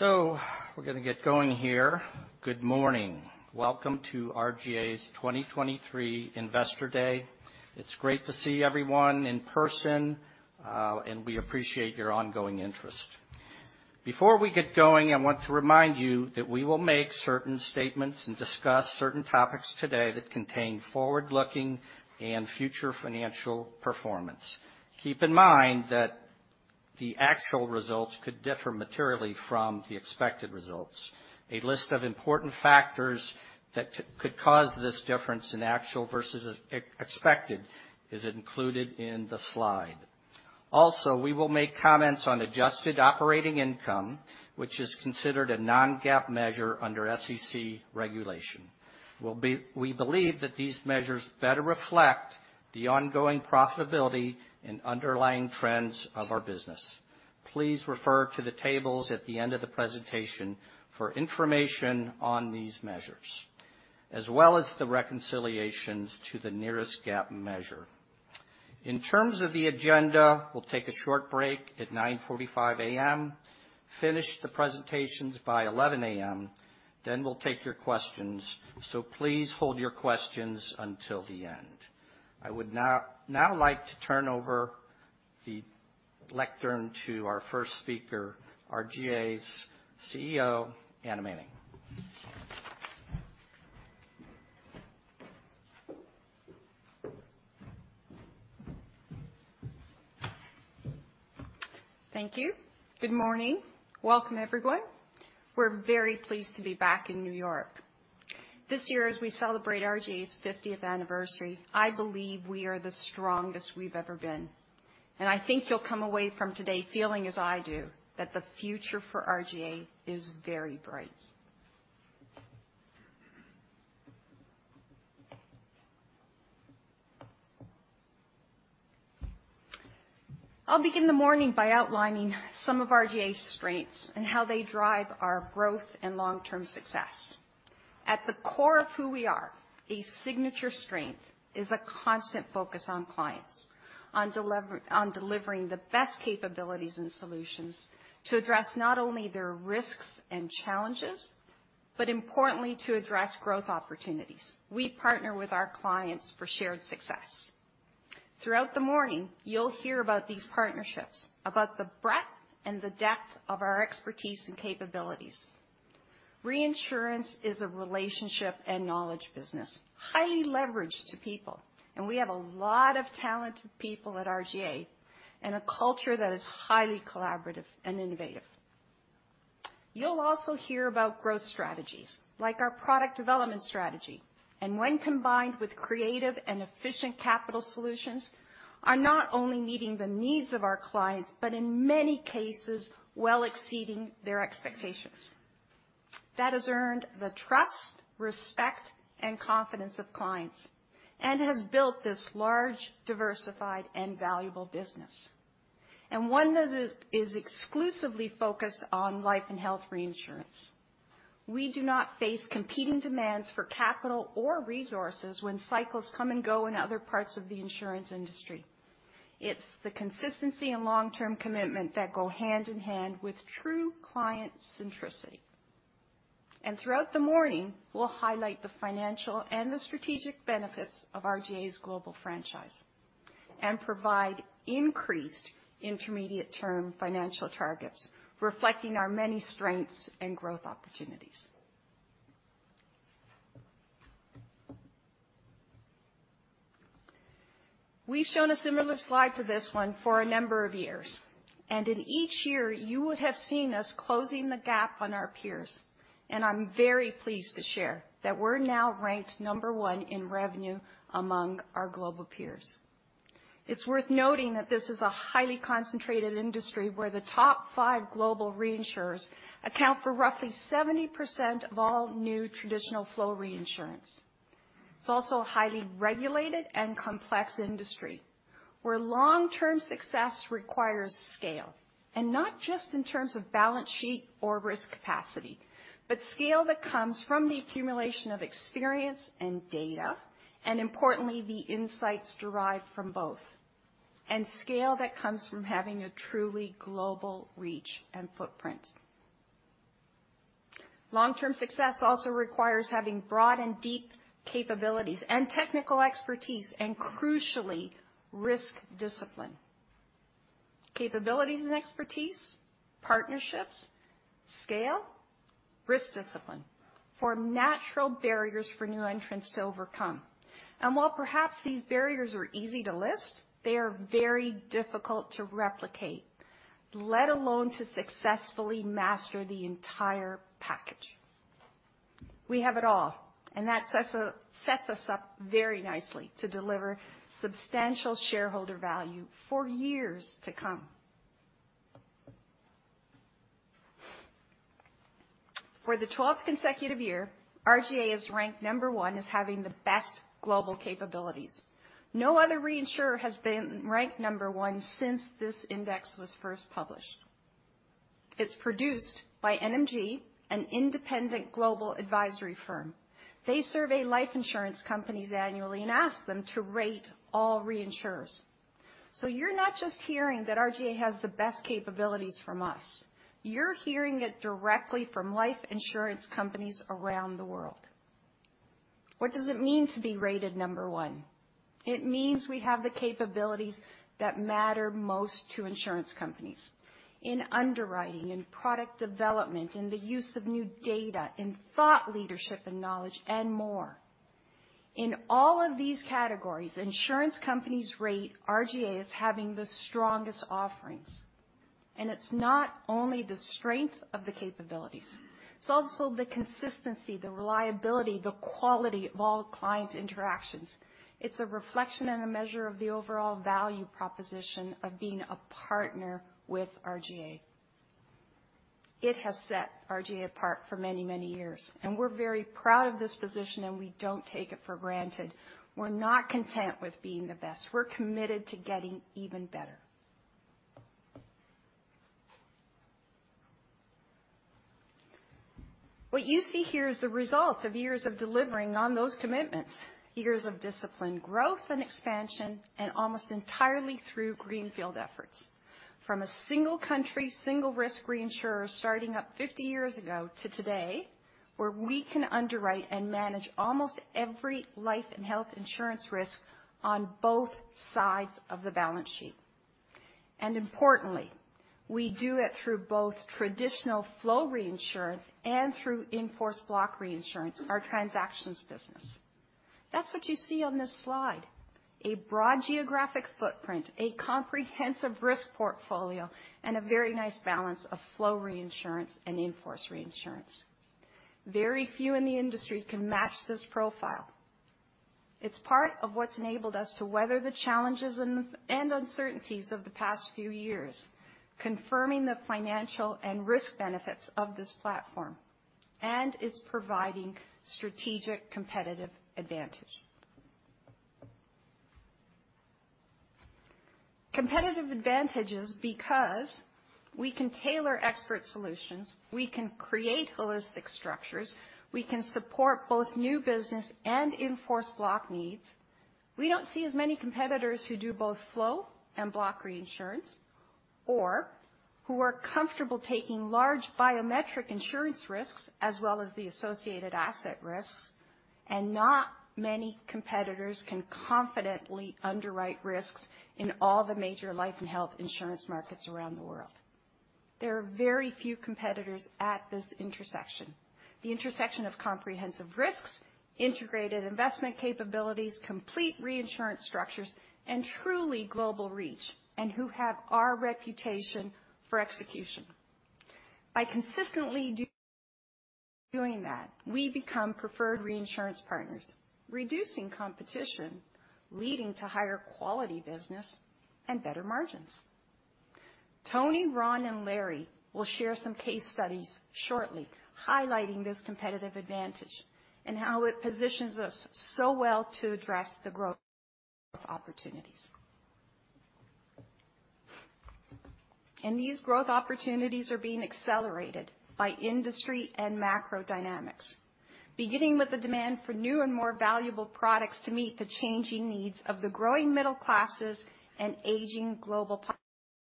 We're gonna get going here. Good morning. Welcome to RGA's 2023 Investor Day. It's great to see everyone in person, and we appreciate your ongoing interest. Before we get going, I want to remind you that we will make certain statements and discuss certain topics today that contain forward-looking and future financial performance. Keep in mind that the actual results could differ materially from the expected results. A list of important factors that could cause this difference in actual versus expected is included in the slide. Also, we will make comments on adjusted operating income, which is considered a non-GAAP measure under SEC regulation. We believe that these measures better reflect the ongoing profitability and underlying trends of our business. Please refer to the tables at the end of the presentation for information on these measures, as well as the reconciliations to the nearest GAAP measure. In terms of the agenda, we'll take a short break at 9:45 A.M., finish the presentations by 11:00 A.M., then we'll take your questions, so please hold your questions until the end. I would now like to turn over the lectern to our first speaker, RGA's CEO Anna Manning. Thank you. Good morning. Welcome, everyone. We're very pleased to be back in New York. This year, as we celebrate RGA's 50th anniversary, I believe we are the strongest we've ever been, and I think you'll come away from today feeling as I do, that the future for RGA is very bright. I'll begin the morning by outlining some of RGA's strengths and how they drive our growth and long-term success. At the core of who we are, a signature strength is a constant focus on clients, on delivering the best capabilities and solutions to address not only their risks and challenges, but importantly, to address growth opportunities. We partner with our clients for shared success. Throughout the morning, you'll hear about these partnerships, about the breadth and the depth of our expertise and capabilities. Reinsurance is a relationship and knowledge business, highly leveraged to people, and we have a lot of talented people at RGA and a culture that is highly collaborative and innovative. You'll also hear about growth strategies, like our product development strategy, and when combined with creative and efficient capital solutions, are not only meeting the needs of our clients, but in many cases, well exceeding their expectations. That has earned the trust, respect, and confidence of clients and has built this large, diversified and valuable business, and one that is exclusively focused on life and health reinsurance. We do not face competing demands for capital or resources when cycles come and go in other parts of the insurance industry. It's the consistency and long-term commitment that go hand in hand with true client centricity. Throughout the morning, we'll highlight the financial and the strategic benefits of RGA's global franchise and provide increased intermediate term financial targets, reflecting our many strengths and growth opportunities. We've shown a similar slide to this one for a number of years, and in each year, you would have seen us closing the gap on our peers, and I'm very pleased to share that we're now ranked number one in revenue among our global peers. It's worth noting that this is a highly concentrated industry where the top five global reinsurers account for roughly 70% of all new traditional flow reinsurance. It's also a highly regulated and complex industry, where long-term success requires scale, and not just in terms of balance sheet or risk capacity, but scale that comes from the accumulation of experience and data, and importantly, the insights derived from both, and scale that comes from having a truly global reach and footprint. Long-term success also requires having broad and deep capabilities and technical expertise and, crucially, risk discipline. Capabilities and expertise, partnerships, scale, risk discipline, form natural barriers for new entrants to overcome. While perhaps these barriers are easy to list, they are very difficult to replicate, let alone to successfully master the entire package. We have it all, and that sets us up very nicely to deliver substantial shareholder value for years to come. For the 12th consecutive year, RGA is ranked number one as having the best global capabilities. No other reinsurer has been ranked number one since this index was first published. It's produced by NMG, an independent global advisory firm. They survey life insurance companies annually and ask them to rate all reinsurers. You're not just hearing that RGA has the best capabilities from us. You're hearing it directly from life insurance companies around the world. What does it mean to be rated number one? It means we have the capabilities that matter most to insurance companies in underwriting, in product development, in the use of new data, in thought leadership and knowledge, and more. In all of these categories, insurance companies rate RGA as having the strongest offerings. It's not only the strength of the capabilities, it's also the consistency, the reliability, the quality of all client interactions. It's a reflection and a measure of the overall value proposition of being a partner with RGA. It has set RGA apart for many, many years, and we're very proud of this position, and we don't take it for granted. We're not content with being the best. We're committed to getting even better. What you see here is the result of years of delivering on those commitments, years of disciplined growth and expansion, and almost entirely through greenfield efforts. From a single country, single risk reinsurer starting up 50 years ago to today, where we can underwrite and manage almost every life and health insurance risk on both sides of the balance sheet. Importantly, we do it through both traditional flow reinsurance and through in-force block reinsurance, our transactions business. That's what you see on this slide, a broad geographic footprint, a comprehensive risk portfolio, and a very nice balance of flow reinsurance and in-force reinsurance. Very few in the industry can match this profile. It's part of what's enabled us to weather the challenges and uncertainties of the past few years, confirming the financial and risk benefits of this platform, and it's providing strategic competitive advantage. Competitive advantage is because we can tailor expert solutions, we can create holistic structures, we can support both new business and in-force block needs. We don't see as many competitors who do both flow and block reinsurance or who are comfortable taking large biometric insurance risks as well as the associated asset risks, and not many competitors can confidently underwrite risks in all the major life and health insurance markets around the world. There are very few competitors at this intersection, the intersection of comprehensive risks, integrated investment capabilities, complete reinsurance structures, and truly global reach, and who have our reputation for execution. By consistently doing that, we become preferred reinsurance partners, reducing competition, leading to higher quality business and better margins. Tony, Ron, and Larry will share some case studies shortly, highlighting this competitive advantage and how it positions us so well to address the growth opportunities. These growth opportunities are being accelerated by industry and macro dynamics, beginning with the demand for new and more valuable products to meet the changing needs of the growing middle classes and aging global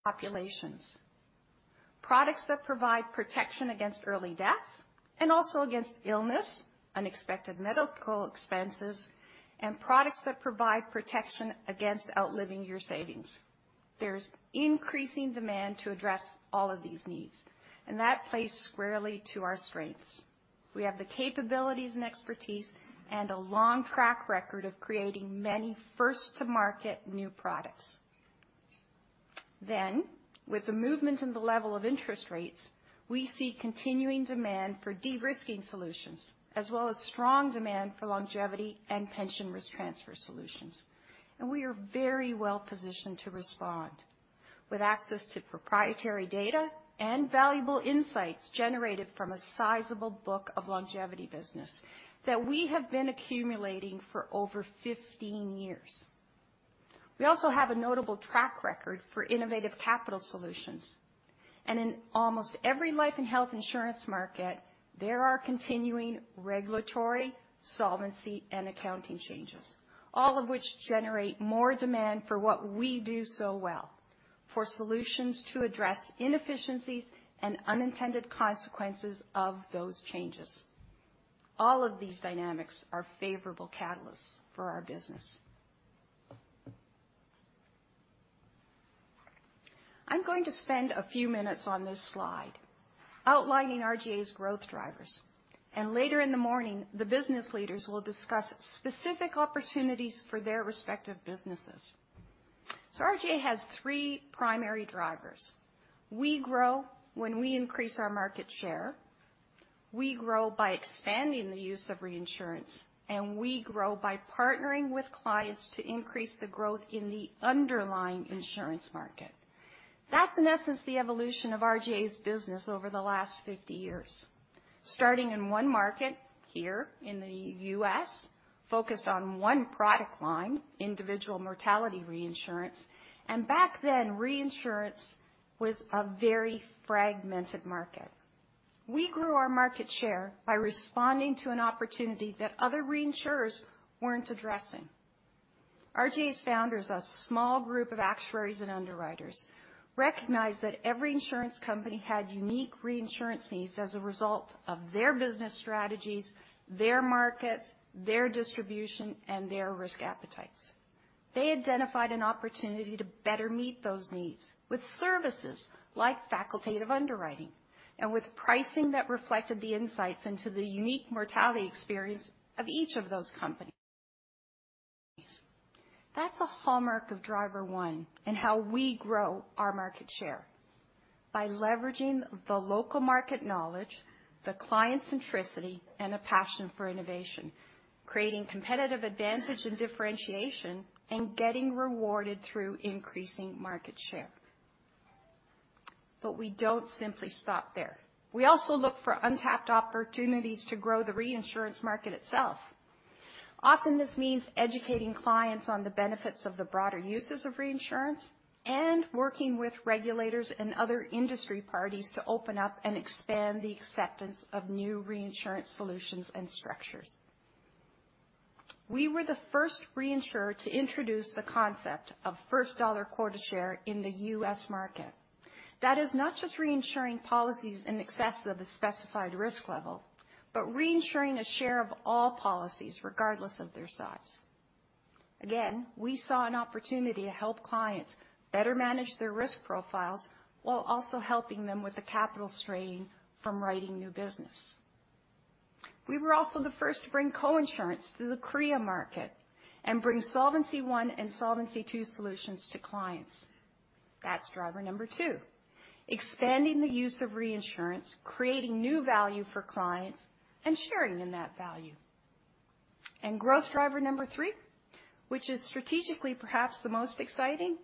populations. Products that provide protection against early death and also against illness, unexpected medical expenses, and products that provide protection against outliving your savings. There's increasing demand to address all of these needs, and that plays squarely to our strengths. We have the capabilities and expertise and a long track record of creating many first to market new products. With the movement in the level of interest rates, we see continuing demand for de-risking solutions, as well as strong demand for longevity and pension risk transfer solutions. We are very well positioned to respond with access to proprietary data and valuable insights generated from a sizable book of longevity business that we have been accumulating for over 15 years. We also have a notable track record for innovative capital solutions, and in almost every life and health insurance market, there are continuing regulatory, solvency, and accounting changes, all of which generate more demand for what we do so well, for solutions to address inefficiencies and unintended consequences of those changes. All of these dynamics are favorable catalysts for our business. I'm going to spend a few minutes on this slide outlining RGA's growth drivers, and later in the morning, the business leaders will discuss specific opportunities for their respective businesses. RGA has three primary drivers. We grow when we increase our market share, we grow by expanding the use of reinsurance, and we grow by partnering with clients to increase the growth in the underlying insurance market. That's, in essence, the evolution of RGA's business over the last 50 years. Starting in one market here in the U.S., focused on one product line, individual mortality reinsurance, and back then, reinsurance was a very fragmented market. We grew our market share by responding to an opportunity that other reinsurers weren't addressing. RGA's founders, a small group of actuaries and underwriters, recognized that every insurance company had unique reinsurance needs as a result of their business strategies, their markets, their distribution, and their risk appetites. They identified an opportunity to better meet those needs with services like facultative underwriting, and with pricing that reflected the insights into the unique mortality experience of each of those companies. That's a hallmark of driver one and how we grow our market share. Leveraging the local market knowledge, the client centricity, and a passion for innovation, creating competitive advantage and differentiation, and getting rewarded through increasing market share. We don't simply stop there. We also look for untapped opportunities to grow the reinsurance market itself. Often, this means educating clients on the benefits of the broader uses of reinsurance, working with regulators and other industry parties to open up and expand the acceptance of new reinsurance solutions and structures. We were the first reinsurer to introduce the concept of first dollar quota share in the U.S. market. That is not just reinsuring policies in excess of a specified risk level, but reinsuring a share of all policies, regardless of their size. Again, we saw an opportunity to help clients better manage their risk profiles, while also helping them with the capital strain from writing new business. We were also the first to bring coinsurance to the Korea market bring Solvency I and Solvency II solutions to clients. That's driver number two, expanding the use of reinsurance, creating new value for clients, sharing in that value. Growth driver number three, which is strategically perhaps the most exciting,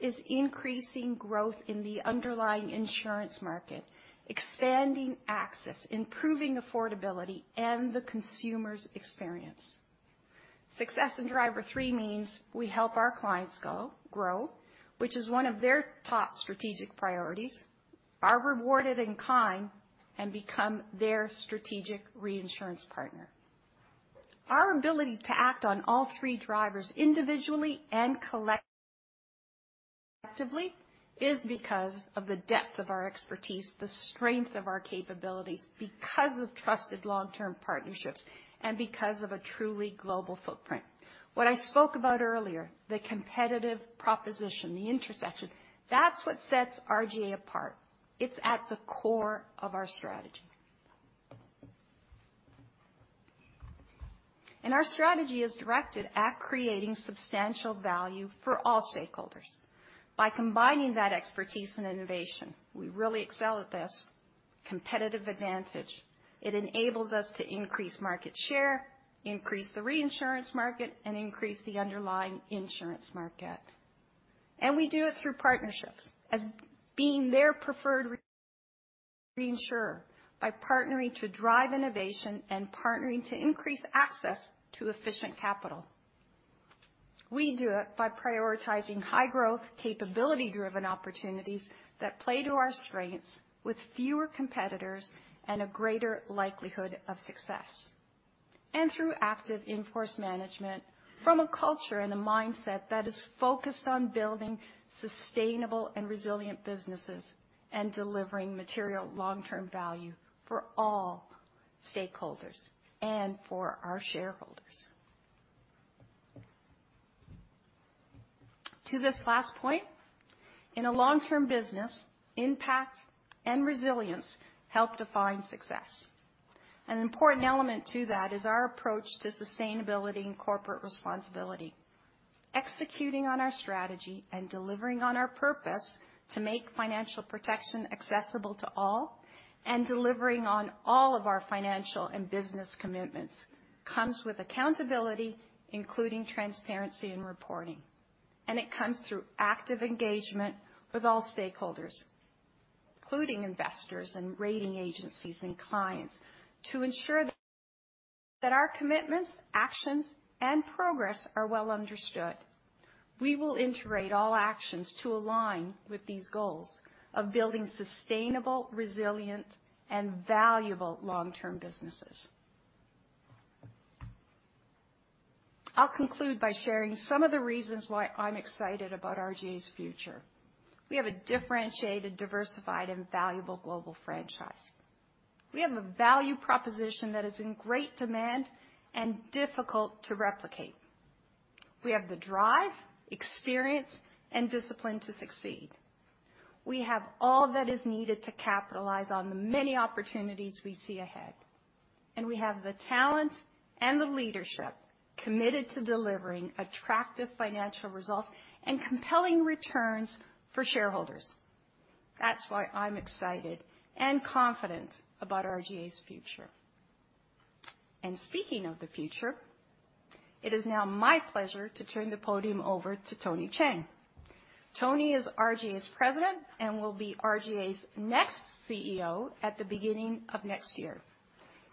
is increasing growth in the underlying insurance market, expanding access, improving affordability, and the consumer's experience. Success in driver three means we help our clients grow, which is one of their top strategic priorities, are rewarded in kind, and become their strategic reinsurance partner. Our ability to act on all three drivers, individually and collectively, is because of the depth of our expertise, the strength of our capabilities, because of trusted long-term partnerships, and because of a truly global footprint. What I spoke about earlier, the competitive proposition, the intersection, that's what sets RGA apart. It's at the core of our strategy. Our strategy is directed at creating substantial value for all stakeholders. By combining that expertise and innovation, we really excel at this competitive advantage. It enables us to increase market share, increase the reinsurance market, and increase the underlying insurance market. We do it through partnerships as being their preferred reinsurer by partnering to drive innovation and partnering to increase access to efficient capital. We do it by prioritizing high-growth, capability-driven opportunities that play to our strengths with fewer competitors and a greater likelihood of success, and through active in-force management from a culture and a mindset that is focused on building sustainable and resilient businesses, and delivering material long-term value for all stakeholders and for our shareholders. To this last point, in a long-term business, impact and resilience help define success. An important element to that is our approach to sustainability and corporate responsibility. Executing on our strategy and delivering on our purpose to make financial protection accessible to all, and delivering on all of our financial and business commitments, comes with accountability, including transparency and reporting. It comes through active engagement with all stakeholders, including investors and rating agencies and clients, to ensure that our commitments, actions, and progress are well understood. We will integrate all actions to align with these goals of building sustainable, resilient, and valuable long-term businesses. I'll conclude by sharing some of the reasons why I'm excited about RGA's future. We have a differentiated, diversified, and valuable global franchise. We have a value proposition that is in great demand and difficult to replicate. We have the drive, experience, and discipline to succeed. We have all that is needed to capitalize on the many opportunities we see ahead, and we have the talent and the leadership committed to delivering attractive financial results and compelling returns for shareholders. That's why I'm excited and confident about RGA's future. Speaking of the future, it is now my pleasure to turn the podium over to Tony Cheng. Tony is RGA's President and will be RGA's next CEO at the beginning of next year.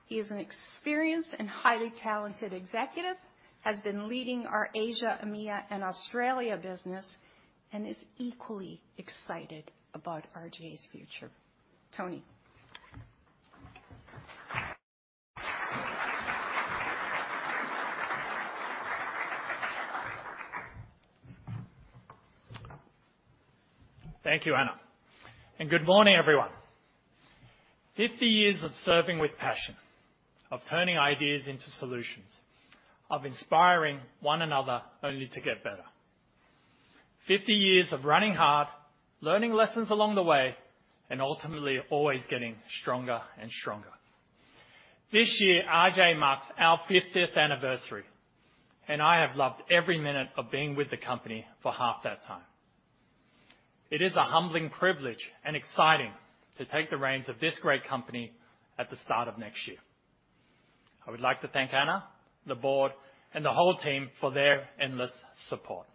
He is an experienced and highly talented executive, has been leading our Asia, EMEA, and Australia business, and is equally excited about RGA's future. Tony? Thank you, Anna. Good morning, everyone. 50 years of serving with passion, of turning ideas into solutions, of inspiring one another only to get better. 50 years of running hard, learning lessons along the way, and ultimately, always getting stronger and stronger. This year, RGA marks our 50th anniversary, and I have loved every minute of being with the company for half that time. It is a humbling privilege and exciting to take the reins of this great company at the start of next year. I would like to thank Anna, the board, and the whole team for their endless support.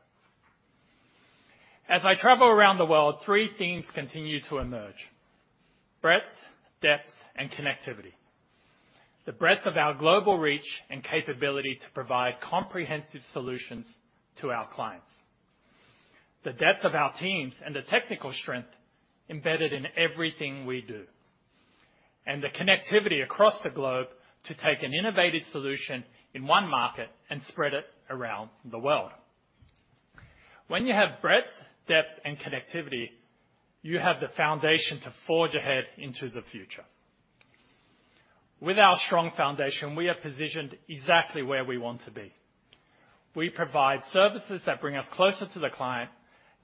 As I travel around the world, three themes continue to emerge: breadth, depth, and connectivity. The breadth of our global reach and capability to provide comprehensive solutions to our clients. The depth of our teams and the technical strength embedded in everything we do. The connectivity across the globe to take an innovative solution in one market and spread it around the world. When you have breadth, depth, and connectivity, you have the foundation to forge ahead into the future. With our strong foundation, we are positioned exactly where we want to be. We provide services that bring us closer to the client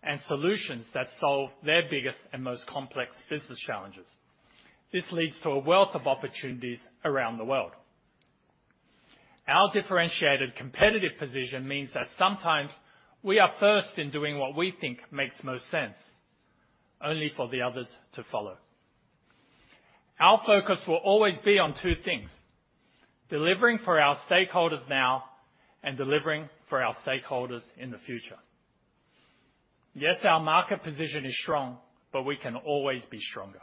and solutions that solve their biggest and most complex business challenges. This leads to a wealth of opportunities around the world. Our differentiated competitive position means that sometimes we are first in doing what we think makes most sense, only for the others to follow. Our focus will always be on two things: delivering for our stakeholders now and delivering for our stakeholders in the future. Yes, our market position is strong, but we can always be stronger.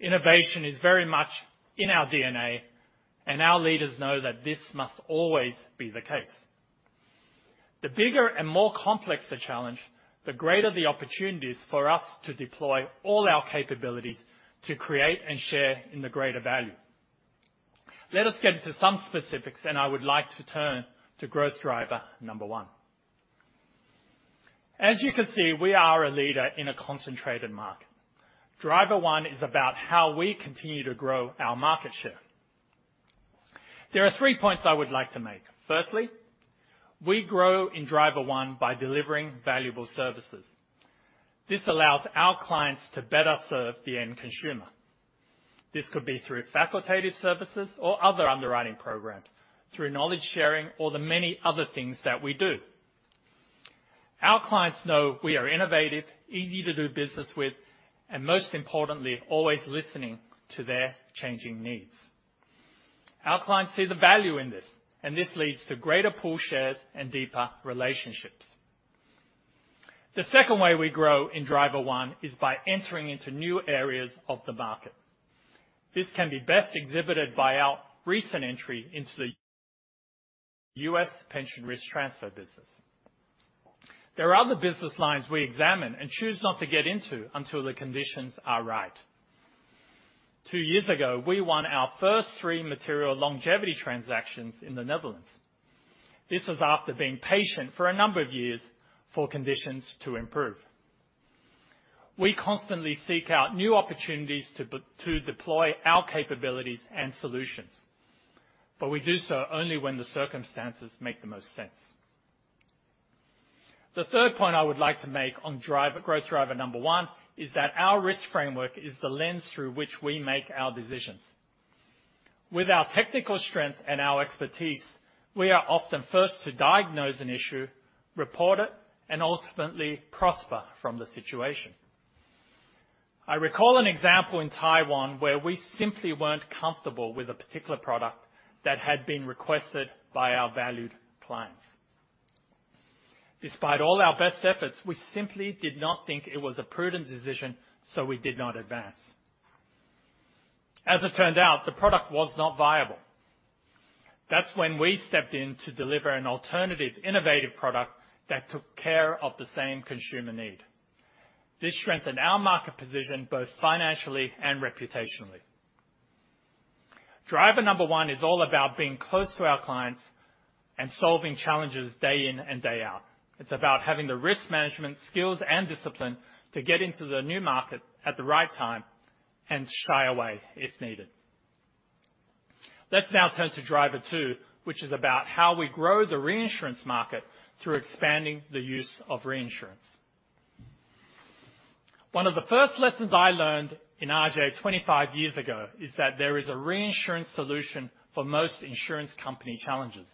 Innovation is very much in our DNA, and our leaders know that this must always be the case. The bigger and more complex the challenge, the greater the opportunities for us to deploy all our capabilities to create and share in the greater value. Let us get into some specifics, and I would like to turn to growth driver number one. As you can see, we are a leader in a concentrated market. Driver 1 is about how we continue to grow our market share. There are three points I would like to make. Firstly, we grow in Driver 1 by delivering valuable services. This allows our clients to better serve the end consumer. This could be through facultative services or other underwriting programs, through knowledge sharing, or the many other things that we do. Our clients know we are innovative, easy to do business with, and most importantly, always listening to their changing needs. Our clients see the value in this. This leads to greater pool shares and deeper relationships. The second way we grow in driver one is by entering into new areas of the market. This can be best exhibited by our recent entry into the U.S. Pension Risk Transfer business. There are other business lines we examine and choose not to get into until the conditions are right. Two years ago, we won our first three material longevity transactions in the Netherlands. This was after being patient for a number of years for conditions to improve. We constantly seek out new opportunities to deploy our capabilities and solutions. We do so only when the circumstances make the most sense. The third point I would like to make on growth driver number one is that our risk framework is the lens through which we make our decisions. With our technical strength and our expertise, we are often first to diagnose an issue, report it, and ultimately prosper from the situation. I recall an example in Taiwan, where we simply weren't comfortable with a particular product that had been requested by our valued clients. Despite all our best efforts, we simply did not think it was a prudent decision, we did not advance. As it turned out, the product was not viable. That's when we stepped in to deliver an alternative, innovative product that took care of the same consumer need. This strengthened our market position, both financially and reputationally. Driver number one is all about being close to our clients and solving challenges day in and day out. It's about having the risk management skills and discipline to get into the new market at the right time and shy away if needed. Let's now turn to driver two, which is about how we grow the reinsurance market through expanding the use of reinsurance. One of the first lessons I learned in RGA 25 years ago is that there is a reinsurance solution for most insurance company challenges.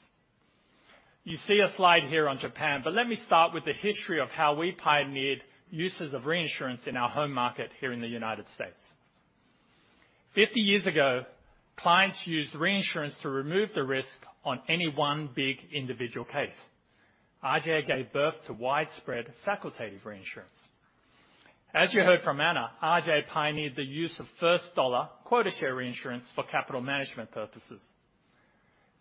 You see a slide here on Japan, but let me start with the history of how we pioneered uses of reinsurance in our home market here in the United States. 50 years ago, clients used reinsurance to remove the risk on any one big individual case. RGA gave birth to widespread facultative reinsurance. As you heard from Anna, RGA pioneered the use of first dollar quota share reinsurance for capital management purposes.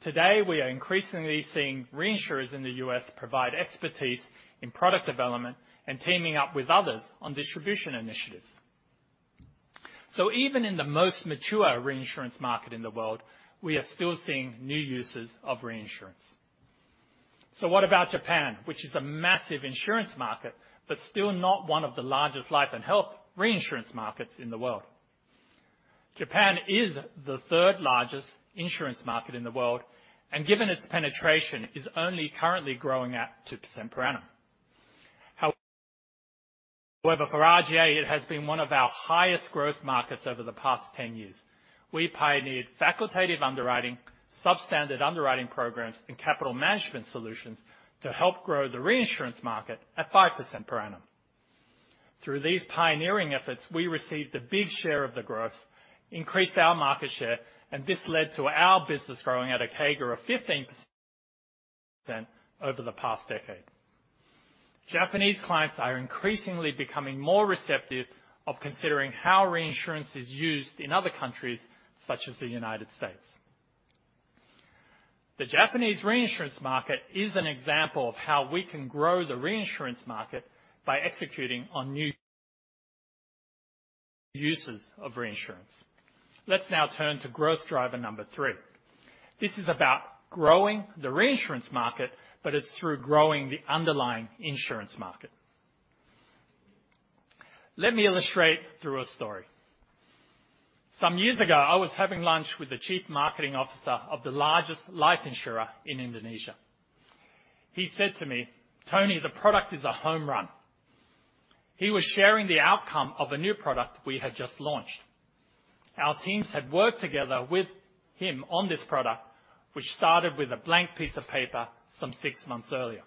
Today, we are increasingly seeing reinsurers in the U.S. provide expertise in product development and teaming up with others on distribution initiatives. Even in the most mature reinsurance market in the world, we are still seeing new uses of reinsurance. What about Japan, which is a massive insurance market, but still not one of the largest life and health reinsurance markets in the world? Japan is the third largest insurance market in the world, and given its penetration, is only currently growing at 2% per annum. However, for RGA, it has been one of our highest growth markets over the past 10 years. We pioneered facultative underwriting, substandard underwriting programs, and capital management solutions to help grow the reinsurance market at 5% per annum. Through these pioneering efforts, we received a big share of the growth, increased our market share, and this led to our business growing at a CAGR of 15% over the past decade. Japanese clients are increasingly becoming more receptive of considering how reinsurance is used in other countries, such as the United States. The Japanese reinsurance market is an example of how we can grow the reinsurance market by executing on new uses of reinsurance. Let's now turn to growth driver number three. This is about growing the reinsurance market, but it's through growing the underlying insurance market. Let me illustrate through a story. Some years ago, I was having lunch with the chief marketing officer of the largest life insurer in Indonesia. He said to me, "Tony, the product is a home run." He was sharing the outcome of a new product we had just launched. Our teams had worked together with him on this product, which started with a blank piece of paper some six months earlier.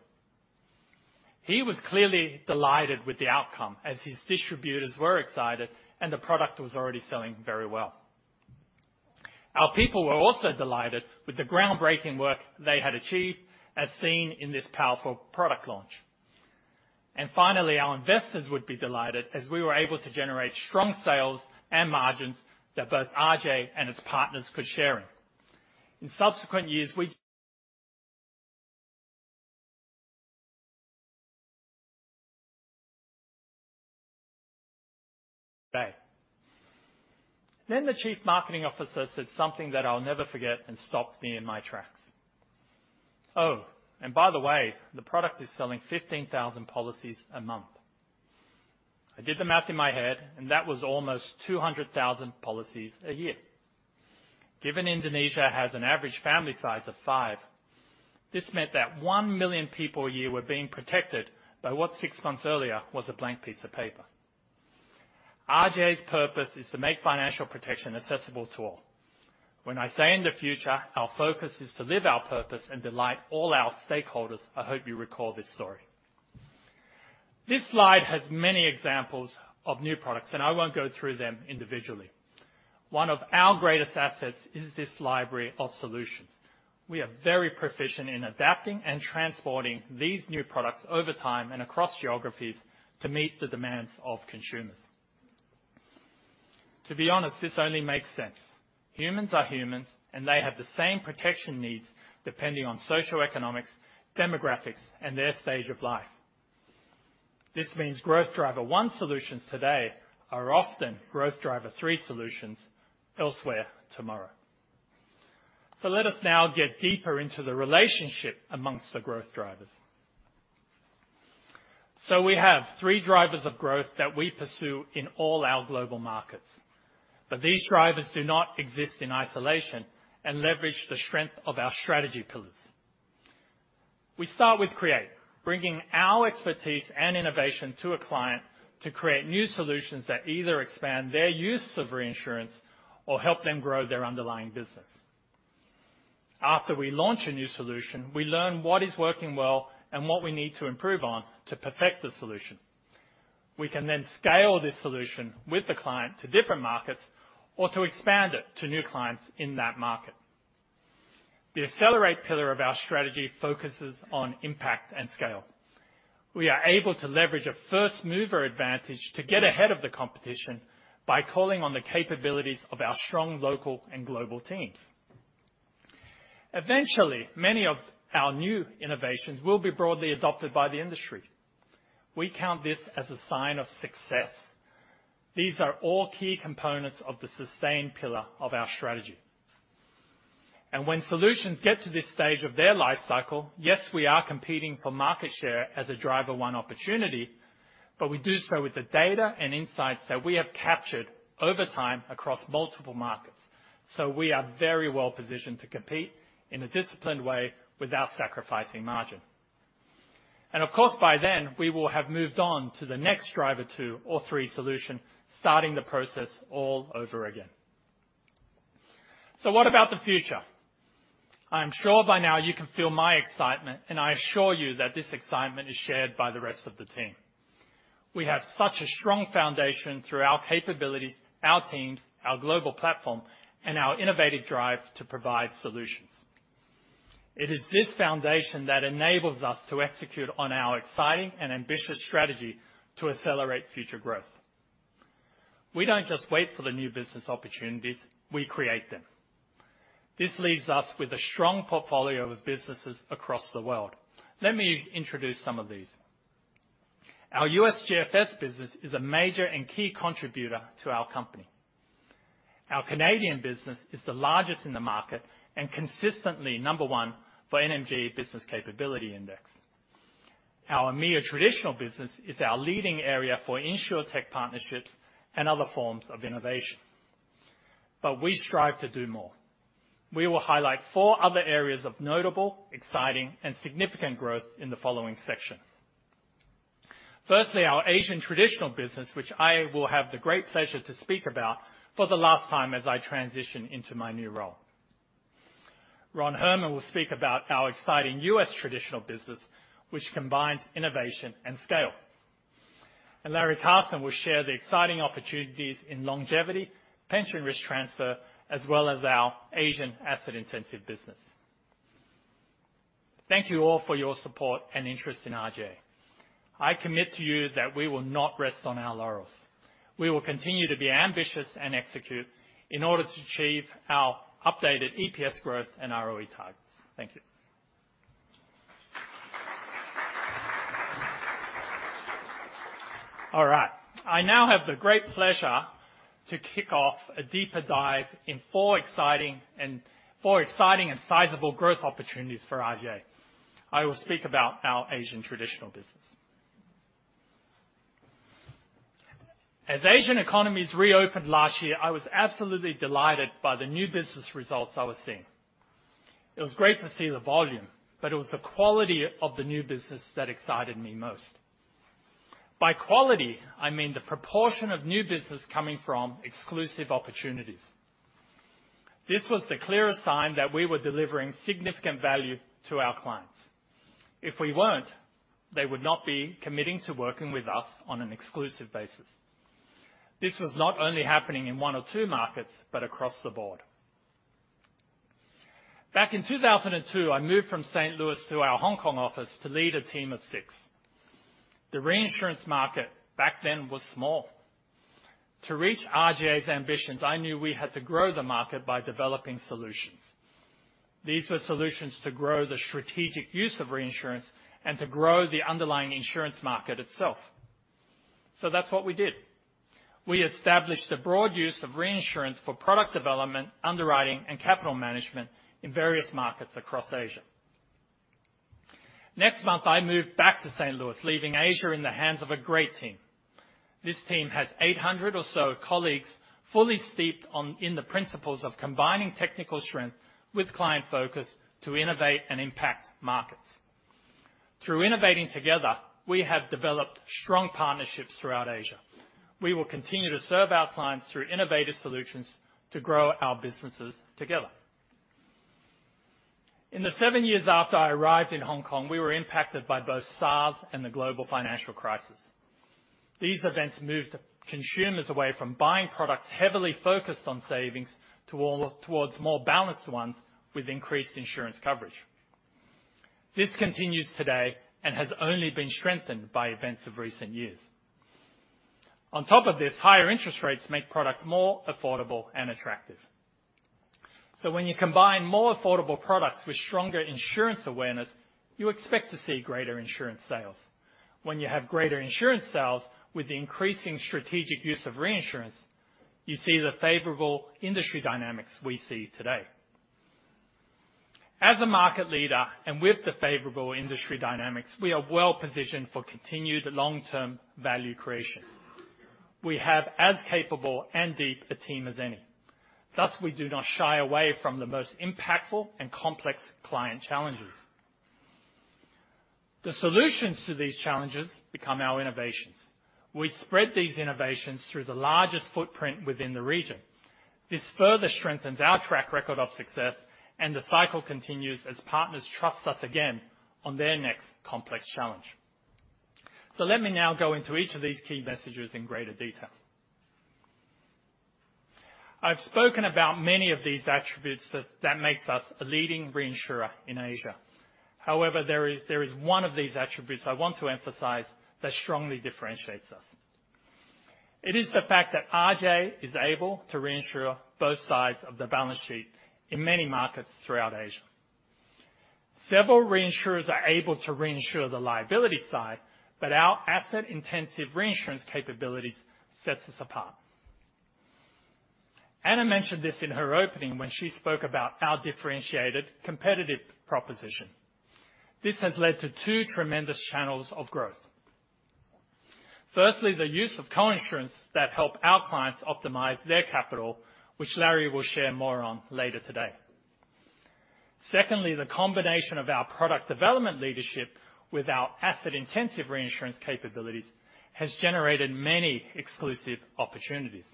He was clearly delighted with the outcome, as his distributors were excited and the product was already selling very well. Our people were also delighted with the groundbreaking work they had achieved, as seen in this powerful product launch. Finally, our investors would be delighted as we were able to generate strong sales and margins that both RGA and its partners could share in. In subsequent years, the Chief Marketing Officer said something that I'll never forget and stopped me in my tracks. "Oh, and by the way, the product is selling 15,000 policies a month." I did the math in my head, and that was almost 200,000 policies a year. Given Indonesia has an average family size of five, this meant that 1 million people a year were being protected by what, six months earlier, was a blank piece of paper. RGA's purpose is to make financial protection accessible to all. When I say in the future, our focus is to live our purpose and delight all our stakeholders, I hope you recall this story. This slide has many examples of new products, and I won't go through them individually. One of our greatest assets is this library of solutions. We are very proficient in adapting and transporting these new products over time and across geographies to meet the demands of consumers. To be honest, this only makes sense. Humans are humans, and they have the same protection needs, depending on socioeconomics, demographics, and their stage of life. This Growth Driver 1 solutions today are Growth Driver 3 solutions elsewhere tomorrow. Let us now get deeper into the relationship amongst the growth drivers. We have three drivers of growth that we pursue in all our global markets, but these drivers do not exist in isolation and leverage the strength of our strategy pillars. We start with create, bringing our expertise and innovation to a client to create new solutions that either expand their use of reinsurance or help them grow their underlying business. After we launch a new solution, we learn what is working well and what we need to improve on to perfect the solution. We can then scale this solution with the client to different markets or to expand it to new clients in that market. The accelerate pillar of our strategy focuses on impact and scale. We are able to leverage a first mover advantage to get ahead of the competition by calling on the capabilities of our strong, local, and global teams. Eventually, many of our new innovations will be broadly adopted by the industry. We count this as a sign of success. These are all key components of the sustain pillar of our strategy. When solutions get to this stage of their life cycle, yes, we are competing for market share as a driver one opportunity, but we do so with the data and insights that we have captured over time across multiple markets. We are very well positioned to compete in a disciplined way without sacrificing margin. Of course, by then, we will have moved on to the next driver two or three solution, starting the process all over again. What about the future? I'm sure by now you can feel my excitement, and I assure you that this excitement is shared by the rest of the team. We have such a strong foundation through our capabilities, our teams, our global platform, and our innovative drive to provide solutions. It is this foundation that enables us to execute on our exciting and ambitious strategy to accelerate future growth. We don't just wait for the new business opportunities, we create them. This leaves us with a strong portfolio of businesses across the world. Let me introduce some of these. Our U.S. GFS business is a major and key contributor to our company. Our Canadian business is the largest in the market and consistently number one for NMG Business Capability Index. Our EMEA Traditional business is our leading area for insurtech partnerships and other forms of innovation. We strive to do more. We will highlight four other areas of notable, exciting, and significant growth in the following section. Firstly, our Asian Traditional business, which I will have the great pleasure to speak about for the last time as I transition into my new role. Ron Herrmann will speak about our exciting U.S. Traditional business, which combines innovation and scale. Larry Carson will share the exciting opportunities in Longevity/Pension Risk Transfer, as well as our Asian Asset-Intensive business. Thank you all for your support and interest in RGA. I commit to you that we will not rest on our laurels. We will continue to be ambitious and execute in order to achieve our updated EPS growth and ROE targets. Thank you. All right. I now have the great pleasure to kick off a deeper dive in four exciting and sizable growth opportunities for RGA. I will speak about our Asian Traditional business. As Asian economies reopened last year, I was absolutely delighted by the new business results I was seeing. It was great to see the volume, it was the quality of the new business that excited me most. By quality, I mean the proportion of new business coming from exclusive opportunities. This was the clearest sign that we were delivering significant value to our clients. If we weren't, they would not be committing to working with us on an exclusive basis. This was not only happening in one or two markets, but across the board. Back in 2002, I moved from St. Louis to our Hong Kong office to lead a team of six. The reinsurance market back then was small. To reach RGA's ambitions, I knew we had to grow the market by developing solutions. These were solutions to grow the strategic use of reinsurance and to grow the underlying insurance market itself. That's what we did. We established a broad use of reinsurance for product development, underwriting, and capital management in various markets across Asia. Next month, I moved back to St. Louis, leaving Asia in the hands of a great team. This team has 800 or so colleagues, fully steeped in the principles of combining technical strength with client focus to innovate and impact markets. Through innovating together, we have developed strong partnerships throughout Asia. We will continue to serve our clients through innovative solutions to grow our businesses together. In the seven years after I arrived in Hong Kong, we were impacted by both SARS and the global financial crisis. These events moved consumers away from buying products heavily focused on savings towards more balanced ones with increased insurance coverage. This continues today and has only been strengthened by events of recent years. On top of this, higher interest rates make products more affordable and attractive. When you combine more affordable products with stronger insurance awareness, you expect to see greater insurance sales. When you have greater insurance sales, with the increasing strategic use of reinsurance, you see the favorable industry dynamics we see today. As a market leader, with the favorable industry dynamics, we are well positioned for continued long-term value creation. We have as capable and deep a team as any. Thus, we do not shy away from the most impactful and complex client challenges. The solutions to these challenges become our innovations. We spread these innovations through the largest footprint within the region. This further strengthens our track record of success, and the cycle continues as partners trust us again on their next complex challenge. Let me now go into each of these key messages in greater detail. I've spoken about many of these attributes that makes us a leading reinsurer in Asia. However, there is one of these attributes I want to emphasize that strongly differentiates us. It is the fact that RGA is able to reinsure both sides of the balance sheet in many markets throughout Asia. Several reinsurers are able to reinsure the liability side, but our asset-intensive reinsurance capabilities sets us apart. Anna mentioned this in her opening when she spoke about our differentiated competitive proposition. This has led to two tremendous channels of growth. Firstly, the use of coinsurance that help our clients optimize their capital, which Larry will share more on later today. Secondly, the combination of our product development leadership with our asset-intensive reinsurance capabilities has generated many exclusive opportunities.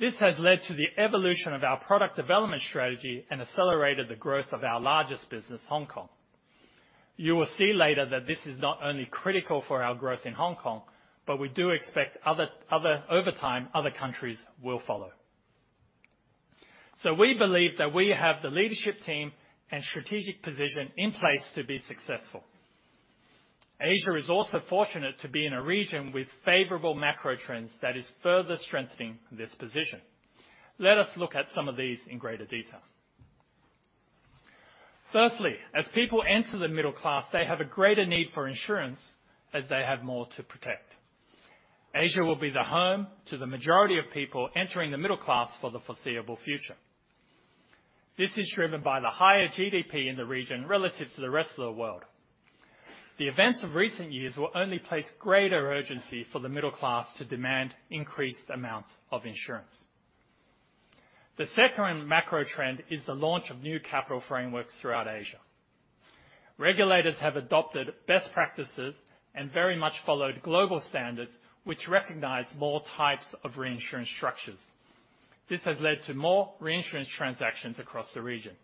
This has led to the evolution of our product development strategy and accelerated the growth of our largest business, Hong Kong. You will see later that this is not only critical for our growth in Hong Kong, but we do expect other, over time, other countries will follow. We believe that we have the leadership team and strategic position in place to be successful. Asia is also fortunate to be in a region with favorable macro trends that is further strengthening this position. Let us look at some of these in greater detail. Firstly, as people enter the middle class, they have a greater need for insurance as they have more to protect. Asia will be the home to the majority of people entering the middle class for the foreseeable future. This is driven by the higher GDP in the region relative to the rest of the world. The events of recent years will only place greater urgency for the middle class to demand increased amounts of insurance. The second macro trend is the launch of new capital frameworks throughout Asia. Regulators have adopted best practices and very much followed global standards, which recognize more types of reinsurance structures. This has led to more reinsurance transactions across the region.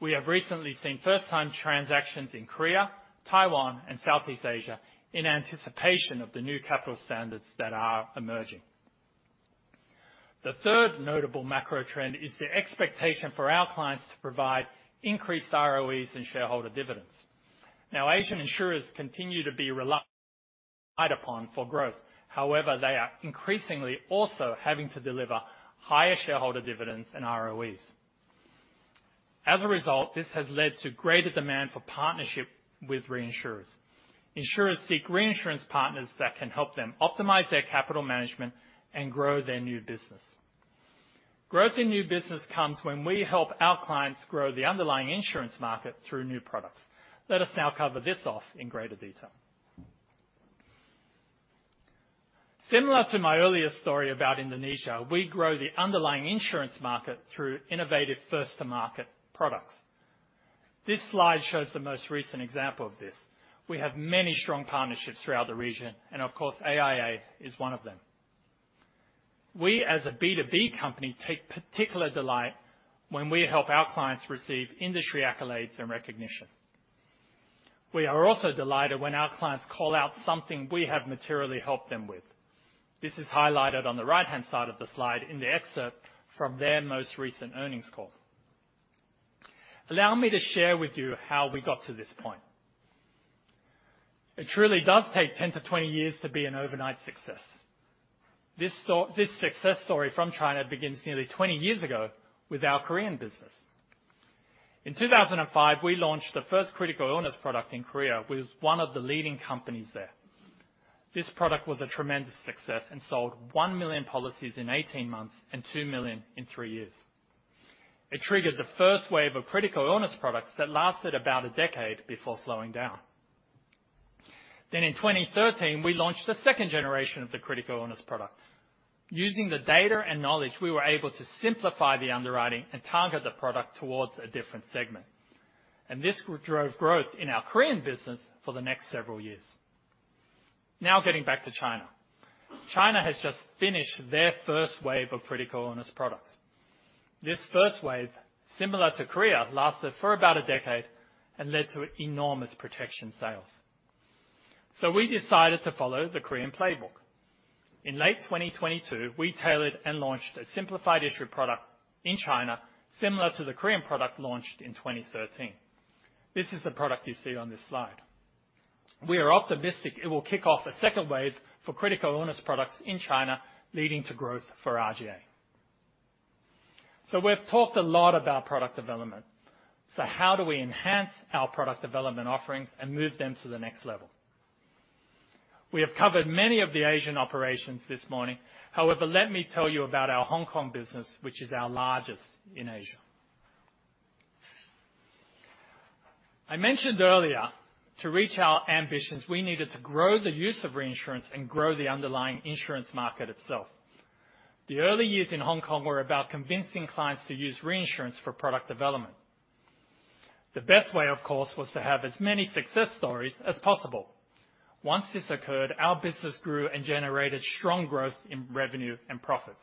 We have recently seen first-time transactions in Korea, Taiwan, and Southeast Asia in anticipation of the new capital standards that are emerging. The third notable macro trend is the expectation for our clients to provide increased ROEs and shareholder dividends. Now, Asian insurers continue to be relied upon for growth, however, they are increasingly also having to deliver higher shareholder dividends and ROEs. As a result, this has led to greater demand for partnership with reinsurers. Insurers seek reinsurance partners that can help them optimize their capital management and grow their new business. Growth in new business comes when we help our clients grow the underlying insurance market through new products. Let us now cover this off in greater detail. Similar to my earlier story about Indonesia, we grow the underlying insurance market through innovative first-to-market products. This slide shows the most recent example of this. We have many strong partnerships throughout the region, and of course, AIA is one of them. We, as a B2B company, take particular delight when we help our clients receive industry accolades and recognition. We are also delighted when our clients call out something we have materially helped them with. This is highlighted on the right-hand side of the slide in the excerpt from their most recent earnings call. Allow me to share with you how we got to this point. It truly does take 10-20 years to be an overnight success. This success story from China begins nearly 20 years ago with our Korean business. In 2005, we launched the first critical illness product in Korea with one of the leading companies there. This product was a tremendous success and sold 1 million policies in 18 months and 2 million in three years. It triggered the first wave of critical illness products that lasted about a decade before slowing down. In 2013, we launched the second generation of the critical illness product. Using the data and knowledge, we were able to simplify the underwriting and target the product towards a different segment. This drove growth in our Korean business for the next several years. Getting back to China. China has just finished their first wave of critical illness products. This first wave, similar to Korea, lasted for about a decade and led to enormous protection sales. We decided to follow the Korean playbook. In late 2022, we tailored and launched a simplified issue product in China, similar to the Korean product launched in 2013. This is the product you see on this slide. We are optimistic it will kick off a second wave for critical illness products in China, leading to growth for RGA. We've talked a lot about product development. How do we enhance our product development offerings and move them to the next level? We have covered many of the Asian operations this morning. However, let me tell you about our Hong Kong business, which is our largest in Asia. I mentioned earlier, to reach our ambitions, we needed to grow the use of reinsurance and grow the underlying insurance market itself. The early years in Hong Kong were about convincing clients to use reinsurance for product development. The best way, of course, was to have as many success stories as possible. Once this occurred, our business grew and generated strong growth in revenue and profits.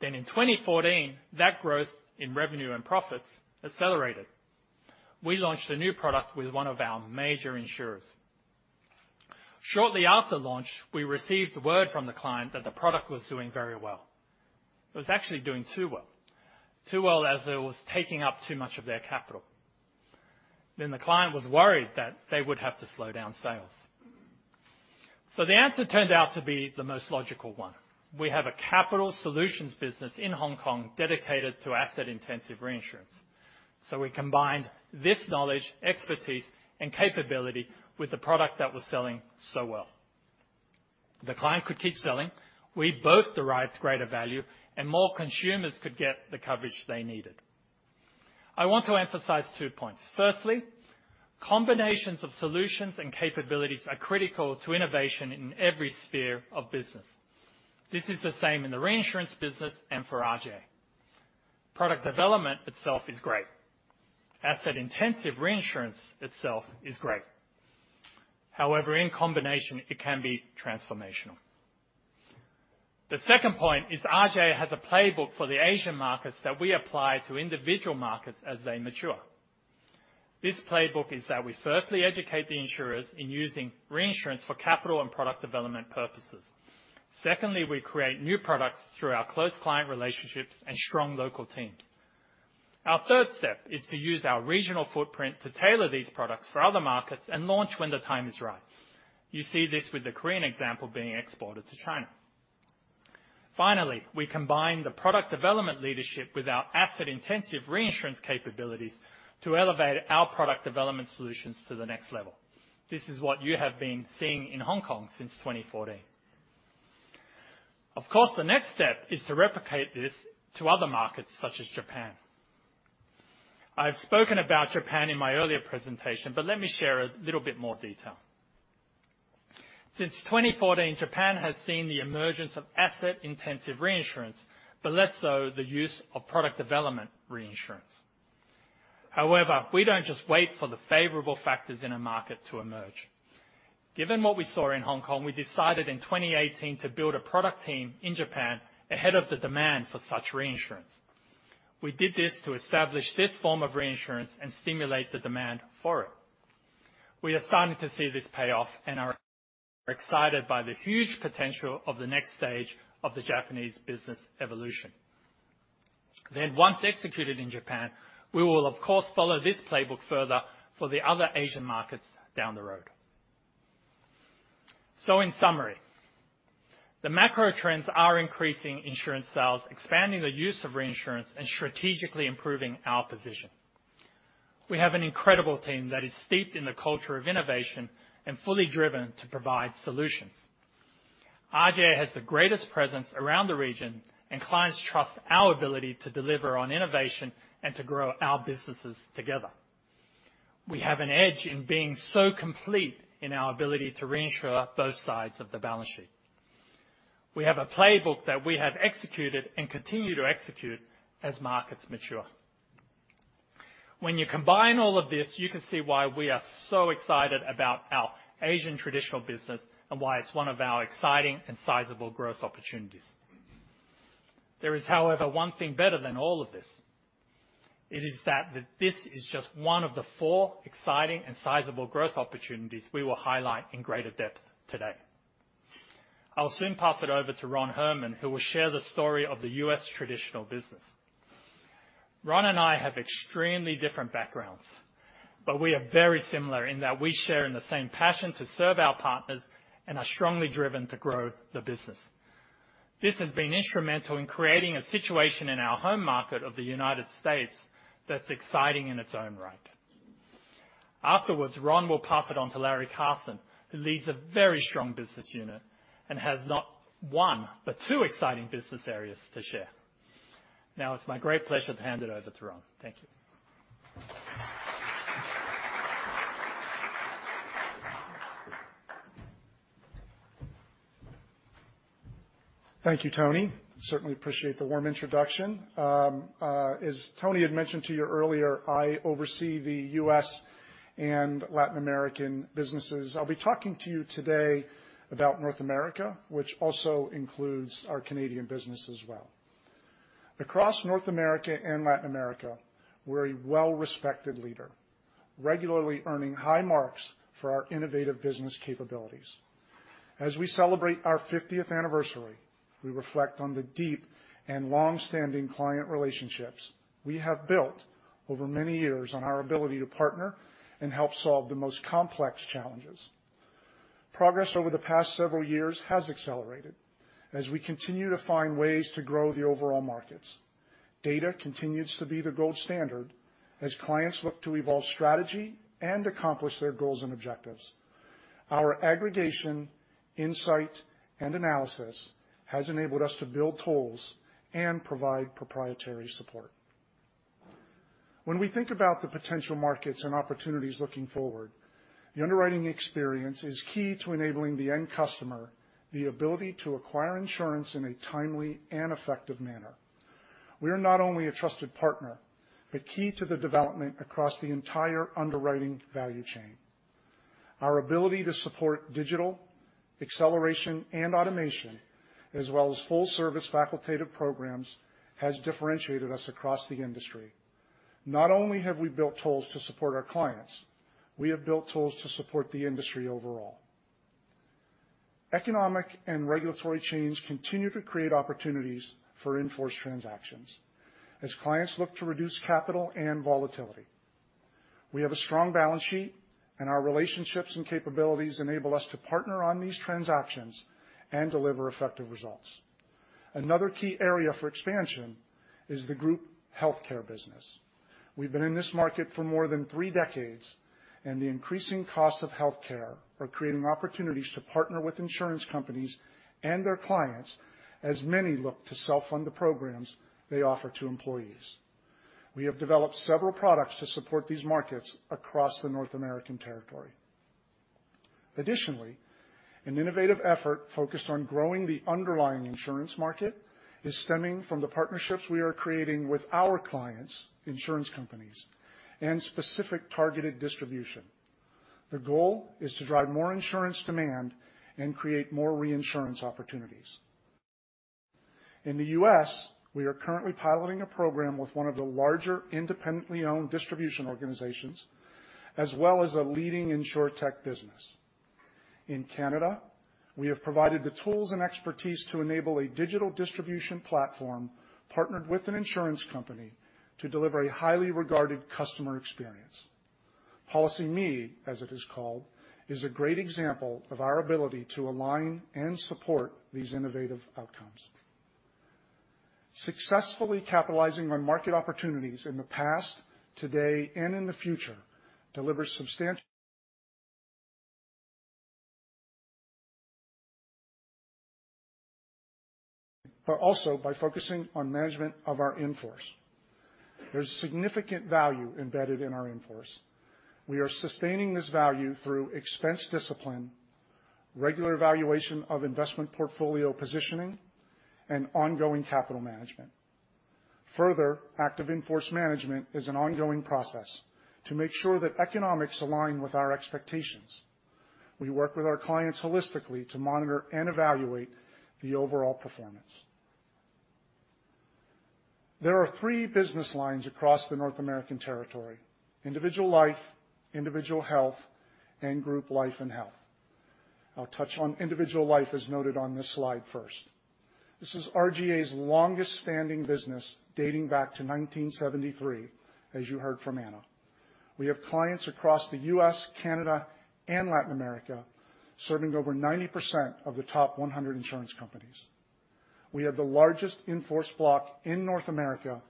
In 2014, that growth in revenue and profits accelerated. We launched a new product with one of our major insurers. Shortly after launch, we received word from the client that the product was doing very well. It was actually doing too well as it was taking up too much of their capital. The client was worried that they would have to slow down sales. The answer turned out to be the most logical one. We have a capital solutions business in Hong Kong dedicated to asset-intensive reinsurance. We combined this knowledge, expertise, and capability with the product that was selling so well. The client could keep selling, we both derived greater value, and more consumers could get the coverage they needed. I want to emphasize two points: firstly, combinations of solutions and capabilities are critical to innovation in every sphere of business. This is the same in the reinsurance business and for RGA. Product development itself is great. Asset-intensive reinsurance itself is great. However, in combination, it can be transformational. The second point is RGA has a playbook for the Asian markets that we apply to individual markets as they mature. This playbook is that we firstly educate the insurers in using reinsurance for capital and product development purposes. Secondly, we create new products through our close client relationships and strong local teams. Our third step is to use our regional footprint to tailor these products for other markets and launch when the time is right. You see this with the Korean example being exported to China. Finally, we combine the product development leadership with our asset-intensive reinsurance capabilities to elevate our product development solutions to the next level. This is what you have been seeing in Hong Kong since 2014. Of course, the next step is to replicate this to other markets, such as Japan. I've spoken about Japan in my earlier presentation, but let me share a little bit more detail. Since 2014, Japan has seen the emergence of asset-intensive reinsurance, but less so the use of product development reinsurance. We don't just wait for the favorable factors in a market to emerge. Given what we saw in Hong Kong, we decided in 2018 to build a product team in Japan ahead of the demand for such reinsurance. We did this to establish this form of reinsurance and stimulate the demand for it. We are starting to see this pay off and are excited by the huge potential of the next stage of the Japanese business evolution. Once executed in Japan, we will, of course, follow this playbook further for the other Asian markets down the road. In summary, the macro trends are increasing insurance sales, expanding the use of reinsurance, and strategically improving our position. We have an incredible team that is steeped in the culture of innovation and fully driven to provide solutions. RGA has the greatest presence around the region, and clients trust our ability to deliver on innovation and to grow our businesses together. We have an edge in being so complete in our ability to reinsure both sides of the balance sheet. We have a playbook that we have executed and continue to execute as markets mature. When you combine all of this, you can see why we are so excited about our Asian traditional business and why it's one of our exciting and sizable growth opportunities. There is, however, one thing better than all of this. It is that this is just one of the four exciting and sizable growth opportunities we will highlight in greater depth today. I'll soon pass it over to Ron Herrmann, who will share the story of the U.S. traditional business. Ron and I have extremely different backgrounds, but we are very similar in that we share in the same passion to serve our partners and are strongly driven to grow the business. This has been instrumental in creating a situation in our home market of the United States that's exciting in its own right. Afterwards, Ron will pass it on to Larry Carson, who leads a very strong business unit and has not one, but two exciting business areas to share. It's my great pleasure to hand it over to Ron. Thank you. Thank you, Tony. Certainly appreciate the warm introduction. As Tony had mentioned to you earlier, I oversee the U.S. and Latin American businesses. I'll be talking to you today about North America, which also includes our Canadian business as well. Across North America and Latin America, we're a well-respected leader, regularly earning high marks for our innovative business capabilities. As we celebrate our 50th anniversary, we reflect on the deep and long-standing client relationships we have built over many years on our ability to partner and help solve the most complex challenges. Progress over the past several years has accelerated as we continue to find ways to grow the overall markets. Data continues to be the gold standard as clients look to evolve strategy and accomplish their goals and objectives. Our aggregation, insight, and analysis has enabled us to build tools and provide proprietary support. When we think about the potential markets and opportunities looking forward, the underwriting experience is key to enabling the end customer the ability to acquire insurance in a timely and effective manner. We are not only a trusted partner, but key to the development across the entire underwriting value chain. Our ability to support digital acceleration and automation, as well as full-service facultative programs, has differentiated us across the industry. Not only have we built tools to support our clients, we have built tools to support the industry overall. Economic and regulatory change continue to create opportunities for in-force transactions as clients look to reduce capital and volatility. We have a strong balance sheet, and our relationships and capabilities enable us to partner on these transactions and deliver effective results. Another key area for expansion is the group healthcare business. We've been in this market for more than three decades. The increasing costs of healthcare are creating opportunities to partner with insurance companies and their clients as many look to self-fund the programs they offer to employees. We have developed several products to support these markets across the North American territory. Additionally, an innovative effort focused on growing the underlying insurance market is stemming from the partnerships we are creating with our clients, insurance companies, and specific targeted distribution. The goal is to drive more insurance demand and create more reinsurance opportunities. In the U.S., we are currently piloting a program with one of the larger independently owned distribution organizations, as well as a leading insurtech business. In Canada, we have provided the tools and expertise to enable a digital distribution platform, partnered with an insurance company to deliver a highly regarded customer experience. PolicyMe, as it is called, is a great example of our ability to align and support these innovative outcomes. Successfully capitalizing on market opportunities in the past, today, and in the future, delivers substantial, but also by focusing on management of our in-force. There's significant value embedded in our in-force. We are sustaining this value through expense discipline, regular evaluation of investment portfolio positioning, and ongoing capital management. Further, active in-force management is an ongoing process to make sure that economics align with our expectations. We work with our clients holistically to monitor and evaluate the overall performance. There are three business lines across the North American territory: individual life, individual health, and group life and health. I'll touch on individual life, as noted on this slide first. This is RGA's longest standing business, dating back to 1973, as you heard from Anna. We have clients across the U.S., Canada, and Latin America, serving over 90% of the top 100 insurance companies. We have the largest in-force block in North America,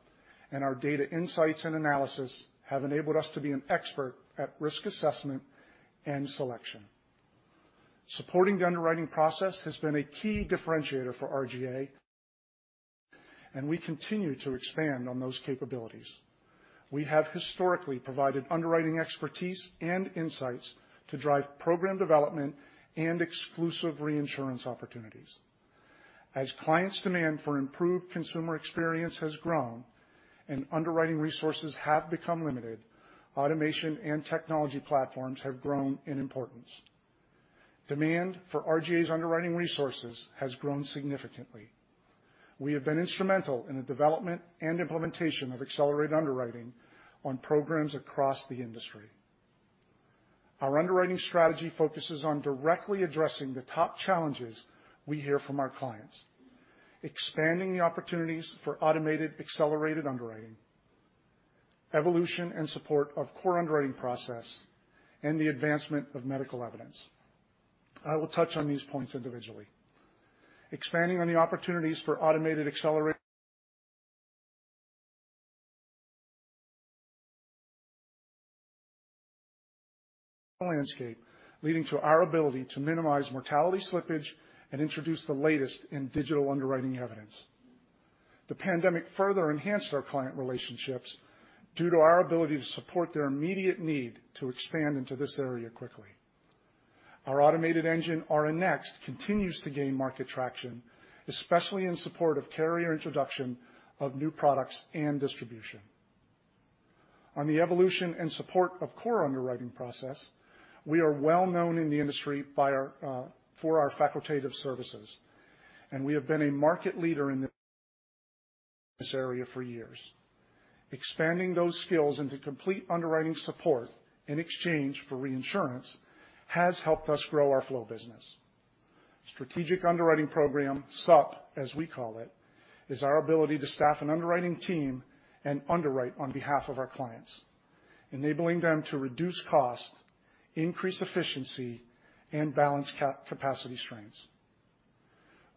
and our data, insights, and analysis have enabled us to be an expert at risk assessment and selection. Supporting the underwriting process has been a key differentiator for RGA, and we continue to expand on those capabilities. We have historically provided underwriting expertise and insights to drive program development and exclusive reinsurance opportunities. As clients' demand for improved consumer experience has grown and underwriting resources have become limited, automation and technology platforms have grown in importance. Demand for RGA's underwriting resources has grown significantly. We have been instrumental in the development and implementation of accelerated underwriting on programs across the industry. Our underwriting strategy focuses on directly addressing the top challenges we hear from our clients, expanding the opportunities for automated, accelerated underwriting, evolution and support of core underwriting process, and the advancement of medical evidence. I will touch on these points individually. Expanding on the opportunities for automated accelerated underwriting landscape, leading to our ability to minimize mortality slippage and introduce the latest in digital underwriting evidence. The pandemic further enhanced our client relationships due to our ability to support their immediate need to expand into this area quickly. Our automated engine, AURA NEXT, continues to gain market traction, especially in support of carrier introduction of new products and distribution. On the evolution and support of core underwriting process, we are well known in the industry for our facultative services, and we have been a market leader in this area for years. Expanding those skills into complete underwriting support in exchange for reinsurance, has helped us grow our flow business. Strategic Underwriting Program, SUP, as we call it, is our ability to staff an underwriting team and underwrite on behalf of our clients, enabling them to reduce cost, increase efficiency, and balance capacity strengths.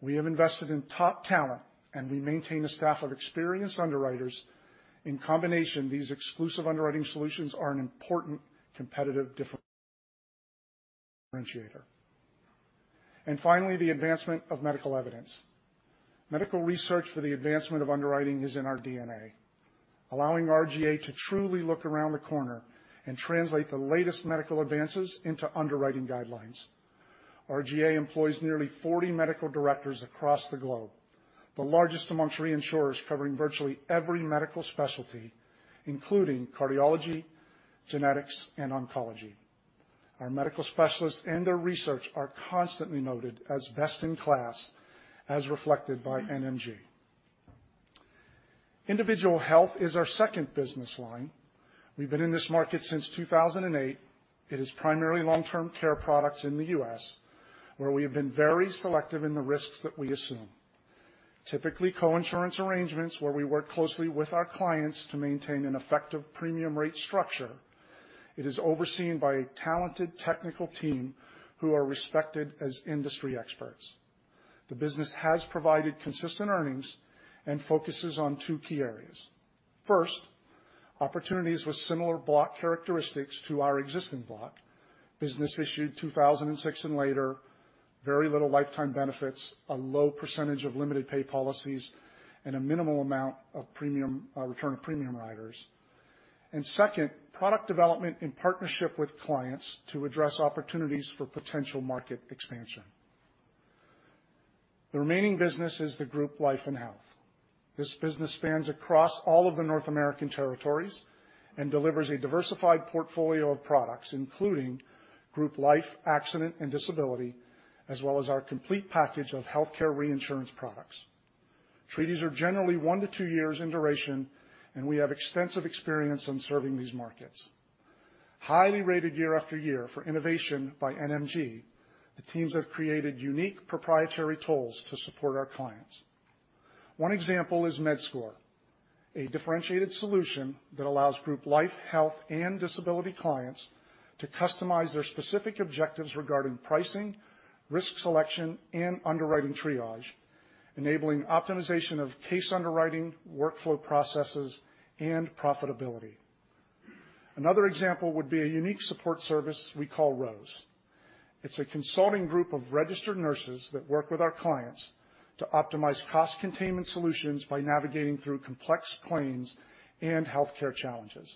We have invested in top talent, and we maintain a staff of experienced underwriters. In combination, these exclusive underwriting solutions are an important competitive differentiator. Finally, the advancement of medical evidence. Medical research for the advancement of underwriting is in our DNA, allowing RGA to truly look around the corner and translate the latest medical advances into underwriting guidelines. RGA employs nearly 40 medical directors across the globe, the largest amongst reinsurers, covering virtually every medical specialty, including cardiology, genetics, and oncology. Our medical specialists and their research are constantly noted as best in class, as reflected by NMG. Individual health is our second business line. We've been in this market since 2008. It is primarily long-term care products in the U.S., where we have been very selective in the risks that we assume. Typically, coinsurance arrangements, where we work closely with our clients to maintain an effective premium rate structure. It is overseen by a talented technical team who are respected as industry experts. The business has provided consistent earnings and focuses on two key areas. First, opportunities with similar block characteristics to our existing block. Business issued 2006 and later, very little lifetime benefits, a low percentage of limited pay policies, and a minimal amount of premium, return of premium riders. Second, product development in partnership with clients to address opportunities for potential market expansion. The remaining business is the group life and health. This business spans across all of the North American territories and delivers a diversified portfolio of products, including group life, accident, and disability, as well as our complete package of healthcare reinsurance products. Treaties are generally one to two years in duration, and we have extensive experience in serving these markets. Highly rated year after year for innovation by NMG, the teams have created unique proprietary tools to support our clients. One example is MedScore, a differentiated solution that allows group life, health, and disability clients to customize their specific objectives regarding pricing, risk selection, and underwriting triage, enabling optimization of case underwriting, workflow processes, and profitability. Another example would be a unique support service we call ROSE. It's a consulting group of registered nurses that work with our clients to optimize cost containment solutions by navigating through complex claims and healthcare challenges,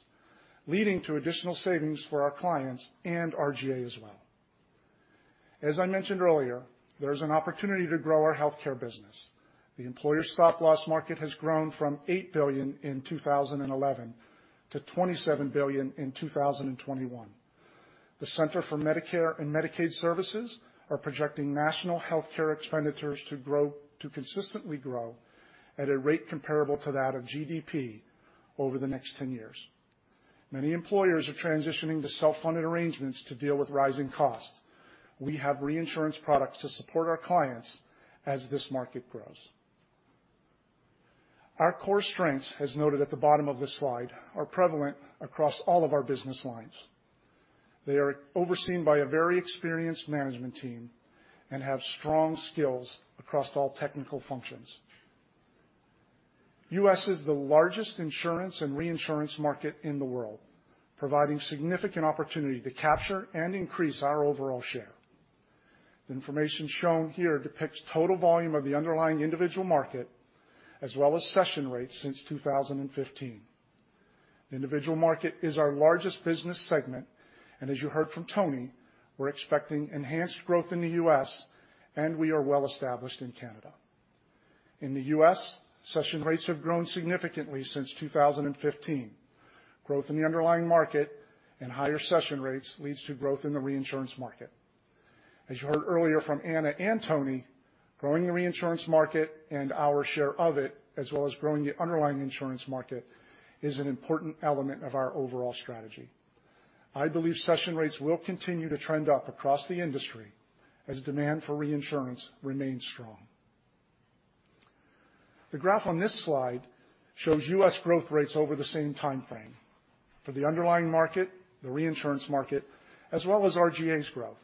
leading to additional savings for our clients and RGA as well. As I mentioned earlier, there's an opportunity to grow our healthcare business. The employer stop-loss market has grown from $8 billion in 2011 to $27 billion in 2021. The Centers for Medicare & Medicaid Services are projecting national healthcare expenditures to consistently grow at a rate comparable to that of GDP over the next 10 years. Many employers are transitioning to self-funded arrangements to deal with rising costs. We have reinsurance products to support our clients as this market grows. Our core strengths, as noted at the bottom of this slide, are prevalent across all of our business lines. They are overseen by a very experienced management team and have strong skills across all technical functions. U.S. is the largest insurance and reinsurance market in the world, providing significant opportunity to capture and increase our overall share. The information shown here depicts total volume of the underlying individual market, as well as cession rates since 2015. The individual market is our largest business segment, and as you heard from Tony, we're expecting enhanced growth in the U.S., and we are well-established in Canada. In the U.S., cession rates have grown significantly since 2015. Growth in the underlying market and higher cession rates leads to growth in the reinsurance market. As you heard earlier from Anna and Tony, growing the reinsurance market and our share of it, as well as growing the underlying insurance market, is an important element of our overall strategy. I believe cession rates will continue to trend up across the industry as demand for reinsurance remains strong. The graph on this slide shows U.S. growth rates over the same time frame for the underlying market, the reinsurance market, as well as RGA's growth.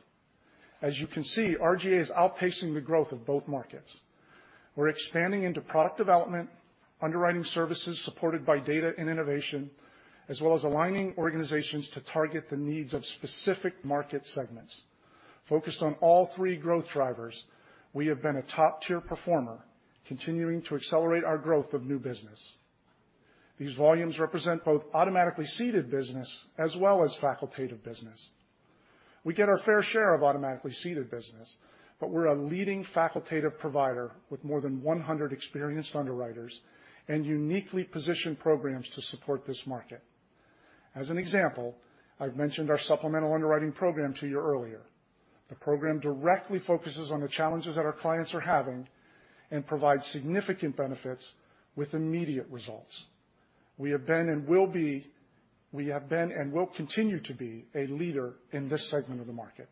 As you can see, RGA is outpacing the growth of both markets. We're expanding into product development, underwriting services supported by data and innovation, as well as aligning organizations to target the needs of specific market segments. Focused on all three growth drivers, we have been a top-tier performer, continuing to accelerate our growth of new business. These volumes represent both automatically ceded business as well as facultative business. We get our fair share of automatically ceded business, but we're a leading facultative provider with more than 100 experienced underwriters and uniquely positioned programs to support this market. As an example, I've mentioned our supplemental underwriting program to you earlier. The program directly focuses on the challenges that our clients are having and provides significant benefits with immediate results. We have been and will continue to be a leader in this segment of the market.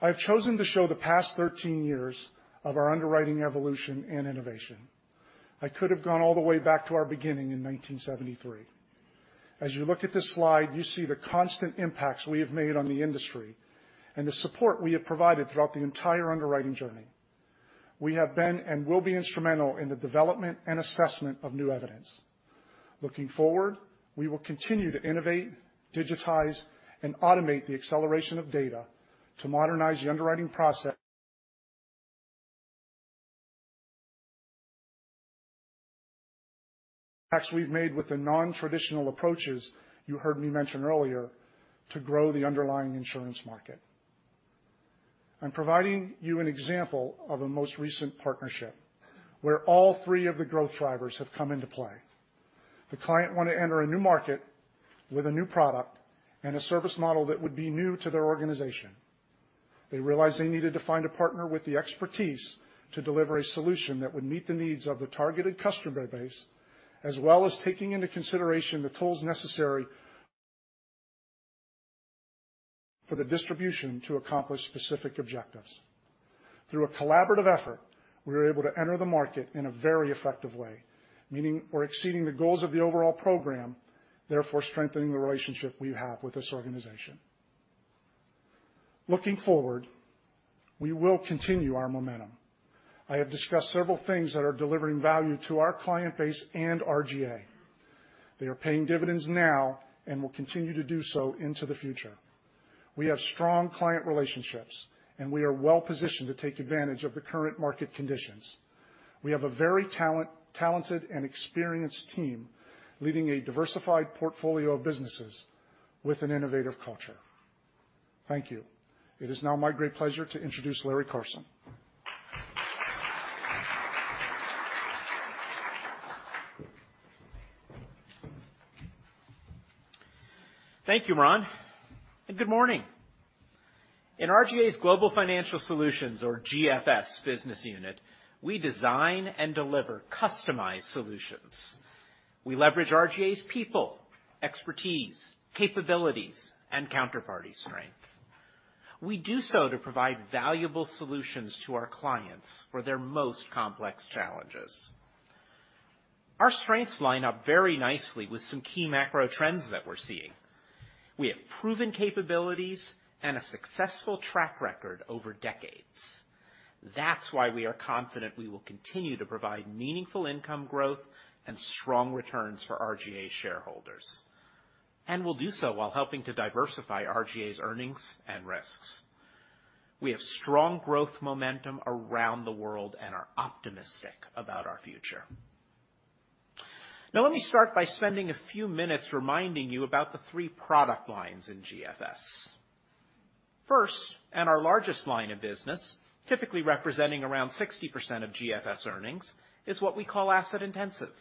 I've chosen to show the past 13 years of our underwriting evolution and innovation. I could have gone all the way back to our beginning in 1973. As you look at this slide, you see the constant impacts we have made on the industry and the support we have provided throughout the entire underwriting journey. We have been and will be instrumental in the development and assessment of new evidence. Looking forward, we will continue to innovate, digitize, and automate the acceleration of data to modernize the underwriting process we've made with the non-traditional approaches you heard me mention earlier, to grow the underlying insurance market. I'm providing you an example of a most recent partnership where all three of the growth drivers have come into play. The client want to enter a new market with a new product and a service model that would be new to their organization. They realized they needed to find a partner with the expertise to deliver a solution that would meet the needs of the targeted customer base, as well as taking into consideration the tools necessary for the distribution to accomplish specific objectives. Through a collaborative effort, we were able to enter the market in a very effective way, meeting or exceeding the goals of the overall program, therefore strengthening the relationship we have with this organization. Looking forward, we will continue our momentum. I have discussed several things that are delivering value to our client base and RGA. They are paying dividends now and will continue to do so into the future. We have strong client relationships, and we are well-positioned to take advantage of the current market conditions. We have a very talented and experienced team leading a diversified portfolio of businesses with an innovative culture. Thank you. It is now my great pleasure to introduce Larry Carson. Thank you, Ron. Good morning. In RGA's Global Financial Solutions or GFS business unit, we design and deliver customized solutions. We leverage RGA's people, expertise, capabilities, and counterparty strength. We do so to provide valuable solutions to our clients for their most complex challenges. Our strengths line up very nicely with some key macro trends that we're seeing. We have proven capabilities and a successful track record over decades. That's why we are confident we will continue to provide meaningful income growth and strong returns for RGA shareholders, and we'll do so while helping to diversify RGA's earnings and risks. We have strong growth momentum around the world and are optimistic about our future. Let me start by spending a few minutes reminding you about the three product lines in GFS. First, our largest line of business, typically representing around 60% of GFS earnings, is what we call asset-intensive.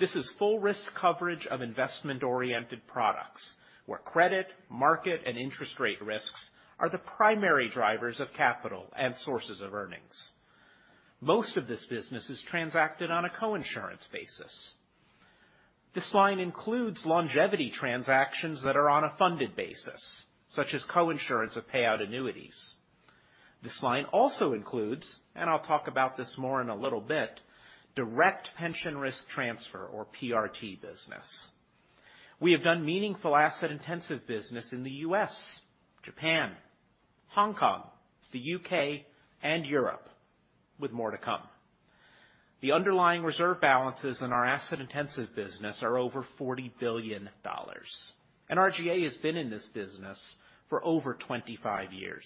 This is full risk coverage of investment-oriented products, where credit, market, and interest rate risks are the primary drivers of capital and sources of earnings. Most of this business is transacted on a coinsurance basis. This line includes longevity transactions that are on a funded basis, such as coinsurance of payout annuities. This line also includes, and I'll talk about this more in a little bit, direct Pension Risk Transfer or PRT business. We have done meaningful asset-intensive business in the U.S., Japan, Hong Kong, the U.K., and Europe, with more to come. The underlying reserve balances in our asset-intensive business are over $40 billion, and RGA has been in this business for over 25 years.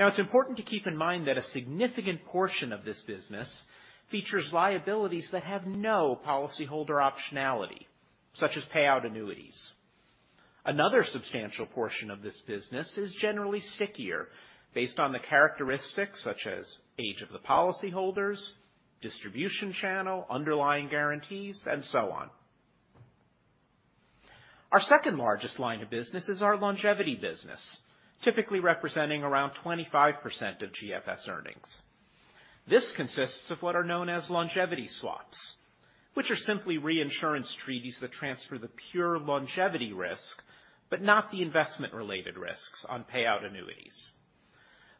It's important to keep in mind that a significant portion of this business features liabilities that have no policyholder optionality, such as payout annuities. Another substantial portion of this business is generally stickier based on the characteristics such as age of the policyholders, distribution channel, underlying guarantees, and so on. Our second largest line of business is our longevity business, typically representing around 25% of GFS earnings. This consists of what are known as longevity swaps, which are simply reinsurance treaties that transfer the pure longevity risk, but not the investment-related risks on payout annuities.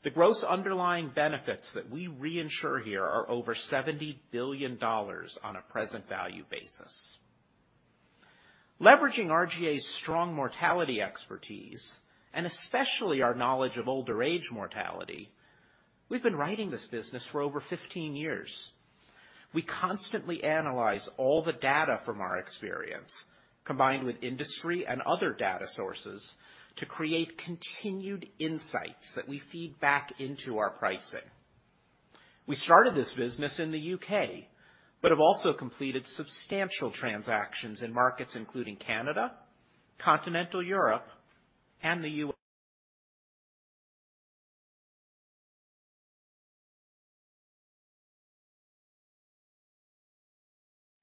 The gross underlying benefits that we reinsure here are over $70 billion on a present value basis. Leveraging RGA's strong mortality expertise, and especially our knowledge of older age mortality, we've been writing this business for over 15 years. We constantly analyze all the data from our experience, combined with industry and other data sources, to create continued insights that we feed back into our pricing. We started this business in the U.K., but have also completed substantial transactions in markets including Canada, continental Europe, and the U.S.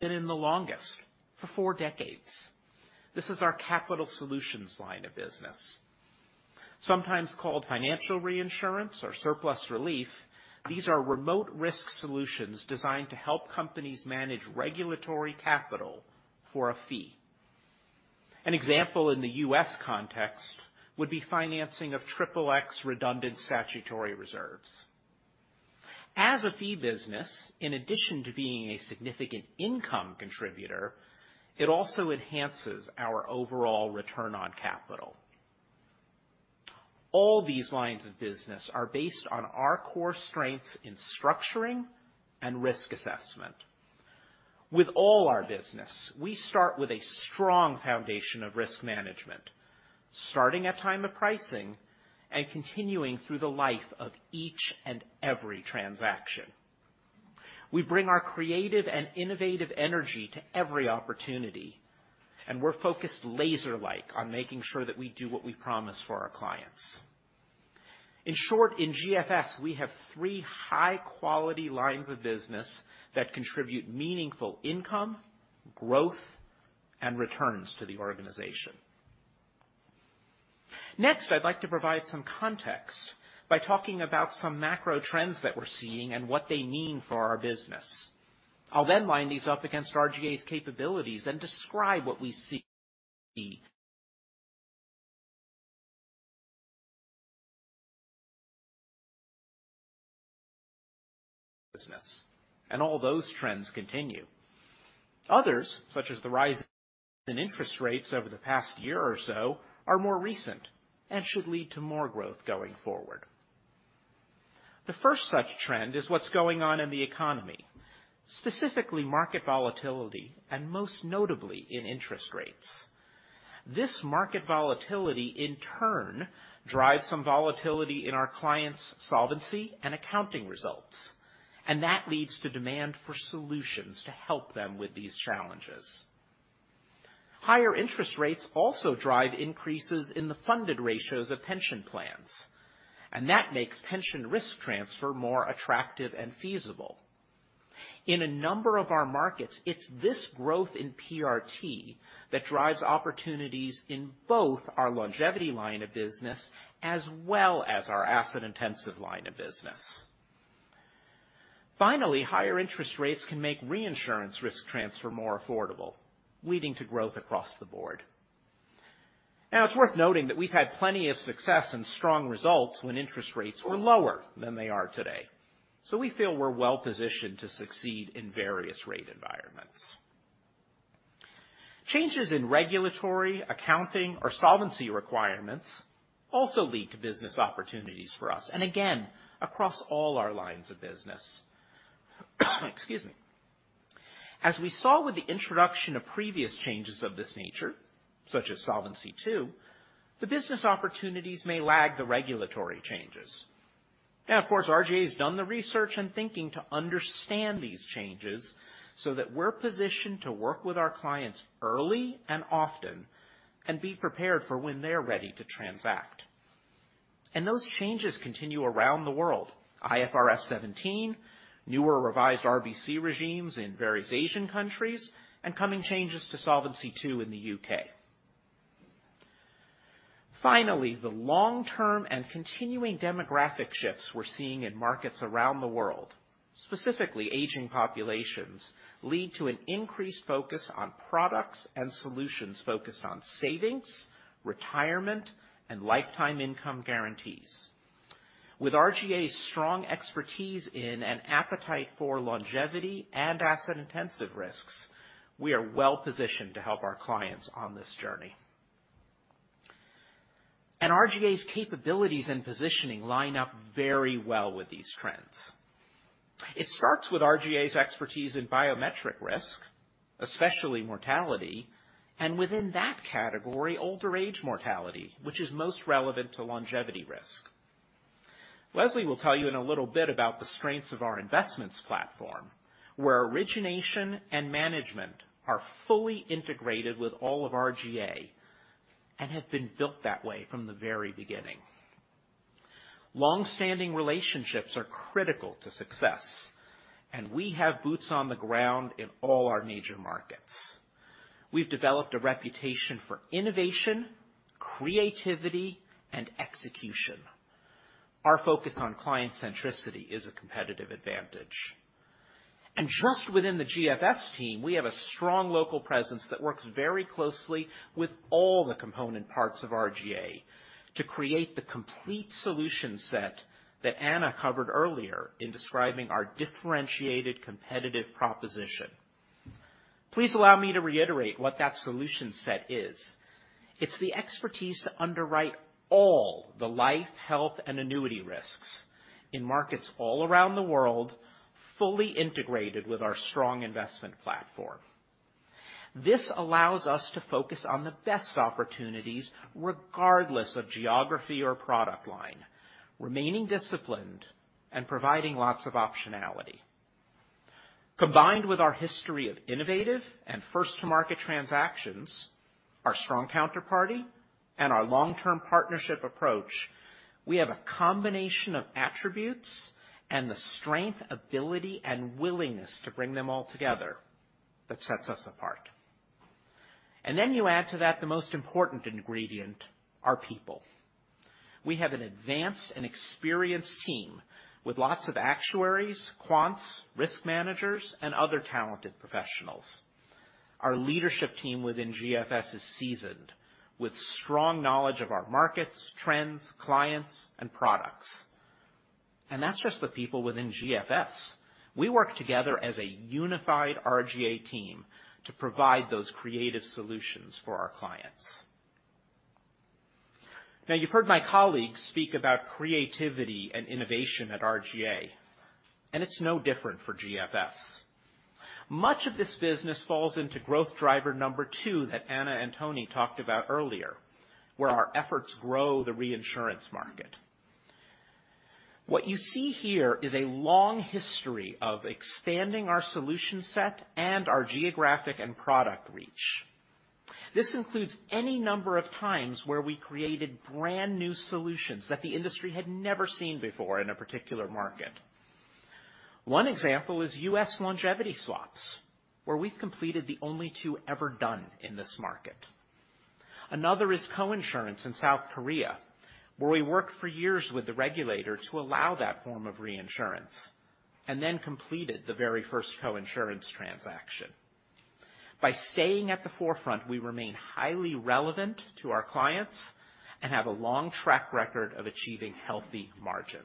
Been in the longest, for four decades. This is our capital solutions line of business. Sometimes called financial reinsurance or surplus relief, these are remote risk solutions designed to help companies manage regulatory capital for a fee. An example in the U.S. context would be financing of XXX redundant statutory reserves. As a fee business, in addition to being a significant income contributor, it also enhances our overall return on capital. All these lines of business are based on our core strengths in structuring and risk assessment. With all our business, we start with a strong foundation of risk management, starting at time of pricing and continuing through the life of each and every transaction. We bring our creative and innovative energy to every opportunity, and we're focused laser-like on making sure that we do what we promise for our clients. In short, in GFS, we have three high-quality lines of business that contribute meaningful income, growth, and returns to the organization. I'd like to provide some context by talking about some macro trends that we're seeing and what they mean for our business. I'll line these up against RGA's capabilities and describe what we see. Business, all those trends continue. Others, such as the rise in interest rates over the past year or so, are more recent and should lead to more growth going forward. The first such trend is what's going on in the economy, specifically market volatility and most notably in interest rates. This market volatility in turn drives some volatility in our clients' solvency and accounting results, that leads to demand for solutions to help them with these challenges. Higher interest rates also drive increases in the funded ratios of pension plans, that makes Pension Risk Transfer more attractive and feasible. In a number of our markets, it's this growth in PRT that drives opportunities in both our longevity line of business as well as our asset-intensive line of business. Finally, higher interest rates can make reinsurance risk transfer more affordable, leading to growth across the board. It's worth noting that we've had plenty of success and strong results when interest rates were lower than they are today, so we feel we're well positioned to succeed in various rate environments. Changes in regulatory, accounting, or solvency requirements also lead to business opportunities for us, and again, across all our lines of business. Excuse me. As we saw with the introduction of previous changes of this nature, such as Solvency II, the business opportunities may lag the regulatory changes. Of course, RGA has done the research and thinking to understand these changes so that we're positioned to work with our clients early and often and be prepared for when they're ready to transact. Those changes continue around the world. IFRS 17, newer revised RBC regimes in various Asian countries, and coming changes to Solvency II in the U.K. Finally, the long-term and continuing demographic shifts we're seeing in markets around the world, specifically aging populations, lead to an increased focus on products and solutions focused on savings, retirement, and lifetime income guarantees. With RGA's strong expertise in an appetite for longevity and asset-intensive risks, we are well positioned to help our clients on this journey. RGA's capabilities and positioning line up very well with these trends. It starts with RGA's expertise in biometric risk, especially mortality, and within that category, older age mortality, which is most relevant to longevity risk. Leslie will tell you in a little bit about the strengths of our investments platform, where origination and management are fully integrated with all of RGA and have been built that way from the very beginning. Long-standing relationships are critical to success, and we have boots on the ground in all our major markets. We've developed a reputation for innovation, creativity, and execution. Our focus on client centricity is a competitive advantage. Just within the GFS team, we have a strong local presence that works very closely with all the component parts of RGA to create the complete solution set that Anna covered earlier in describing our differentiated competitive proposition. Please allow me to reiterate what that solution set is. It's the expertise to underwrite all the life, health, and annuity risks in markets all around the world, fully integrated with our strong investment platform. This allows us to focus on the best opportunities, regardless of geography or product line, remaining disciplined and providing lots of optionality. Combined with our history of innovative and first-to-market transactions, our strong counterparty, and our long-term partnership approach, we have a combination of attributes and the strength, ability, and willingness to bring them all together that sets us apart. Then you add to that the most important ingredient, our people. We have an advanced and experienced team with lots of actuaries, quants, risk managers, and other talented professionals. Our leadership team within GFS is seasoned with strong knowledge of our markets, trends, clients, and products, and that's just the people within GFS. We work together as a unified RGA team to provide those creative solutions for our clients. Now, you've heard my colleagues speak about creativity and innovation at RGA, and it's no different for GFS. Much of this business falls into growth driver number two that Anna and Tony talked about earlier, where our efforts grow the reinsurance market. What you see here is a long history of expanding our solution set and our geographic and product reach. This includes any number of times where we created brand new solutions that the industry had never seen before in a particular market. One example is U.S. longevity swaps, where we've completed the only 2 ever done in this market. Another is coinsurance in South Korea, where we worked for years with the regulator to allow that form of reinsurance, and then completed the very first coinsurance transaction. By staying at the forefront, we remain highly relevant to our clients and have a long track record of achieving healthy margins.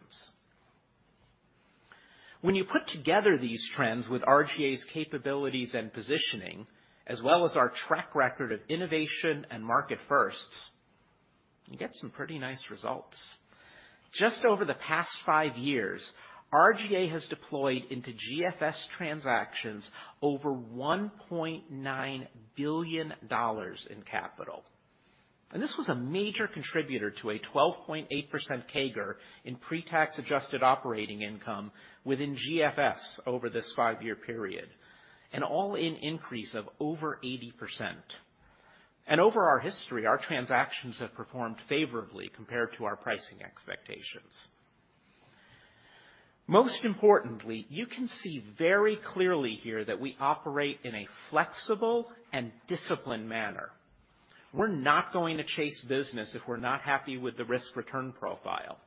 When you put together these trends with RGA's capabilities and positioning, as well as our track record of innovation and market firsts. You get some pretty nice results. Just over the past five years, RGA has deployed into GFS transactions over $1.9 billion in capital. This was a major contributor to a 12.8% CAGR in pre-tax adjusted operating income within GFS over this five-year period, an all-in increase of over 80%. Over our history, our transactions have performed favorably compared to our pricing expectations. Most importantly, you can see very clearly here that we operate in a flexible and disciplined manner. We're not going to chase business if we're not happy with the risk-return profile.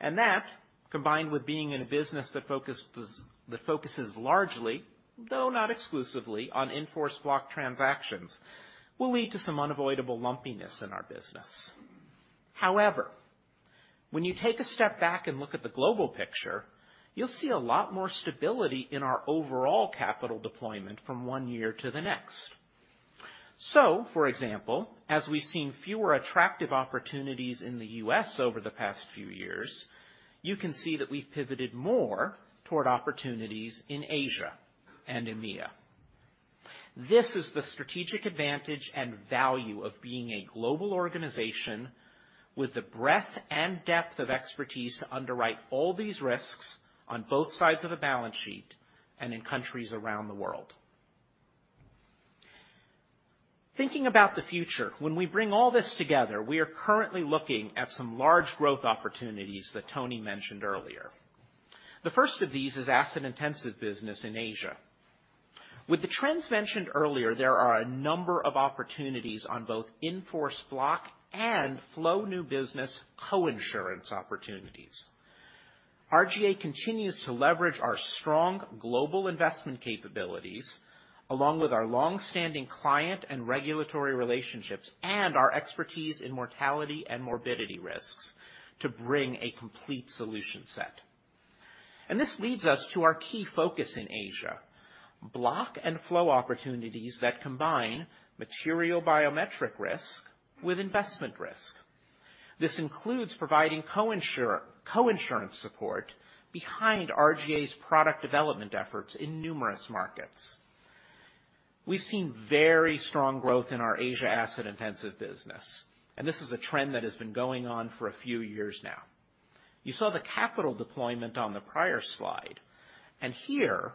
That, combined with being in a business that focuses largely, though not exclusively, on in-force block transactions, will lead to some unavoidable lumpiness in our business. However, when you take a step back and look at the global picture, you'll see a lot more stability in our overall capital deployment from one year to the next. For example, as we've seen fewer attractive opportunities in the U.S. over the past few years, you can see that we've pivoted more toward opportunities in Asia and EMEA. This is the strategic advantage and value of being a global organization with the breadth and depth of expertise to underwrite all these risks on both sides of the balance sheet and in countries around the world. Thinking about the future, when we bring all this together, we are currently looking at some large growth opportunities that Tony mentioned earlier. The first of these is asset-intensive business in Asia. With the trends mentioned earlier, there are a number of opportunities on both in-force block and flow new business coinsurance opportunities. RGA continues to leverage our strong global investment capabilities, along with our long-standing client and regulatory relationships, and our expertise in mortality and morbidity risks to bring a complete solution set. This leads us to our key focus in Asia, block and flow opportunities that combine material biometric risk with investment risk. This includes providing coinsurance support behind RGA's product development efforts in numerous markets. We've seen very strong growth in our Asia Asset-Intensive business, and this is a trend that has been going on for a few years now. You saw the capital deployment on the prior slide, and here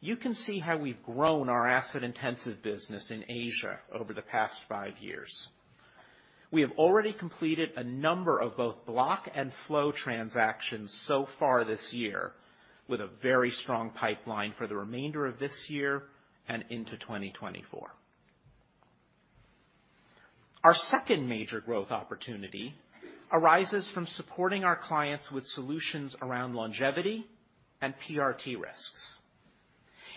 you can see how we've grown our asset-intensive business in Asia over the past five years. We have already completed a number of both block and flow transactions so far this year, with a very strong pipeline for the remainder of this year and into 2024. Our second major growth opportunity arises from supporting our clients with solutions around longevity and PRT risks.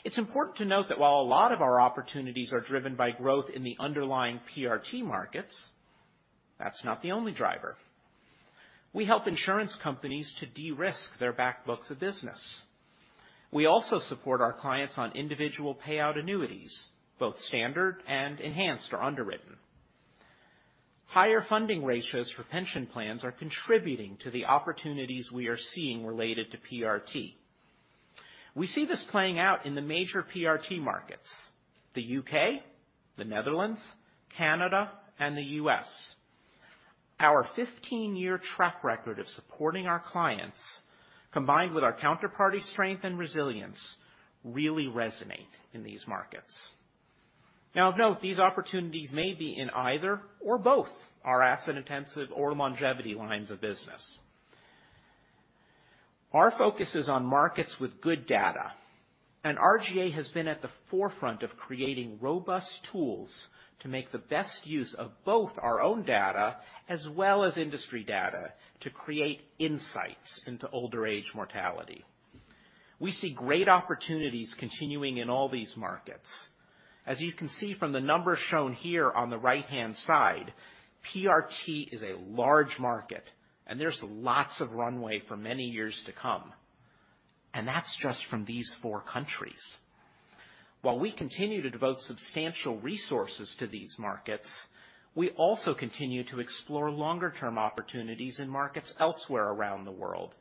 It's important to note that while a lot of our opportunities are driven by growth in the underlying PRT markets, that's not the only driver. We help insurance companies to de-risk their back books of business. We also support our clients on individual payout annuities, both standard and enhanced or underwritten. Higher funding ratios for pension plans are contributing to the opportunities we are seeing related to PRT. We see this playing out in the major PRT markets: the U.K., the Netherlands, Canada, and the U.S. Our 15-year track record of supporting our clients, combined with our counterparty strength and resilience, really resonate in these markets. Note, these opportunities may be in either or both our asset-intensive or longevity lines of business. Our focus is on markets with good data, and RGA has been at the forefront of creating robust tools to make the best use of both our own data as well as industry data to create insights into older age mortality. We see great opportunities continuing in all these markets. As you can see from the numbers shown here on the right-hand side, PRT is a large market and there's lots of runway for many years to come, and that's just from these four countries. While we continue to devote substantial resources to these markets, we also continue to explore longer-term opportunities in markets elsewhere around the world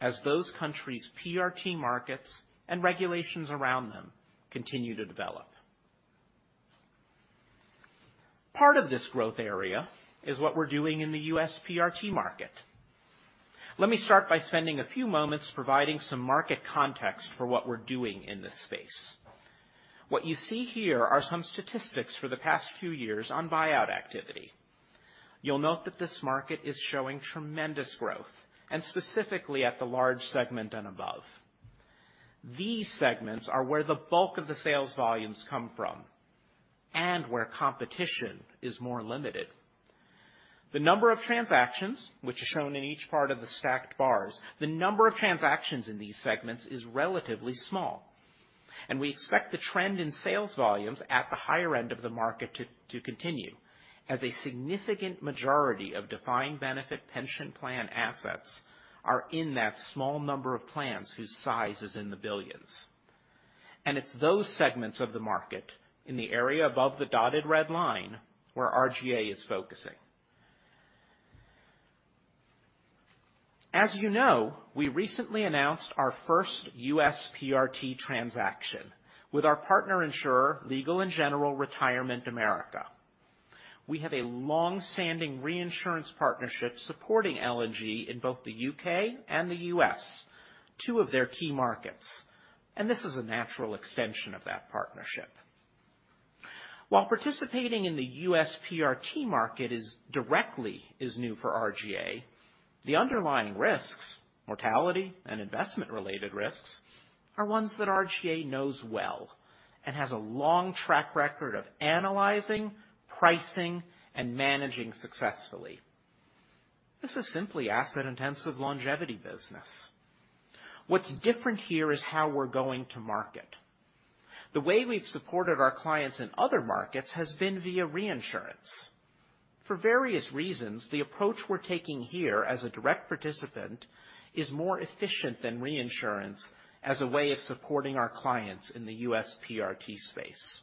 as those countries' PRT markets and regulations around them continue to develop. Part of this growth area is what we're doing in the U.S. PRT market. Let me start by spending a few moments providing some market context for what we're doing in this space. What you see here are some statistics for the past few years on buyout activity. You'll note that this market is showing tremendous growth, and specifically at the large segment and above. These segments are where the bulk of the sales volumes come from and where competition is more limited. The number of transactions, which are shown in each part of the stacked bars, the number of transactions in these segments is relatively small. We expect the trend in sales volumes at the higher end of the market to continue, as a significant majority of defined benefit pension plan assets are in that small number of plans whose size is in the billions. It's those segments of the market in the area above the dotted red line where RGA is focusing. As you know, we recently announced our first U.S. PRT transaction with our partner insurer, Legal & General Retirement America. We have a long-standing reinsurance partnership supporting L&G in both the U.K. and the U.S., two of their key markets. This is a natural extension of that partnership. While participating in the U.S. PRT market is directly new for RGA, the underlying risks, mortality and investment related risks, are ones that RGA knows well and has a long track record of analyzing, pricing, and managing successfully. This is simply asset-intensive longevity business. What's different here is how we're going to market. The way we've supported our clients in other markets has been via reinsurance. For various reasons, the approach we're taking here as a direct participant is more efficient than reinsurance as a way of supporting our clients in the U.S. PRT space.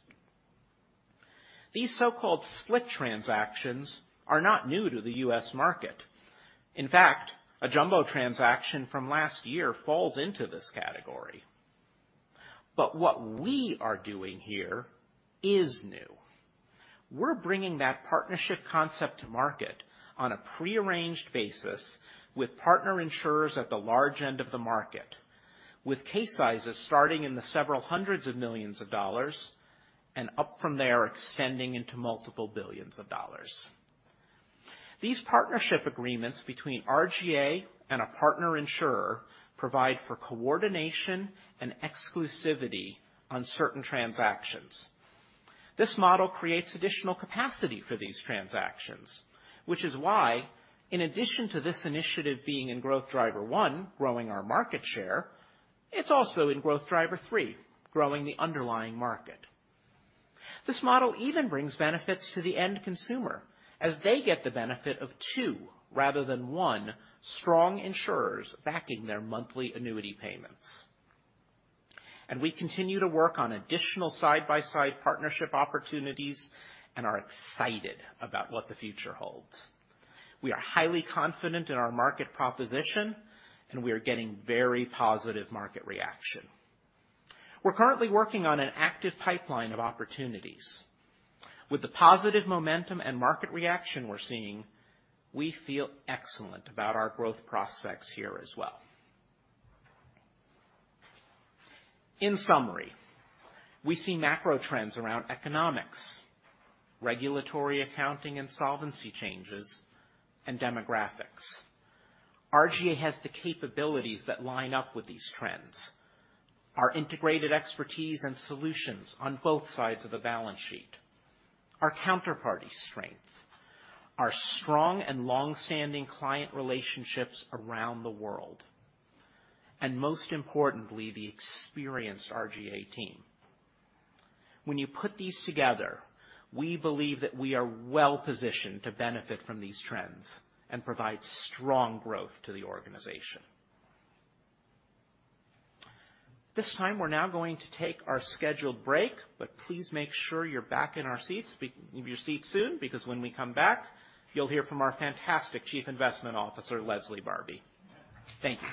These so-called split transactions are not new to the U.S. market. In fact, a jumbo transaction from last year falls into this category. What we are doing here is new. We're bringing that partnership concept to market on a prearranged basis with partner insurers at the large end of the market, with case sizes starting in the several hundreds of millions of dollars and up from there, extending into multiple billions of dollars. These partnership agreements between RGA and a partner insurer provide for coordination and exclusivity on certain transactions. This model creates additional capacity for these transactions, which is why, in addition to this initiative being in Growth Driver 1, growing our market share, it's also in Growth Driver 3, growing the underlying market. This model even brings benefits to the end consumer as they get the benefit of two rather than one strong insurers backing their monthly annuity payments. We continue to work on additional side-by-side partnership opportunities and are excited about what the future holds. We are highly confident in our market proposition, and we are getting very positive market reaction. We're currently working on an active pipeline of opportunities. With the positive momentum and market reaction we're seeing, we feel excellent about our growth prospects here as well. In summary, we see macro trends around economics, regulatory, accounting, and solvency changes, and demographics. RGA has the capabilities that line up with these trends. Our integrated expertise and solutions on both sides of the balance sheet, our counterparty strength, our strong and long-standing client relationships around the world, and most importantly, the experienced RGA team. When you put these together, we believe that we are well positioned to benefit from these trends and provide strong growth to the organization. This time, we're now going to take our scheduled break. Please make sure you're back in our seats, your seat soon, because when we come back, you'll hear from our fantastic Chief Investment Officer, Leslie Barbi. Thank you.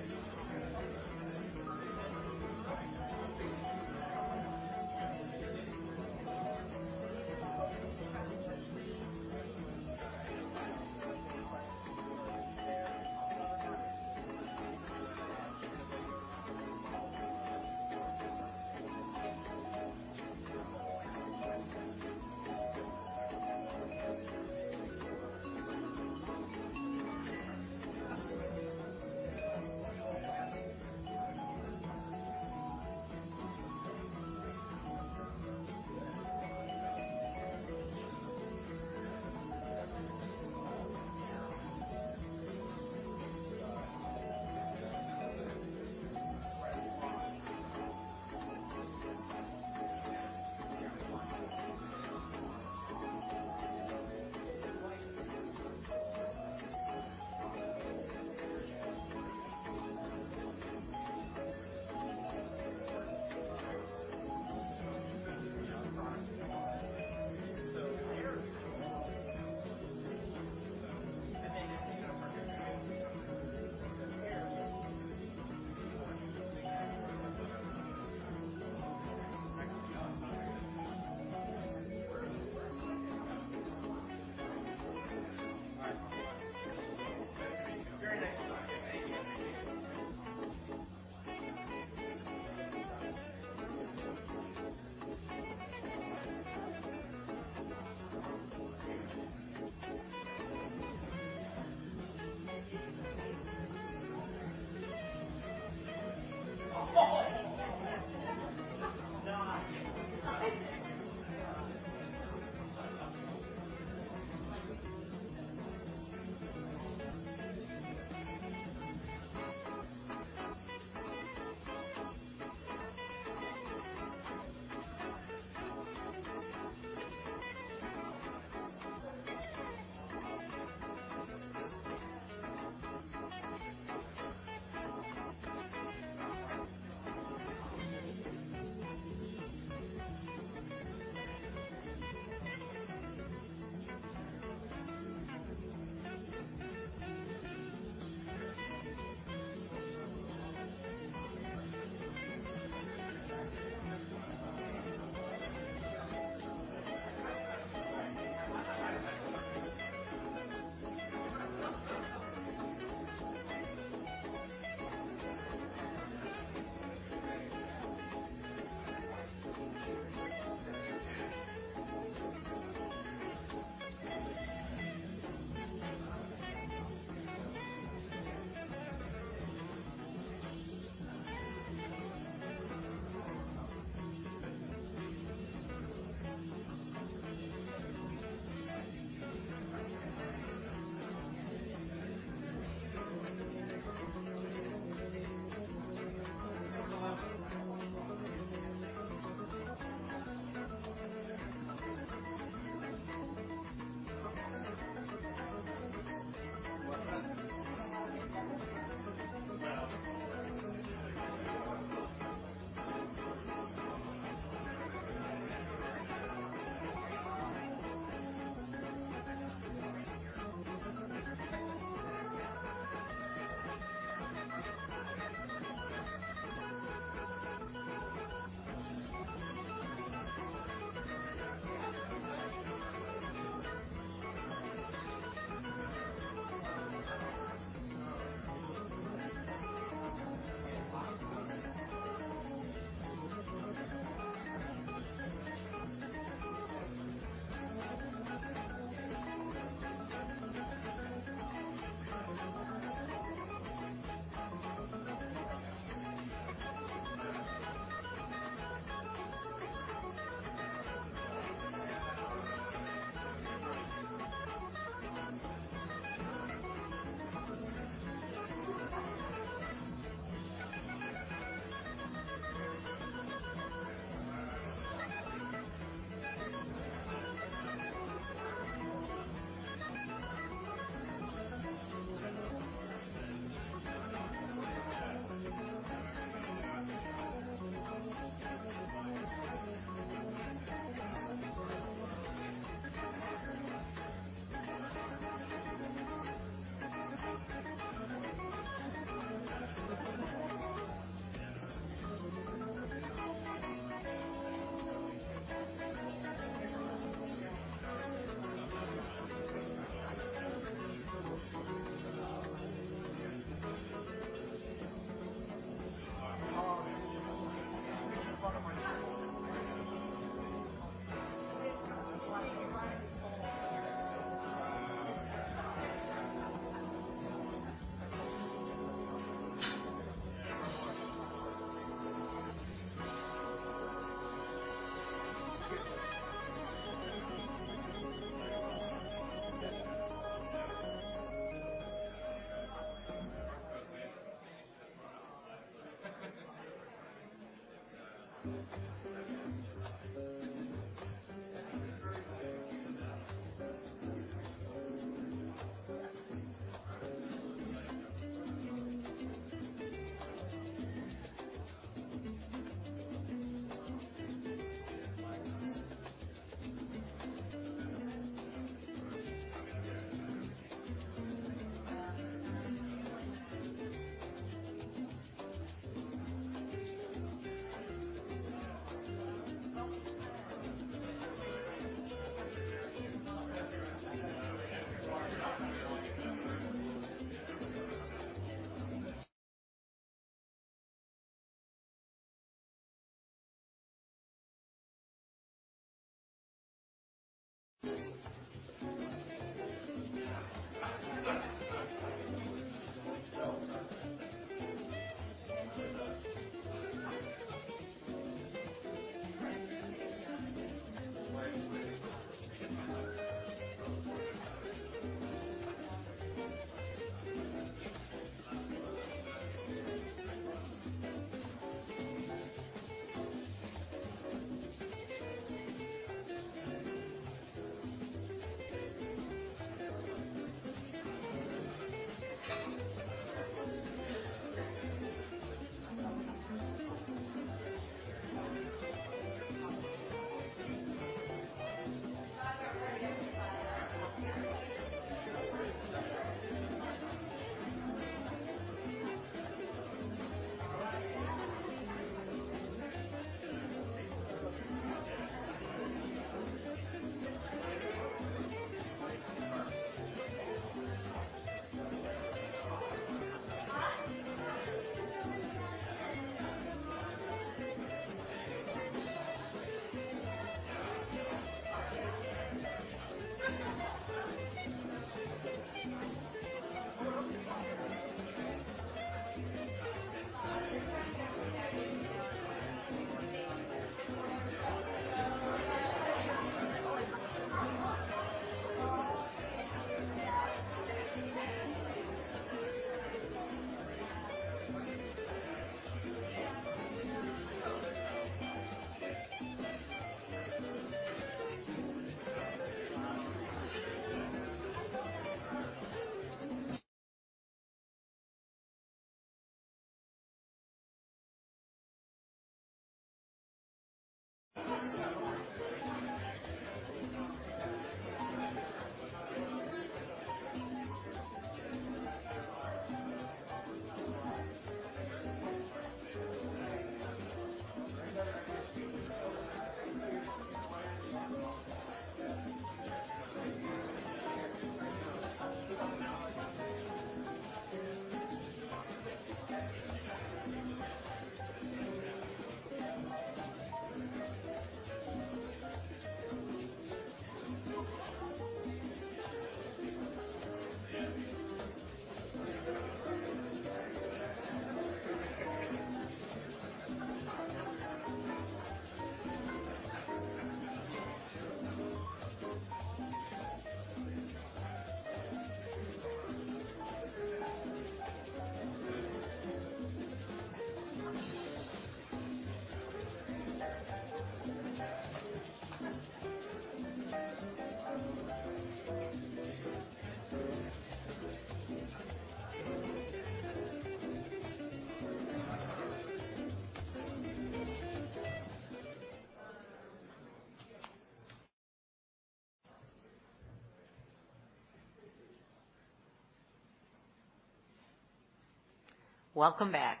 Welcome back.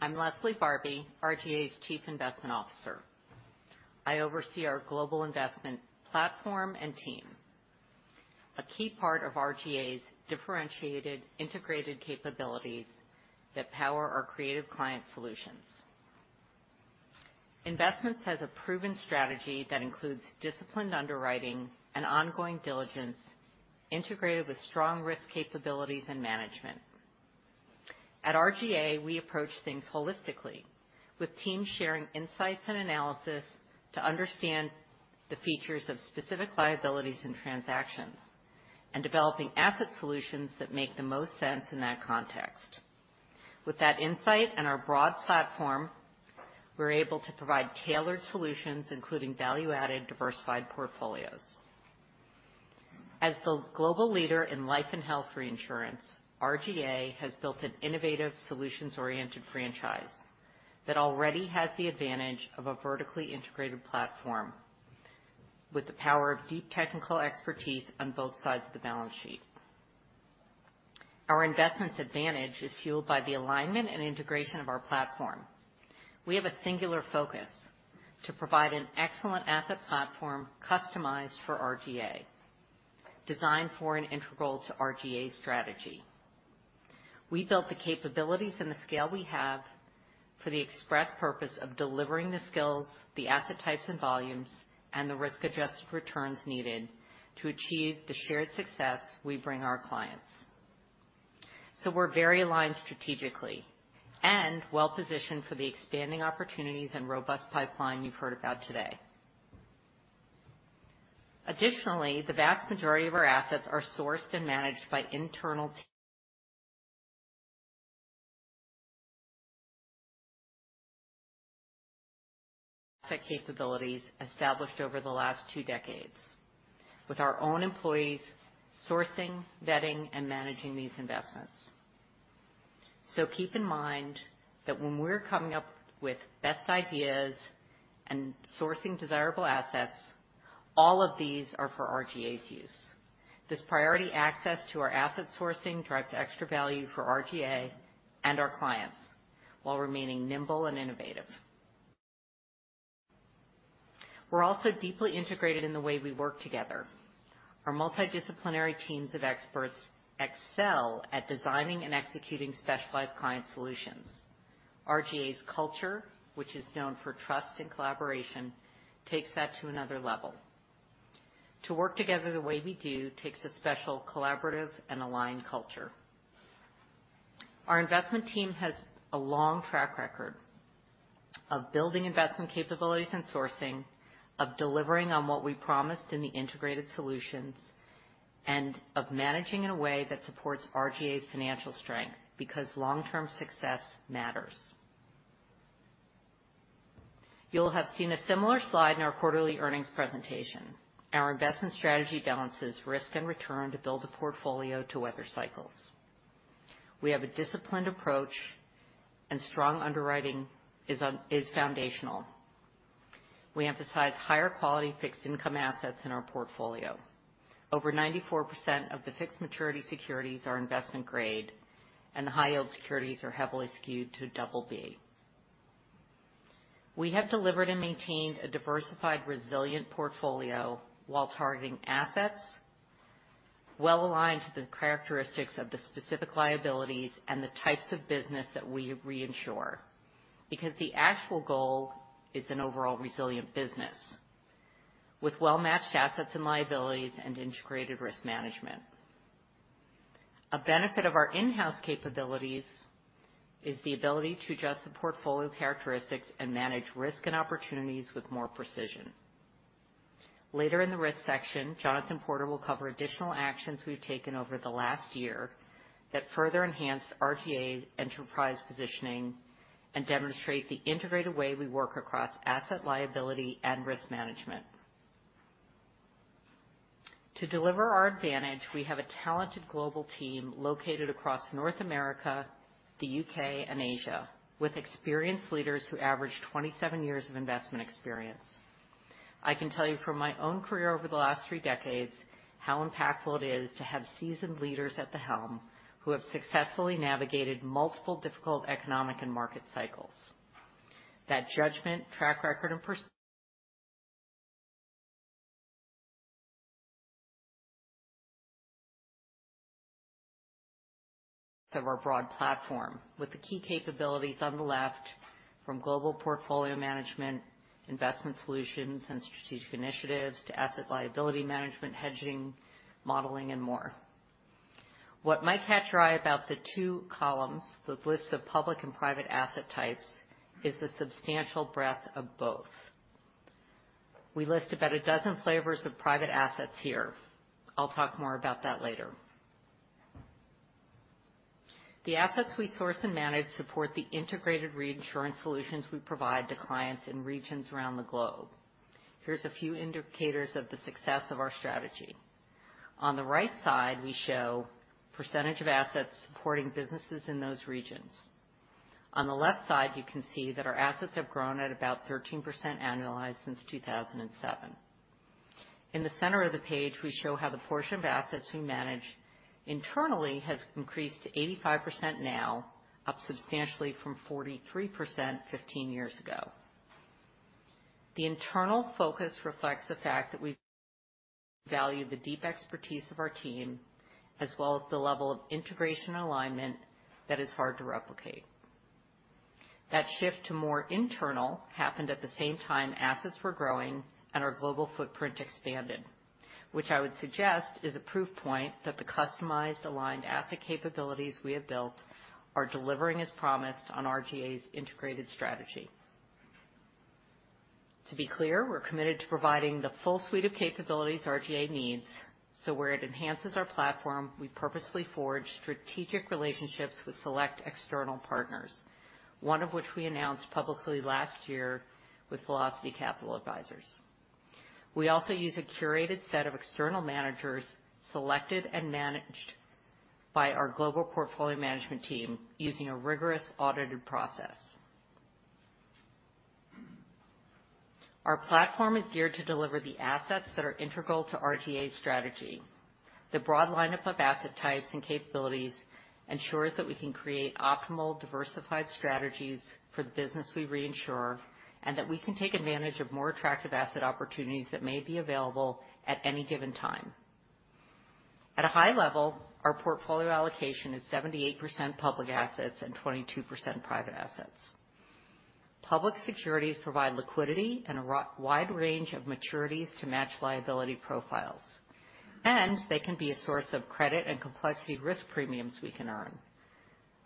I'm Leslie Barbi, RGA's Chief Investment Officer. I oversee our global investment platform and team, a key part of RGA's differentiated, integrated capabilities that power our creative client solutions. Investments has a proven strategy that includes disciplined underwriting and ongoing diligence, integrated with strong risk capabilities and management. At RGA, we approach things holistically, with teams sharing insights and analysis to understand the features of specific liabilities and transactions, and developing asset solutions that make the most sense in that context. With that insight and our broad platform, we're able to provide tailored solutions, including value-added, diversified portfolios. As the global leader in life and health reinsurance, RGA has built an innovative, solutions-oriented franchise that already has the advantage of a vertically integrated platform with the power of deep technical expertise on both sides of the balance sheet. Our investments advantage is fueled by the alignment and integration of our platform. We have a singular focus: to provide an excellent asset platform customized for RGA, designed for and integral to RGA's strategy. We built the capabilities and the scale we have for the express purpose of delivering the skills, the asset types and volumes, and the risk-adjusted returns needed to achieve the shared success we bring our clients. We're very aligned strategically and well-positioned for the expanding opportunities and robust pipeline you've heard about today. Additionally, the vast majority of our assets are sourced and managed by internal capabilities established over the last two decades, with our own employees sourcing, vetting, and managing these investments. Keep in mind that when we're coming up with best ideas and sourcing desirable assets, all of these are for RGA's use. This priority access to our asset sourcing drives extra value for RGA and our clients while remaining nimble and innovative. We're also deeply integrated in the way we work together. Our multidisciplinary teams of experts excel at designing and executing specialized client solutions. RGA's culture, which is known for trust and collaboration, takes that to another level. To work together the way we do, takes a special, collaborative, and aligned culture. Our investment team has a long track record of building investment capabilities and sourcing, of delivering on what we promised in the integrated solutions, and of managing in a way that supports RGA's financial strength, because long-term success matters. You'll have seen a similar slide in our quarterly earnings presentation. Our investment strategy balances risk and return to build a portfolio to weather cycles. We have a disciplined approach, strong underwriting is foundational. We emphasize higher quality fixed income assets in our portfolio. Over 94% of the fixed maturity securities are investment grade, and the high-yield securities are heavily skewed to BB. We have delivered and maintained a diversified, resilient portfolio while targeting assets well-aligned to the characteristics of the specific liabilities and the types of business that we reinsure, because the actual goal is an overall resilient business, with well-matched assets and liabilities and integrated risk management. A benefit of our in-house capabilities is the ability to adjust the portfolio characteristics and manage risk and opportunities with more precision. Later in the risk section, Jonathan Porter will cover additional actions we've taken over the last year that further enhance RGA's enterprise positioning and demonstrate the integrated way we work across asset, liability, and risk management. To deliver our advantage, we have a talented global team located across North America, the U.K., and Asia, with experienced leaders who average 27 years of investment experience. I can tell you from my own career over the last three decades, how impactful it is to have seasoned leaders at the helm who have successfully navigated multiple difficult economic and market cycles. That judgment, track record, and pers- of our broad platform, with the key capabilities on the left from global portfolio management, investment solutions, and strategic initiatives to asset liability management, hedging, modeling, and more. What might catch your eye about the two columns, the lists of public and private asset types, is the substantial breadth of both. We list about a dozen flavors of private assets here. I'll talk more about that later. The assets we source and manage support the integrated reinsurance solutions we provide to clients in regions around the globe. Here's a few indicators of the success of our strategy. On the right side, we show percentage of assets supporting businesses in those regions. On the left side, you can see that our assets have grown at about 13% annualized since 2007. In the center of the page, we show how the portion of assets we manage internally has increased to 85% now, up substantially from 43% 15 years ago. The internal focus reflects the fact that we value the deep expertise of our team, as well as the level of integration and alignment that is hard to replicate. That shift to more internal happened at the same time assets were growing and our global footprint expanded, which I would suggest is a proof point that the customized, aligned asset capabilities we have built are delivering as promised on RGA's integrated strategy. To be clear, we're committed to providing the full suite of capabilities RGA needs, so where it enhances our platform, we purposefully forge strategic relationships with select external partners, one of which we announced publicly last year with Velocity Capital Advisors. We also use a curated set of external managers, selected and managed by our global portfolio management team using a rigorous audited process. Our platform is geared to deliver the assets that are integral to RGA's strategy. The broad lineup of asset types and capabilities ensures that we can create optimal, diversified strategies for the business we reinsure, and that we can take advantage of more attractive asset opportunities that may be available at any given time. At a high level, our portfolio allocation is 78% public assets and 22% private assets. Public securities provide liquidity and a wide range of maturities to match liability profiles. They can be a source of credit and complexity risk premiums we can earn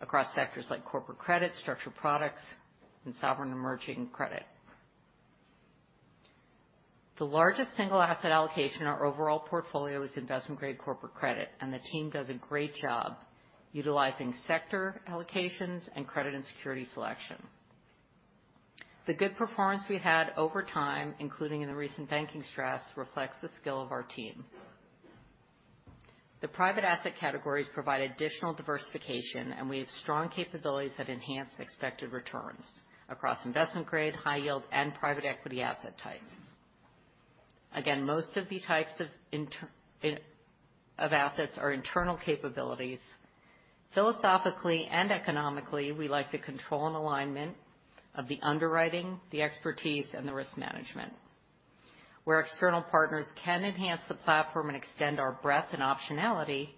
across sectors like corporate credit, structured products, and sovereign emerging credit. The largest single asset allocation in our overall portfolio is investment-grade corporate credit. The team does a great job utilizing sector allocations and credit and security selection. The good performance we had over time, including in the recent banking stress, reflects the skill of our team. The private asset categories provide additional diversification, and we have strong capabilities that enhance expected returns across investment-grade, high yield, and private equity asset types. Again, most of these types of assets are internal capabilities. Philosophically and economically, we like the control and alignment of the underwriting, the expertise, and the risk management. Where external partners can enhance the platform and extend our breadth and optionality,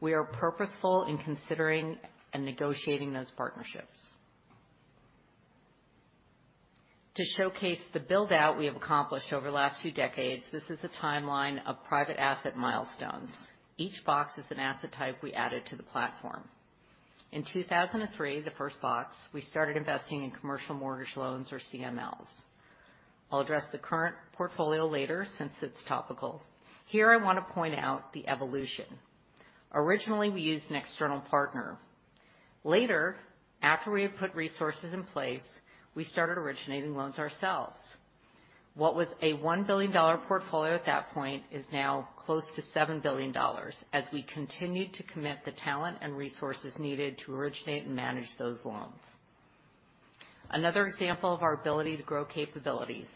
we are purposeful in considering and negotiating those partnerships. To showcase the build-out we have accomplished over the last few decades, this is a timeline of private asset milestones. Each box is an asset type we added to the platform. In 2003, the first box, we started investing in commercial mortgage loans, or CMLs. I'll address the current portfolio later, since it's topical. Here, I want to point out the evolution. Originally, we used an external partner. Later, after we had put resources in place, we started originating loans ourselves. What was a $1 billion portfolio at that point is now close to $7 billion as we continued to commit the talent and resources needed to originate and manage those loans. Another example of our ability to grow capabilities: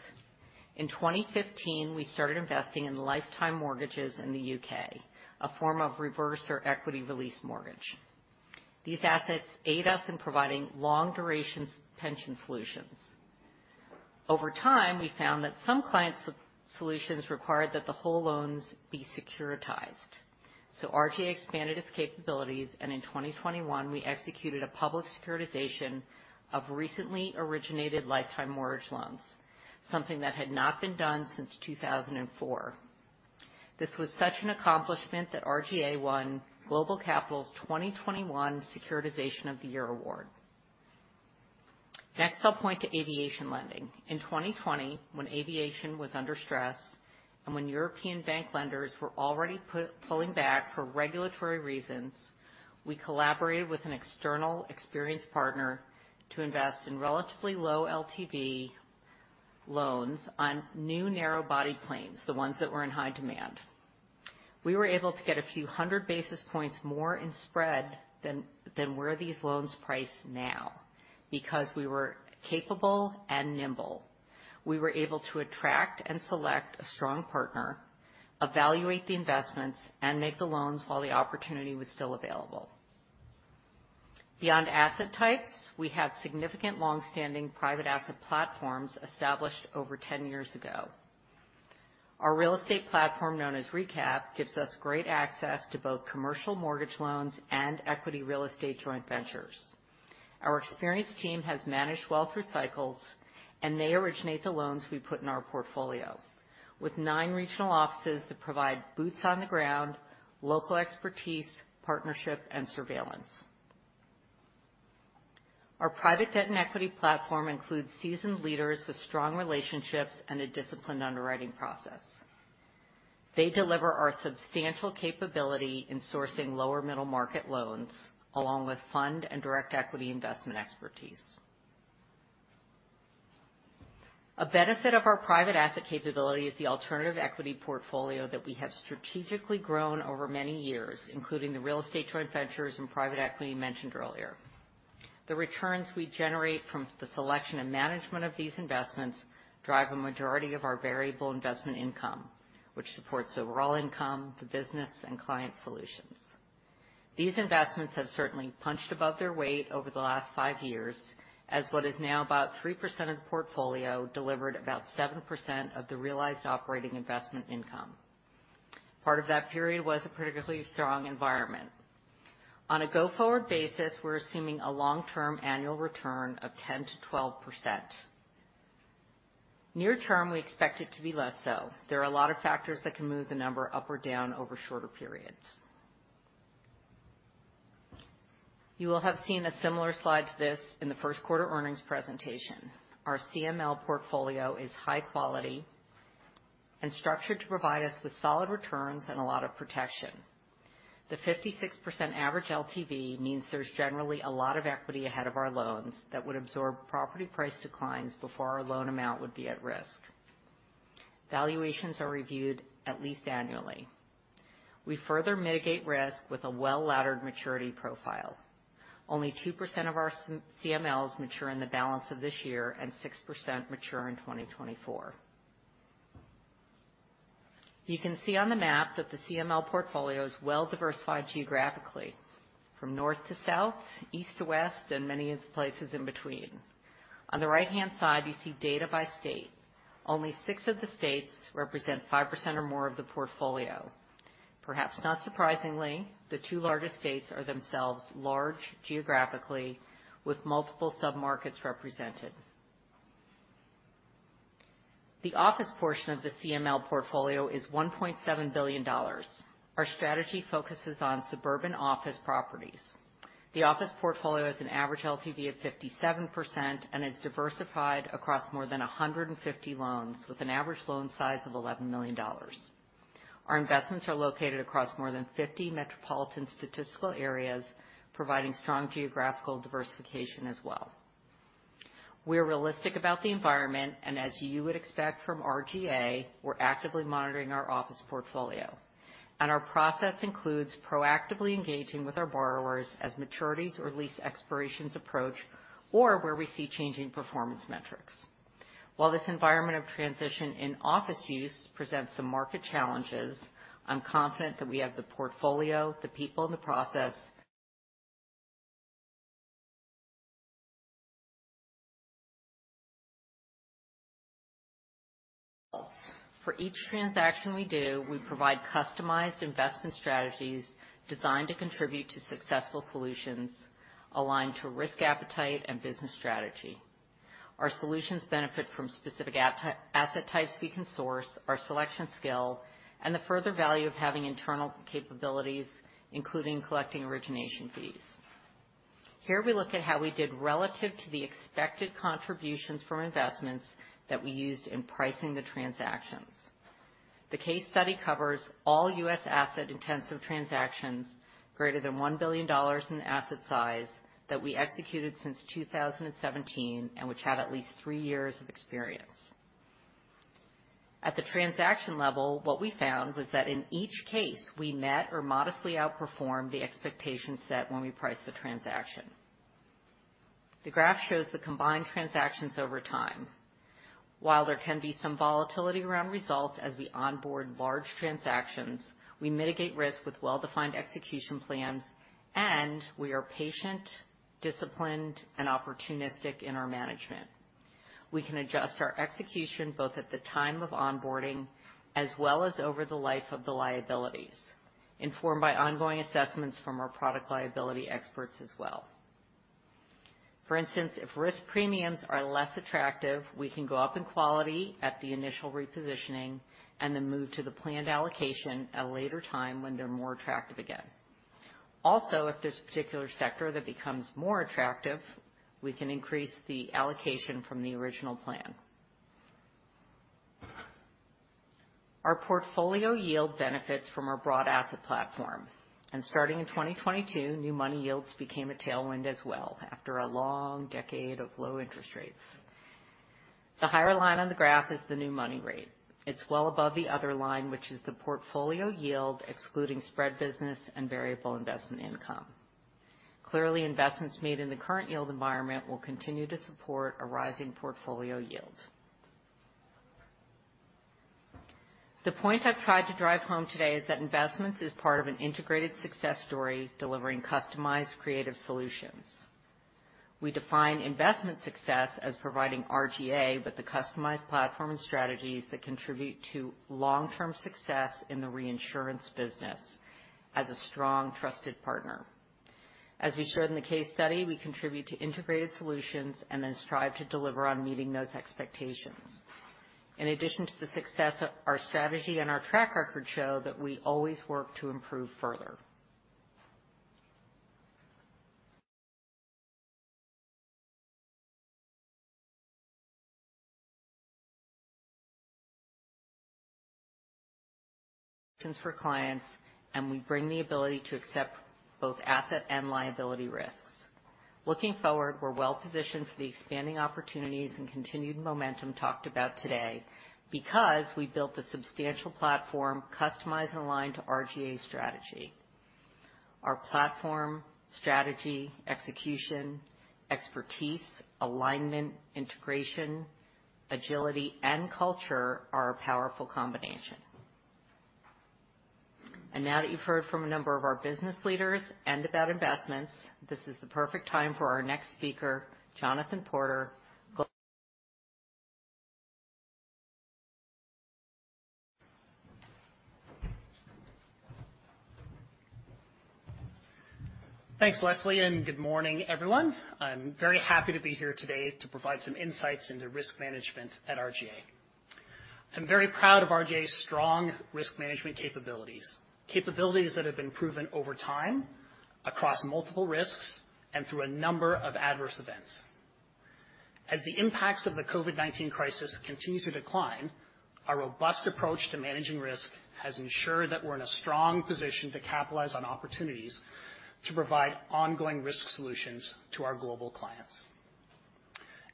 in 2015, we started investing in lifetime mortgages in the U.K., a form of reverse or equity release mortgage. These assets aid us in providing long-duration pension solutions. Over time, we found that some clients' so-solutions required that the whole loans be securitized. RGA expanded its capabilities, and in 2021, we executed a public securitization of recently originated lifetime mortgage loans, something that had not been done since 2004. This was such an accomplishment that RGA won GlobalCapital's 2021 Securitization of the Year award. Next, I'll point to aviation lending. In 2020, when aviation was under stress and when European bank lenders were already pulling back for regulatory reasons, we collaborated with an external experienced partner to invest in relatively low LTV loans on new narrow-body planes, the ones that were in high demand. We were able to get a few hundred basis points more in spread than where these loans price now. Because we were capable and nimble, we were able to attract and select a strong partner, evaluate the investments, and make the loans while the opportunity was still available. Beyond asset types, we have significant long-standing private asset platforms established over 10 years ago. Our real estate platform, known as ReCap, gives us great access to both commercial mortgage loans and equity real estate joint ventures. Our experienced team has managed wealth through cycles, and they originate the loans we put in our portfolio. With nine regional offices that provide boots on the ground, local expertise, partnership, and surveillance. Our private debt and equity platform includes seasoned leaders with strong relationships and a disciplined underwriting process. They deliver our substantial capability in sourcing lower middle-market loans, along with fund and direct equity investment expertise. A benefit of our private asset capability is the alternative equity portfolio that we have strategically grown over many years, including the real estate joint ventures and private equity mentioned earlier. The returns we generate from the selection and management of these investments drive a majority of our variable investment income, which supports overall income to business and client solutions. These investments have certainly punched above their weight over the last five years, as what is now about 3% of the portfolio delivered about 7% of the realized operating investment income. Part of that period was a particularly strong environment. On a go-forward basis, we're assuming a long-term annual return of 10%-12%. Near term, we expect it to be less so. There are a lot of factors that can move the number up or down over shorter periods. You will have seen a similar slide to this in the first quarter earnings presentation. Our CML portfolio is high quality and structured to provide us with solid returns and a lot of protection. The 56% average LTV means there's generally a lot of equity ahead of our loans that would absorb property price declines before our loan amount would be at risk. Valuations are reviewed at least annually. We further mitigate risk with a well-laddered maturity profile. Only 2% of our CMLs mature in the balance of this year, and 6% mature in 2024. You can see on the map that the CML portfolio is well-diversified geographically, from north to south, east to west, and many of the places in between. On the right-hand side, you see data by state. Only six of the states represent 5% or more of the portfolio. Perhaps not surprisingly, the two largest states are themselves large geographically, with multiple submarkets represented. The office portion of the CML portfolio is $1.7 billion. Our strategy focuses on suburban office properties. The office portfolio has an average LTV of 57% and is diversified across more than 150 loans, with an average loan size of $11 million. Our investments are located across more than 50 metropolitan statistical areas, providing strong geographical diversification as well. We are realistic about the environment, and as you would expect from RGA, we're actively monitoring our office portfolio, and our process includes proactively engaging with our borrowers as maturities or lease expirations approach, or where we see changing performance metrics. While this environment of transition in office use presents some market challenges, I'm confident that we have the portfolio, the people, and the process. For each transaction we do, we provide customized investment strategies designed to contribute to successful solutions aligned to risk, appetite, and business strategy. Our solutions benefit from specific asset types we can source, our selection skill, and the further value of having internal capabilities, including collecting origination fees. Here we look at how we did relative to the expected contributions from investments that we used in pricing the transactions. The case study covers all U.S. asset-intensive transactions greater than $1 billion in asset size that we executed since 2017, and which have at least three years of experience. At the transaction level, what we found was that in each case, we met or modestly outperformed the expectations set when we priced the transaction. The graph shows the combined transactions over time. While there can be some volatility around results as we onboard large transactions, we mitigate risk with well-defined execution plans, and we are patient, disciplined, and opportunistic in our management. We can adjust our execution both at the time of onboarding as well as over the life of the liabilities, informed by ongoing assessments from our product liability experts as well. For instance, if risk premiums are less attractive, we can go up in quality at the initial repositioning and then move to the planned allocation at a later time when they're more attractive again. If there's a particular sector that becomes more attractive, we can increase the allocation from the original plan. Our portfolio yield benefits from our broad asset platform, starting in 2022, new money yields became a tailwind as well, after a long decade of low interest rates. The higher line on the graph is the new money rate. It's well above the other line, which is the portfolio yield, excluding spread business and variable investment income. Clearly, investments made in the current yield environment will continue to support a rising portfolio yield. The point I've tried to drive home today is that investments is part of an integrated success story, delivering customized, creative solutions. We define investment success as providing RGA with a customized platform and strategies that contribute to long-term success in the reinsurance business as a strong, trusted partner. As we showed in the case study, we contribute to integrated solutions and then strive to deliver on meeting those expectations. In addition to the success of our strategy and our track record show that we always work to improve further. For clients, we bring the ability to accept both asset and liability risks. Looking forward, we're well positioned for the expanding opportunities and continued momentum talked about today, because we built a substantial platform, customized and aligned to RGA's strategy. Our platform, strategy, execution, expertise, alignment, integration, agility, and culture are a powerful combination. Now that you've heard from a number of our business leaders and about investments, this is the perfect time for our next speaker, Jonathan Porter. Thanks, Leslie, and good morning, everyone. I'm very happy to be here today to provide some insights into risk management at RGA. I'm very proud of RGA's strong risk management capabilities that have been proven over time, across multiple risks, and through a number of adverse events. As the impacts of the COVID-19 crisis continue to decline, our robust approach to managing risk has ensured that we're in a strong position to capitalize on opportunities to provide ongoing risk solutions to our global clients.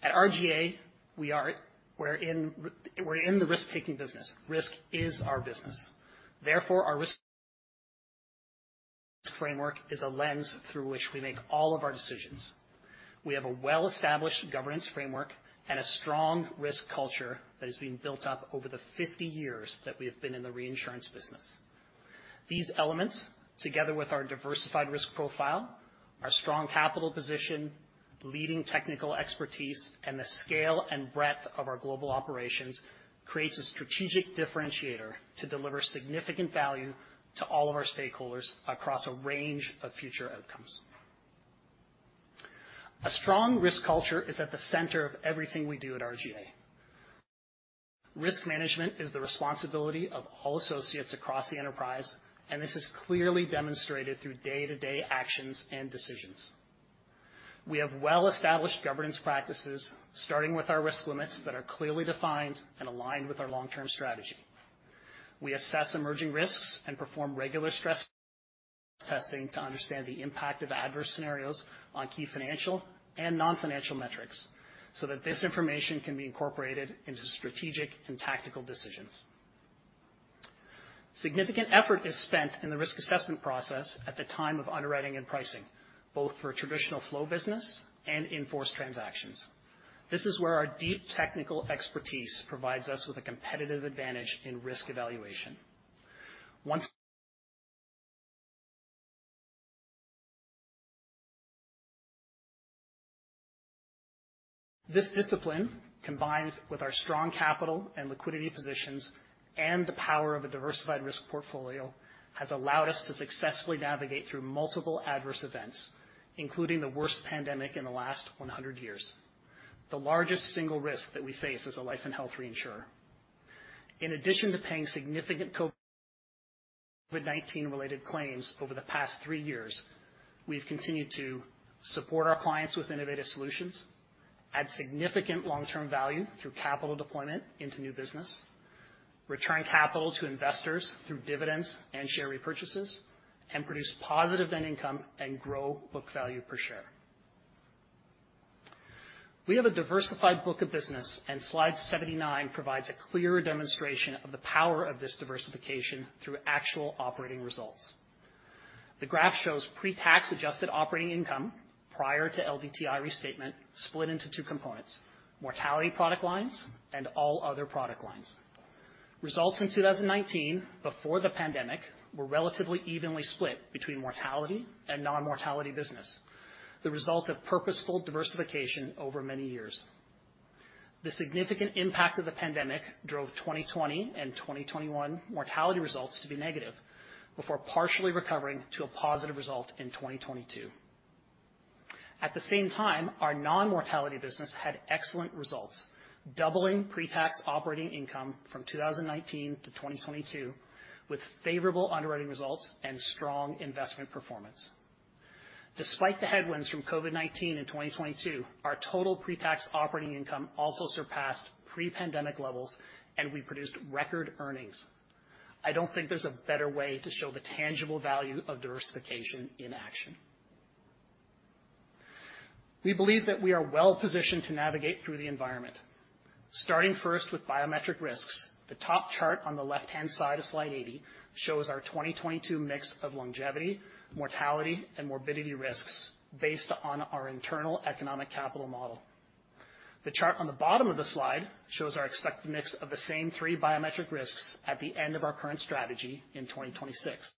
At RGA, we're in the risk-taking business. Risk is our business. Therefore, our risk framework is a lens through which we make all of our decisions. We have a well-established governance framework and a strong risk culture that has been built up over the 50 years that we have been in the reinsurance business. These elements, together with our diversified risk profile, our strong capital position, leading technical expertise, and the scale and breadth of our global operations, creates a strategic differentiator to deliver significant value to all of our stakeholders across a range of future outcomes. A strong risk culture is at the center of everything we do at RGA. Risk management is the responsibility of all associates across the enterprise. This is clearly demonstrated through day-to-day actions and decisions. We have well-established governance practices, starting with our risk limits that are clearly defined and aligned with our long-term strategy. We assess emerging risks and perform regular stress testing to understand the impact of adverse scenarios on key financial and non-financial metrics. That this information can be incorporated into strategic and tactical decisions. Significant effort is spent in the risk assessment process at the time of underwriting and pricing, both for traditional flow business and in-force transactions. This is where our deep technical expertise provides us with a competitive advantage in risk evaluation. This discipline, combined with our strong capital and liquidity positions and the power of a diversified risk portfolio, has allowed us to successfully navigate through multiple adverse events, including the worst pandemic in the last 100 years, the largest single risk that we face as a life and health reinsurer. In addition to paying significant COVID-19 related claims over the past three years, we've continued to support our clients with innovative solutions, add significant long-term value through capital deployment into new business, return capital to investors through dividends and share repurchases, and produce positive net income and grow book value per share. We have a diversified book of business, slide 79 provides a clear demonstration of the power of this diversification through actual operating results. The graph shows pre-tax adjusted operating income prior to LDTI restatement, split into two components, mortality product lines and all other product lines. Results in 2019, before the pandemic, were relatively evenly split between mortality and non-mortality business, the result of purposeful diversification over many years. The significant impact of the pandemic drove 2020 and 2021 mortality results to be negative, before partially recovering to a positive result in 2022. At the same time, our non-mortality business had excellent results, doubling pre-tax operating income from 2019-2022, with favorable underwriting results and strong investment performance. Despite the headwinds from COVID-19 in 2022, our total pre-tax operating income also surpassed pre-pandemic levels, and we produced record earnings. I don't think there's a better way to show the tangible value of diversification in action. We believe that we are well positioned to navigate through the environment. Starting first with biometric risks, the top chart on the left-hand side of slide 80 shows our 2022 mix of longevity, mortality, and morbidity risks based on our internal economic capital model. The chart on the bottom of the slide shows our expected mix of the same three biometric risks at the end of our current strategy in 2026.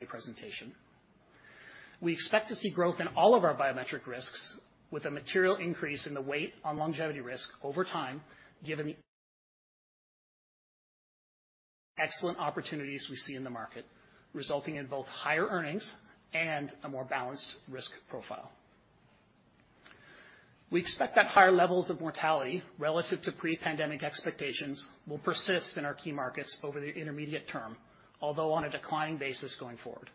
The presentation. We expect to see growth in all of our biometric risks with a material increase in the weight on longevity risk over time, given the excellent opportunities we see in the market, resulting in both higher earnings and a more balanced risk profile. We expect that higher levels of mortality relative to pre-pandemic expectations will persist in our key markets over the intermediate term, although on a declining basis going forward.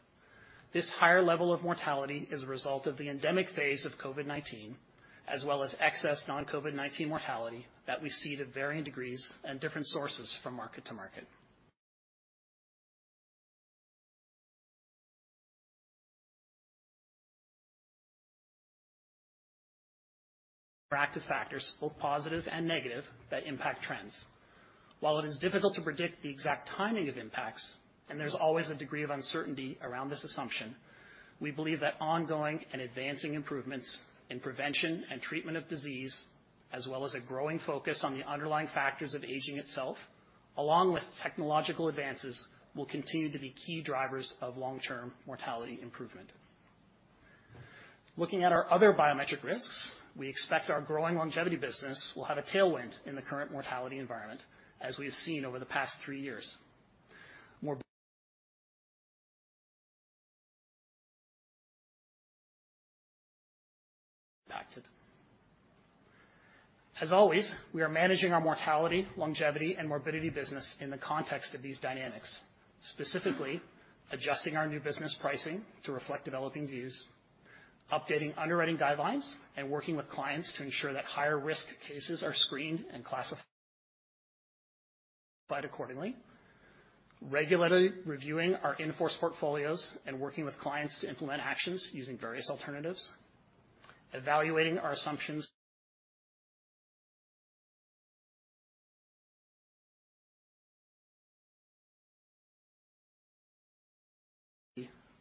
This higher level of mortality is a result of the endemic phase of COVID-19, as well as excess non-COVID-19 mortality that we see to varying degrees and different sources from market to market. Proactive factors, both positive and negative, that impact trends. While it is difficult to predict the exact timing of impacts, and there's always a degree of uncertainty around this assumption, we believe that ongoing and advancing improvements in prevention and treatment of disease, as well as a growing focus on the underlying factors of aging itself, along with technological advances, will continue to be key drivers of long-term mortality improvement. Looking at our other biometric risks, we expect our growing longevity business will have a tailwind in the current mortality environment, as we have seen over the past three years. As always, we are managing our mortality, longevity, and morbidity business in the context of these dynamics, specifically adjusting our new business pricing to reflect developing views, updating underwriting guidelines and working with clients to ensure that higher risk cases are screened and classified accordingly. Regularly reviewing our in-force portfolios and working with clients to implement actions using various alternatives. Evaluating our assumptions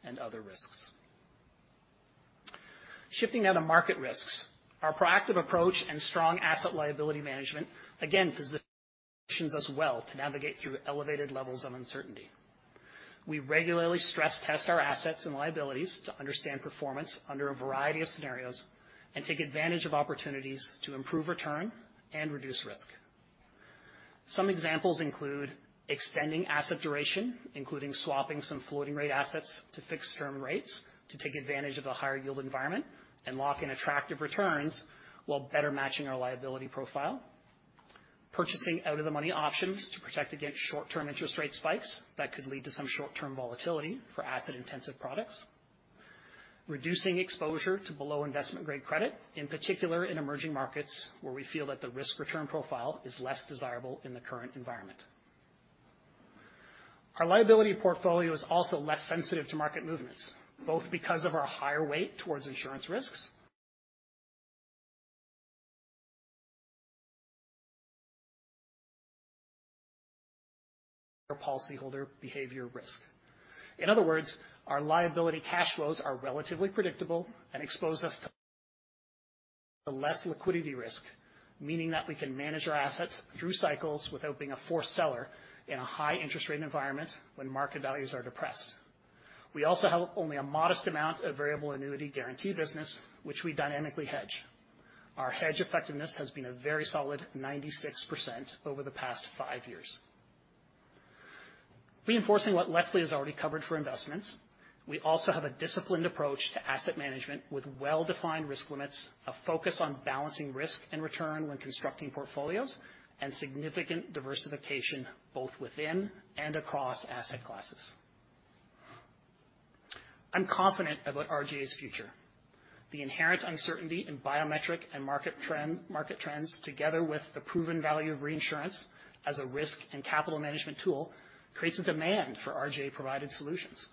and other risks. Shifting now to market risks. Our proactive approach and strong asset liability management again, positions us well to navigate through elevated levels of uncertainty. We regularly stress test our assets and liabilities to understand performance under a variety of scenarios and take advantage of opportunities to improve return and reduce risk. Some examples include extending asset duration, including swapping some floating rate assets to fixed term rates to take advantage of a higher yield environment and lock in attractive returns while better matching our liability profile. Purchasing out of the money options to protect against short-term interest rate spikes that could lead to some short-term volatility for asset-intensive products. Reducing exposure to below investment-grade credit, in particular in emerging markets, where we feel that the risk return profile is less desirable in the current environment. Our liability portfolio is also less sensitive to market movements, both because of our higher weight towards insurance risks or policyholder behavior risk. In other words, our liability cash flows are relatively predictable and expose us to less liquidity risk, meaning that we can manage our assets through cycles without being a forced seller in a high interest rate environment when market values are depressed. We also have only a modest amount of variable annuity guarantee business, which we dynamically hedge. Our hedge effectiveness has been a very solid 96% over the past five years. Reinforcing what Leslie has already covered for investments, we also have a disciplined approach to asset management with well-defined risk limits, a focus on balancing risk and return when constructing portfolios, and significant diversification both within and across asset classes. I'm confident about RGA's future. The inherent uncertainty in biometric and market trends, together with the proven value of reinsurance as a risk and capital management tool, creates a demand for RGA-provided solutions.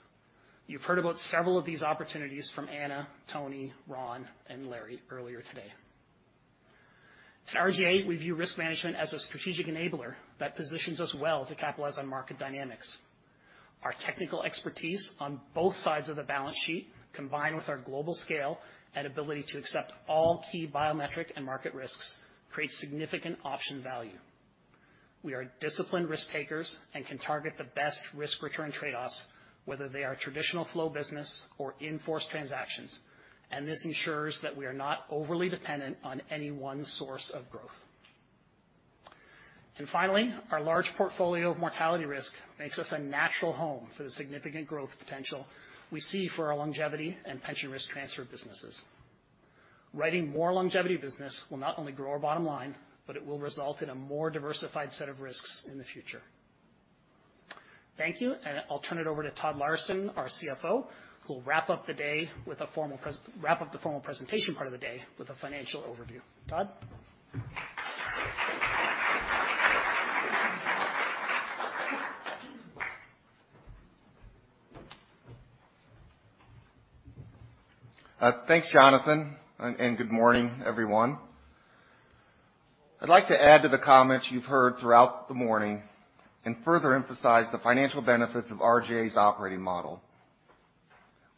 You've heard about several of these opportunities from Anna, Tony, Ron, and Larry earlier today. At RGA, we view risk management as a strategic enabler that positions us well to capitalize on market dynamics. Our technical expertise on both sides of the balance sheet, combined with our global scale and ability to accept all key biometric and market risks, creates significant option value. We are disciplined risk takers and can target the best risk return trade-offs, whether they are traditional flow business or in-force transactions. This ensures that we are not overly dependent on any one source of growth. Finally, our large portfolio of mortality risk makes us a natural home for the significant growth potential we see for our Longevity and Pension Risk Transfer businesses. Writing more longevity business will not only grow our bottom line, but it will result in a more diversified set of risks in the future. Thank you, and I'll turn it over to Todd Larson, our CFO, who will wrap up the day with a formal presentation part of the day with a financial overview. Todd? Thanks, Jonathan, and good morning, everyone. I'd like to add to the comments you've heard throughout the morning and further emphasize the financial benefits of RGA's operating model.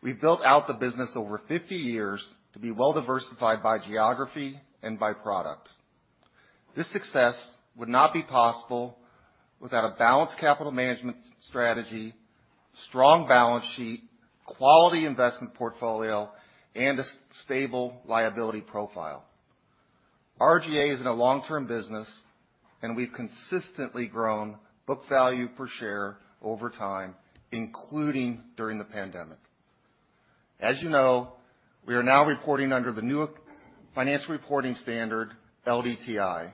We've built out the business over 50 years to be well-diversified by geography and by product. This success would not be possible without a balanced capital management strategy, strong balance sheet, quality investment portfolio, and a stable liability profile. RGA is in a long-term business, and we've consistently grown book value per share over time, including during the pandemic. As you know, we are now reporting under the new financial reporting standard, LDTI,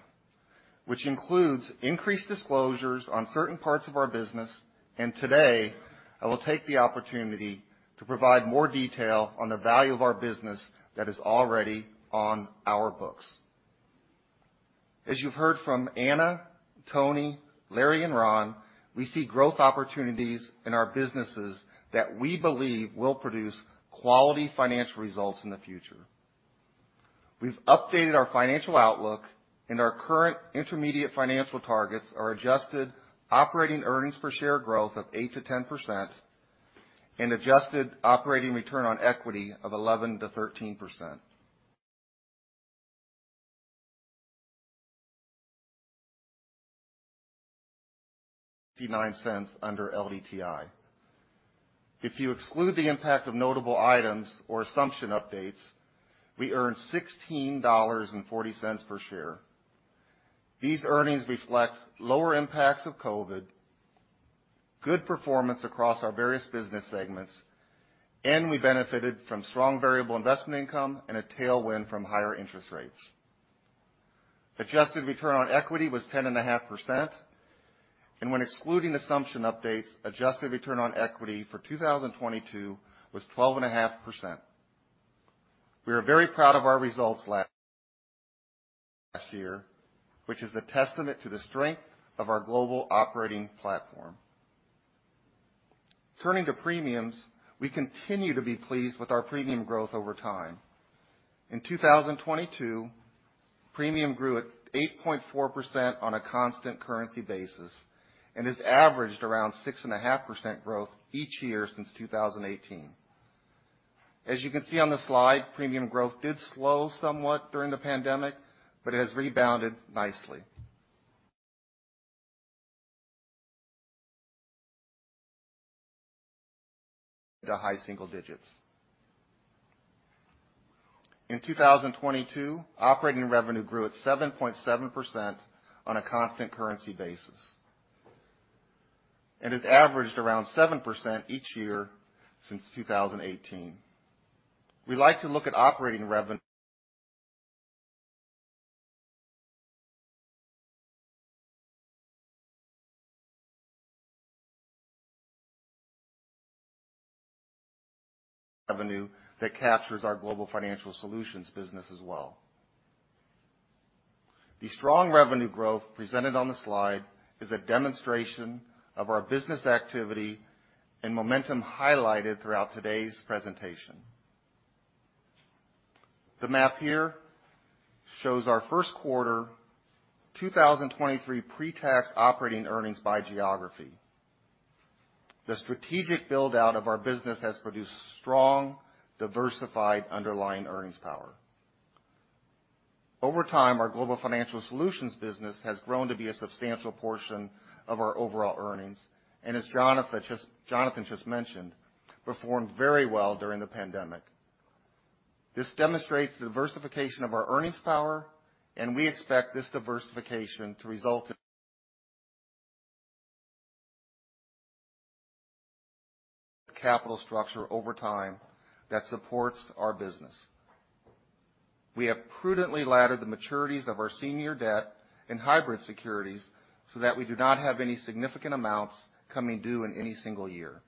which includes increased disclosures on certain parts of our business, and today, I will take the opportunity to provide more detail on the value of our business that is already on our books. As you've heard from Anna, Tony, Larry, and Ron, we see growth opportunities in our businesses that we believe will produce quality financial results in the future. We've updated our financial outlook, and our current intermediate financial targets are adjusted operating earnings per share growth of 8%-10% and adjusted operating return on equity of 11%-13%. $0.69 under LDTI. If you exclude the impact of notable items or assumption updates, we earned $16.40 per share. These earnings reflect lower impacts of COVID-19, good performance across our various business segments, and we benefited from strong variable investment income and a tailwind from higher interest rates. Adjusted return on equity was 10.5%, and when excluding assumption updates, adjusted return on equity for 2022 was 12.5%. We are very proud of our results last year, which is a testament to the strength of our global operating platform. Turning to premiums, we continue to be pleased with our premium growth over time. In 2022, premium grew at 8.4% on a constant currency basis and has averaged around 6.5% growth each year since 2018. As you can see on the slide, premium growth did slow somewhat during the pandemic, but it has rebounded nicely to high single digits. In 2022, operating revenue grew at 7.7% on a constant currency basis, and has averaged around 7% each year since 2018. We like to look at operating revenue that captures our Global Financial Solutions business as well. The strong revenue growth presented on the slide is a demonstration of our business activity and momentum highlighted throughout today's presentation. The map here shows our first quarter 2023 pre-tax operating earnings by geography. The strategic build-out of our business has produced strong, diversified, underlying earnings power. Over time, our Global Financial Solutions business has grown to be a substantial portion of our overall earnings, and as Jonathan just mentioned, performed very well during the pandemic. This demonstrates the diversification of our earnings power, we expect this diversification to result in- -capital structure over time that supports our business. We have prudently laddered the maturities of our senior debt and hybrid securities so that we do not have any significant amounts coming due in any single year.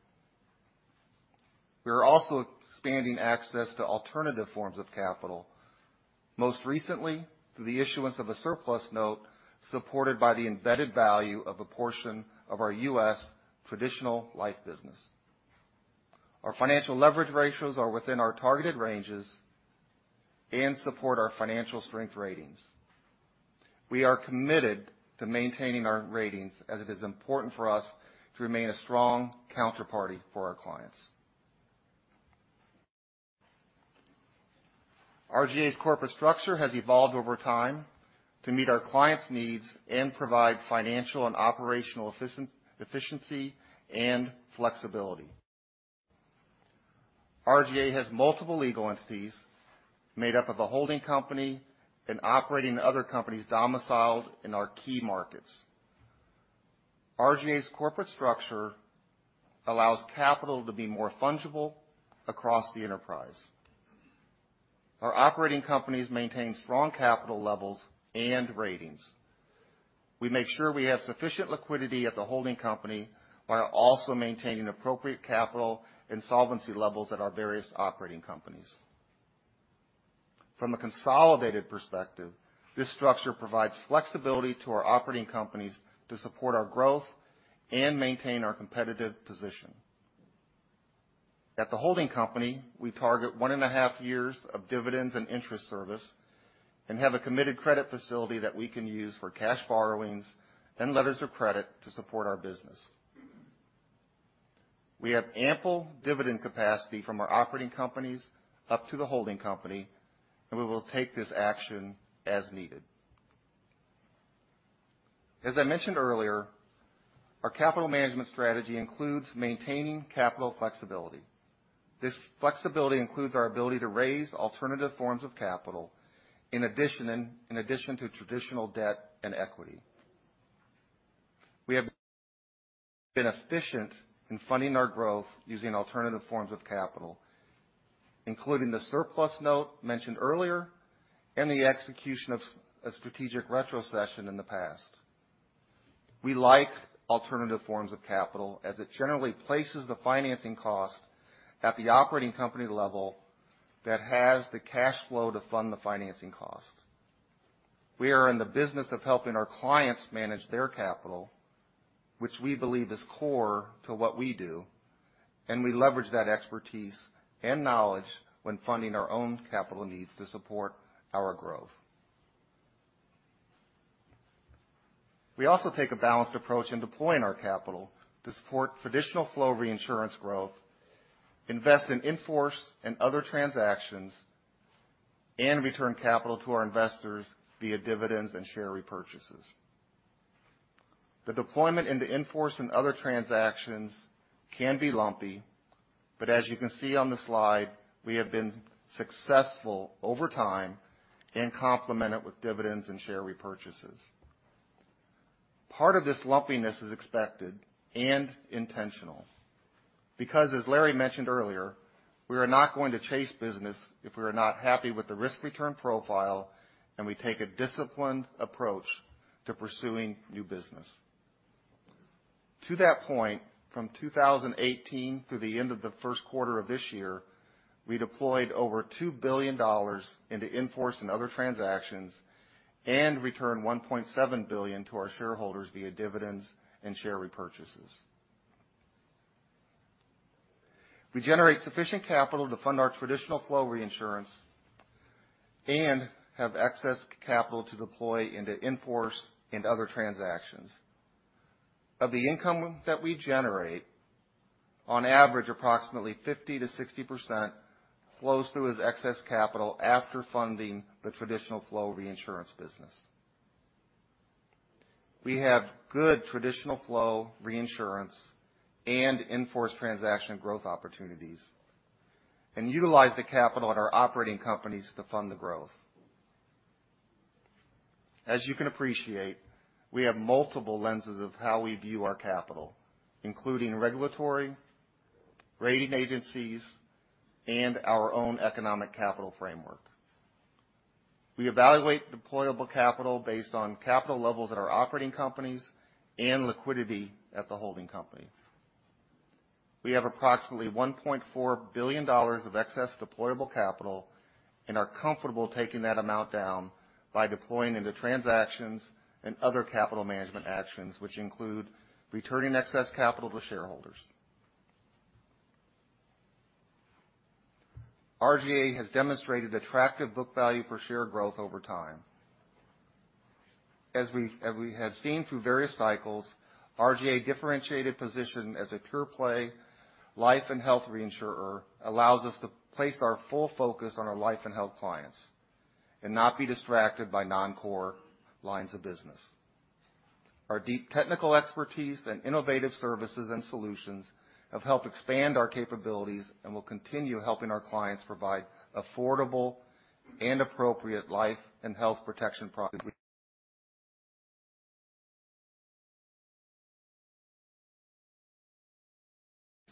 We are also expanding access to alternative forms of capital, most recently, through the issuance of a surplus note, supported by the embedded value of a portion of our U.S. traditional life business. Our financial leverage ratios are within our targeted ranges and support our financial strength ratings. We are committed to maintaining our ratings as it is important for us to remain a strong counterparty for our clients. RGA's corporate structure has evolved over time to meet our clients' needs and provide financial and operational efficiency and flexibility. RGA has multiple legal entities made up of a holding company and operating other companies domiciled in our key markets. RGA's corporate structure allows capital to be more fungible across the enterprise. Our operating companies maintain strong capital levels and ratings. We make sure we have sufficient liquidity at the holding company, while also maintaining appropriate capital and solvency levels at our various operating companies. From a consolidated perspective, this structure provides flexibility to our operating companies to support our growth and maintain our competitive position. At the holding company, we target one and a half years of dividends and interest service, and have a committed credit facility that we can use for cash borrowings and letters of credit to support our business. We have ample dividend capacity from our operating companies up to the holding company. We will take this action as needed. As I mentioned earlier, our capital management strategy includes maintaining capital flexibility. This flexibility includes our ability to raise alternative forms of capital in addition to traditional debt and equity. We have been efficient in funding our growth using alternative forms of capital, including the surplus note mentioned earlier and the execution of a strategic retro session in the past. We like alternative forms of capital as it generally places the financing cost at the operating company level that has the cash flow to fund the financing cost. We are in the business of helping our clients manage their capital, which we believe is core to what we do. We leverage that expertise and knowledge when funding our own capital needs to support our growth. We also take a balanced approach in deploying our capital to support traditional flow reinsurance growth, invest in in-force and other transactions, and return capital to our investors via dividends and share repurchases. The deployment into in-force and other transactions can be lumpy, but as you can see on the slide, we have been successful over time and complement it with dividends and share repurchases. Part of this lumpiness is expected and intentional, because as Larry mentioned earlier, we are not going to chase business if we are not happy with the risk-return profile, and we take a disciplined approach to pursuing new business. To that point, from 2018 through the end of the first quarter of this year, we deployed over $2 billion into in-force and other transactions, and returned $1.7 billion to our shareholders via dividends and share repurchases. We generate sufficient capital to fund our traditional flow reinsurance and have excess capital to deploy into in-force and other transactions. Of the income that we generate, on average, approximately 50%-60% flows through as excess capital after funding the traditional flow reinsurance business. We have good traditional flow reinsurance and in-force transaction growth opportunities, utilize the capital at our operating companies to fund the growth. As you can appreciate, we have multiple lenses of how we view our capital, including regulatory, rating agencies, and our own economic capital framework. We evaluate deployable capital based on capital levels at our operating companies and liquidity at the holding company. We have approximately $1.4 billion of excess deployable capital and are comfortable taking that amount down by deploying into transactions and other capital management actions, which include returning excess capital to shareholders. RGA has demonstrated attractive book value per share growth over time. As we have seen through various cycles, RGA differentiated position as a pure play, life and health reinsurer allows us to place our full focus on our life and health clients, and not be distracted by non-core lines of business. Our deep technical expertise and innovative services and solutions have helped expand our capabilities and will continue helping our clients provide affordable and appropriate life and health protection products,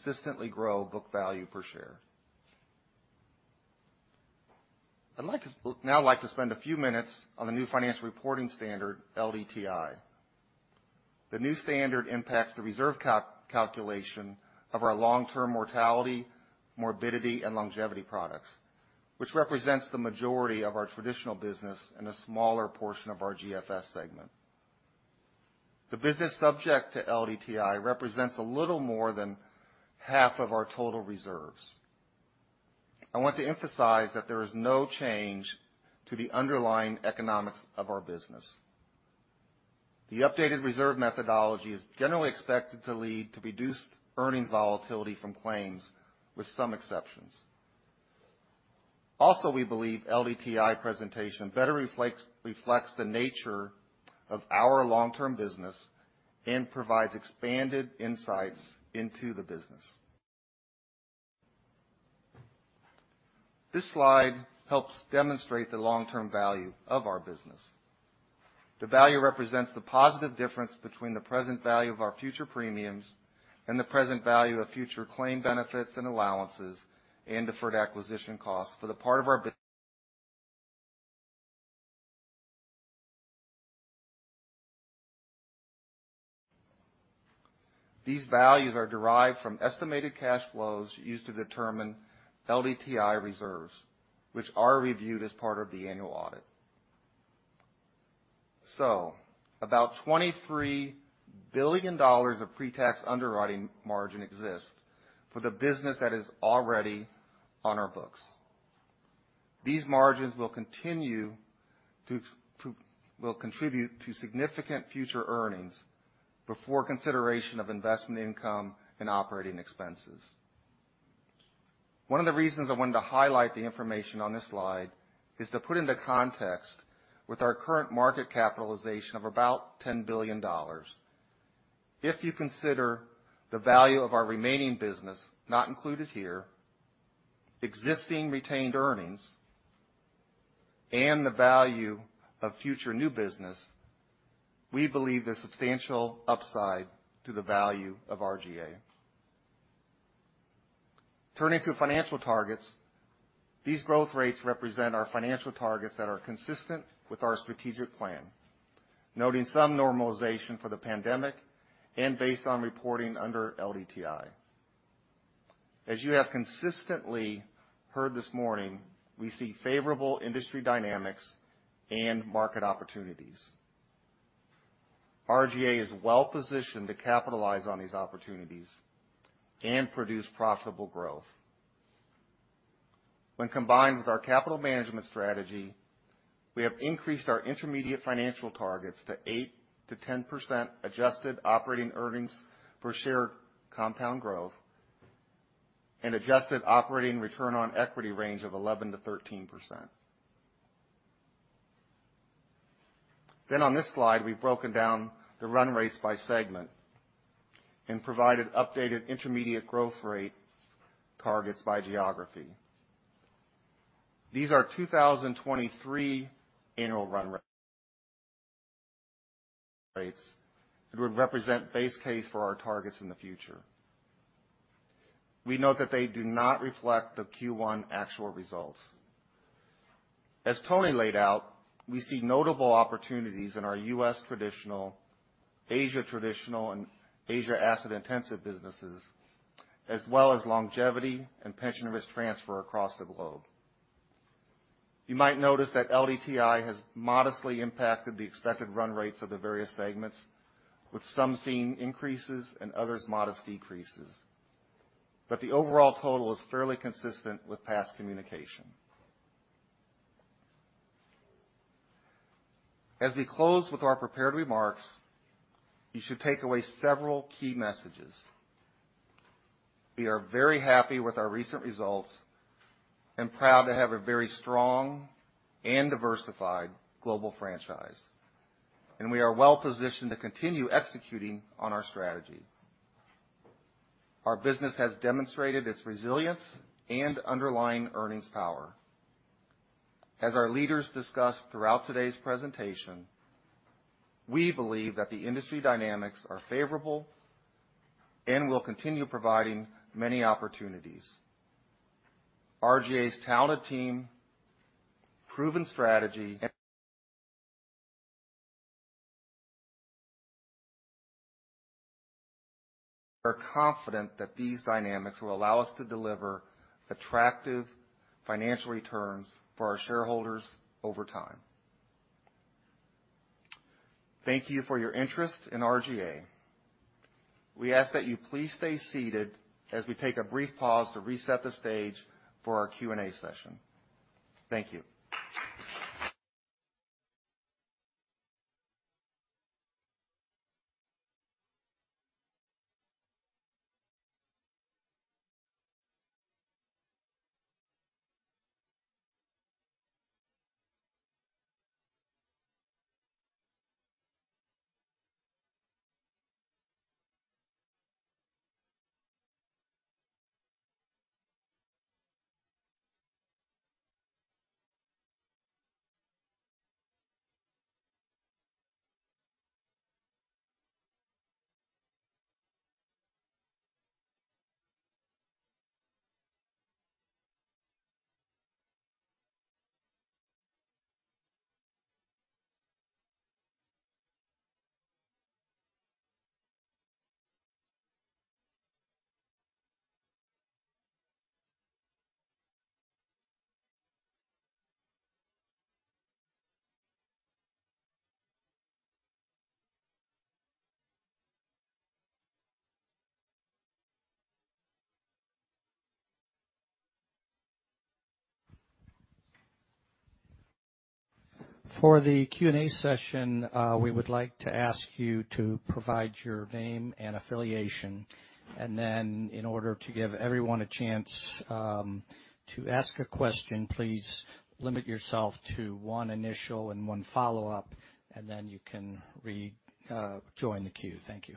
consistently grow book value per share. Now I'd like to spend a few minutes on the new financial reporting standard, LDTI. The new standard impacts the reserve calculation of our long-term mortality, morbidity, and longevity products, which represents the majority of our traditional business and a smaller portion of our GFS segment. The business subject to LDTI represents a little more than half of our total reserves. I want to emphasize that there is no change to the underlying economics of our business. The updated reserve methodology is generally expected to lead to reduced earnings volatility from claims, with some exceptions. We believe LDTI presentation better reflects the nature of our long-term business and provides expanded insights into the business. This slide helps demonstrate the long-term value of our business. The value represents the positive difference between the present value of our future premiums and the present value of future claim benefits and allowances and deferred acquisition costs for the part of our. These values are derived from estimated cash flows used to determine LDTI reserves, which are reviewed as part of the annual audit. About $23 billion of pre-tax underwriting margin exists for the business that is already on our books. These margins will continue to contribute to significant future earnings before consideration of investment income and operating expenses. One of the reasons I wanted to highlight the information on this slide is to put into context with our current market capitalization of about $10 billion. If you consider the value of our remaining business, not included here, existing retained earnings and the value of future new business, we believe there's substantial upside to the value of RGA. Turning to financial targets, these growth rates represent our financial targets that are consistent with our strategic plan, noting some normalization for the pandemic and based on reporting under LDTI. As you have consistently heard this morning, we see favorable industry dynamics and market opportunities. RGA is well positioned to capitalize on these opportunities and produce profitable growth. When combined with our capital management strategy, we have increased our intermediate financial targets to 8%-10% adjusted operating earnings per share compound growth, and adjusted operating return on equity range of 11%-13%. On this slide, we've broken down the run rates by segment and provided updated intermediate growth rates targets by geography. These are 2023 annual run rates that would represent base case for our targets in the future. We note that they do not reflect the Q1 actual results. Tony Cheng laid out, we see notable opportunities in our U.S. Traditional, Asia Traditional, and Asia Asset-Intensive businesses, as well as Longevity and Pension Risk Transfer across the globe. You might notice that LDTI has modestly impacted the expected run rates of the various segments, with some seeing increases and others modest decreases. The overall total is fairly consistent with past communication. As we close with our prepared remarks, you should take away several key messages. We are very happy with our recent results and proud to have a very strong and diversified global franchise, and we are well positioned to continue executing on our strategy. Our business has demonstrated its resilience and underlying earnings power. As our leaders discussed throughout today's presentation, we believe that the industry dynamics are favorable and will continue providing many opportunities. RGA's talented team, proven strategy, and are confident that these dynamics will allow us to deliver attractive financial returns for our shareholders over time. Thank you for your interest in RGA. We ask that you please stay seated as we take a brief pause to reset the stage for our Q&A session. Thank you. For the Q&A session, we would like to ask you to provide your name and affiliation, and then in order to give everyone a chance, to ask a question, please limit yourself to one initial and one follow-up, and then you can join the queue. Thank you.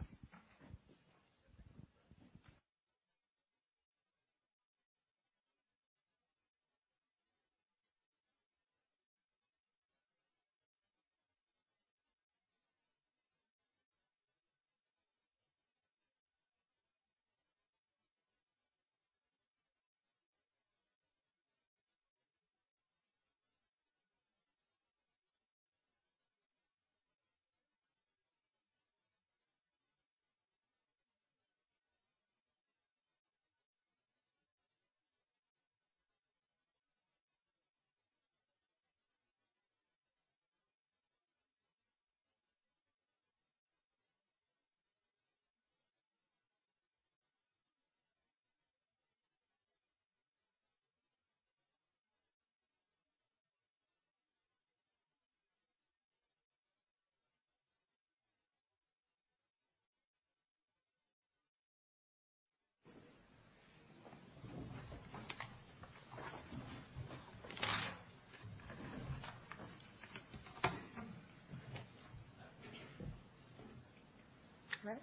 All right,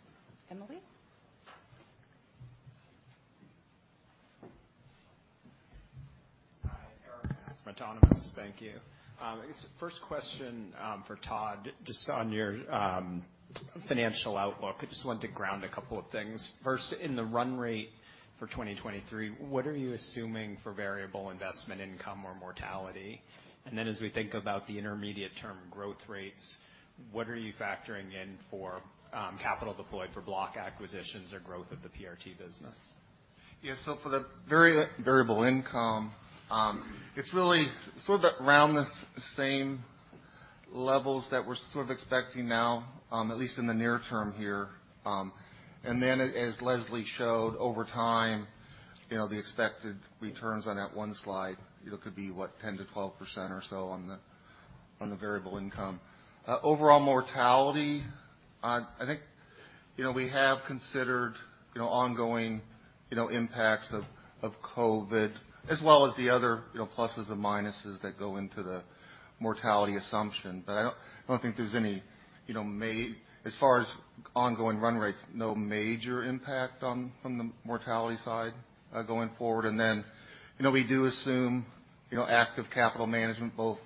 Emily? Autonomous. Thank you. I guess, first question, for Todd, just on your financial outlook. I just want to ground a couple of things. First, in the run rate for 2023, what are you assuming for variable investment income or mortality? Then as we think about the intermediate term growth rates, what are you factoring in for capital deployed for block acquisitions or growth of the PRT business? So for the very variable income, it's really sort of around the same levels that we're sort of expecting now, at least in the near term here. As Leslie showed over time, you know, the expected returns on that one slide, it could be, what, 10%-12% or so on the variable income. Overall mortality, I think, you know, we have considered, you know, ongoing, you know, impacts of COVID, as well as the other, you know, pluses and minuses that go into the mortality assumption. I don't think there's any, you know, as far as ongoing run rates, no major impact on from the mortality side, going forward. You know, we do assume, you know, active capital management, both,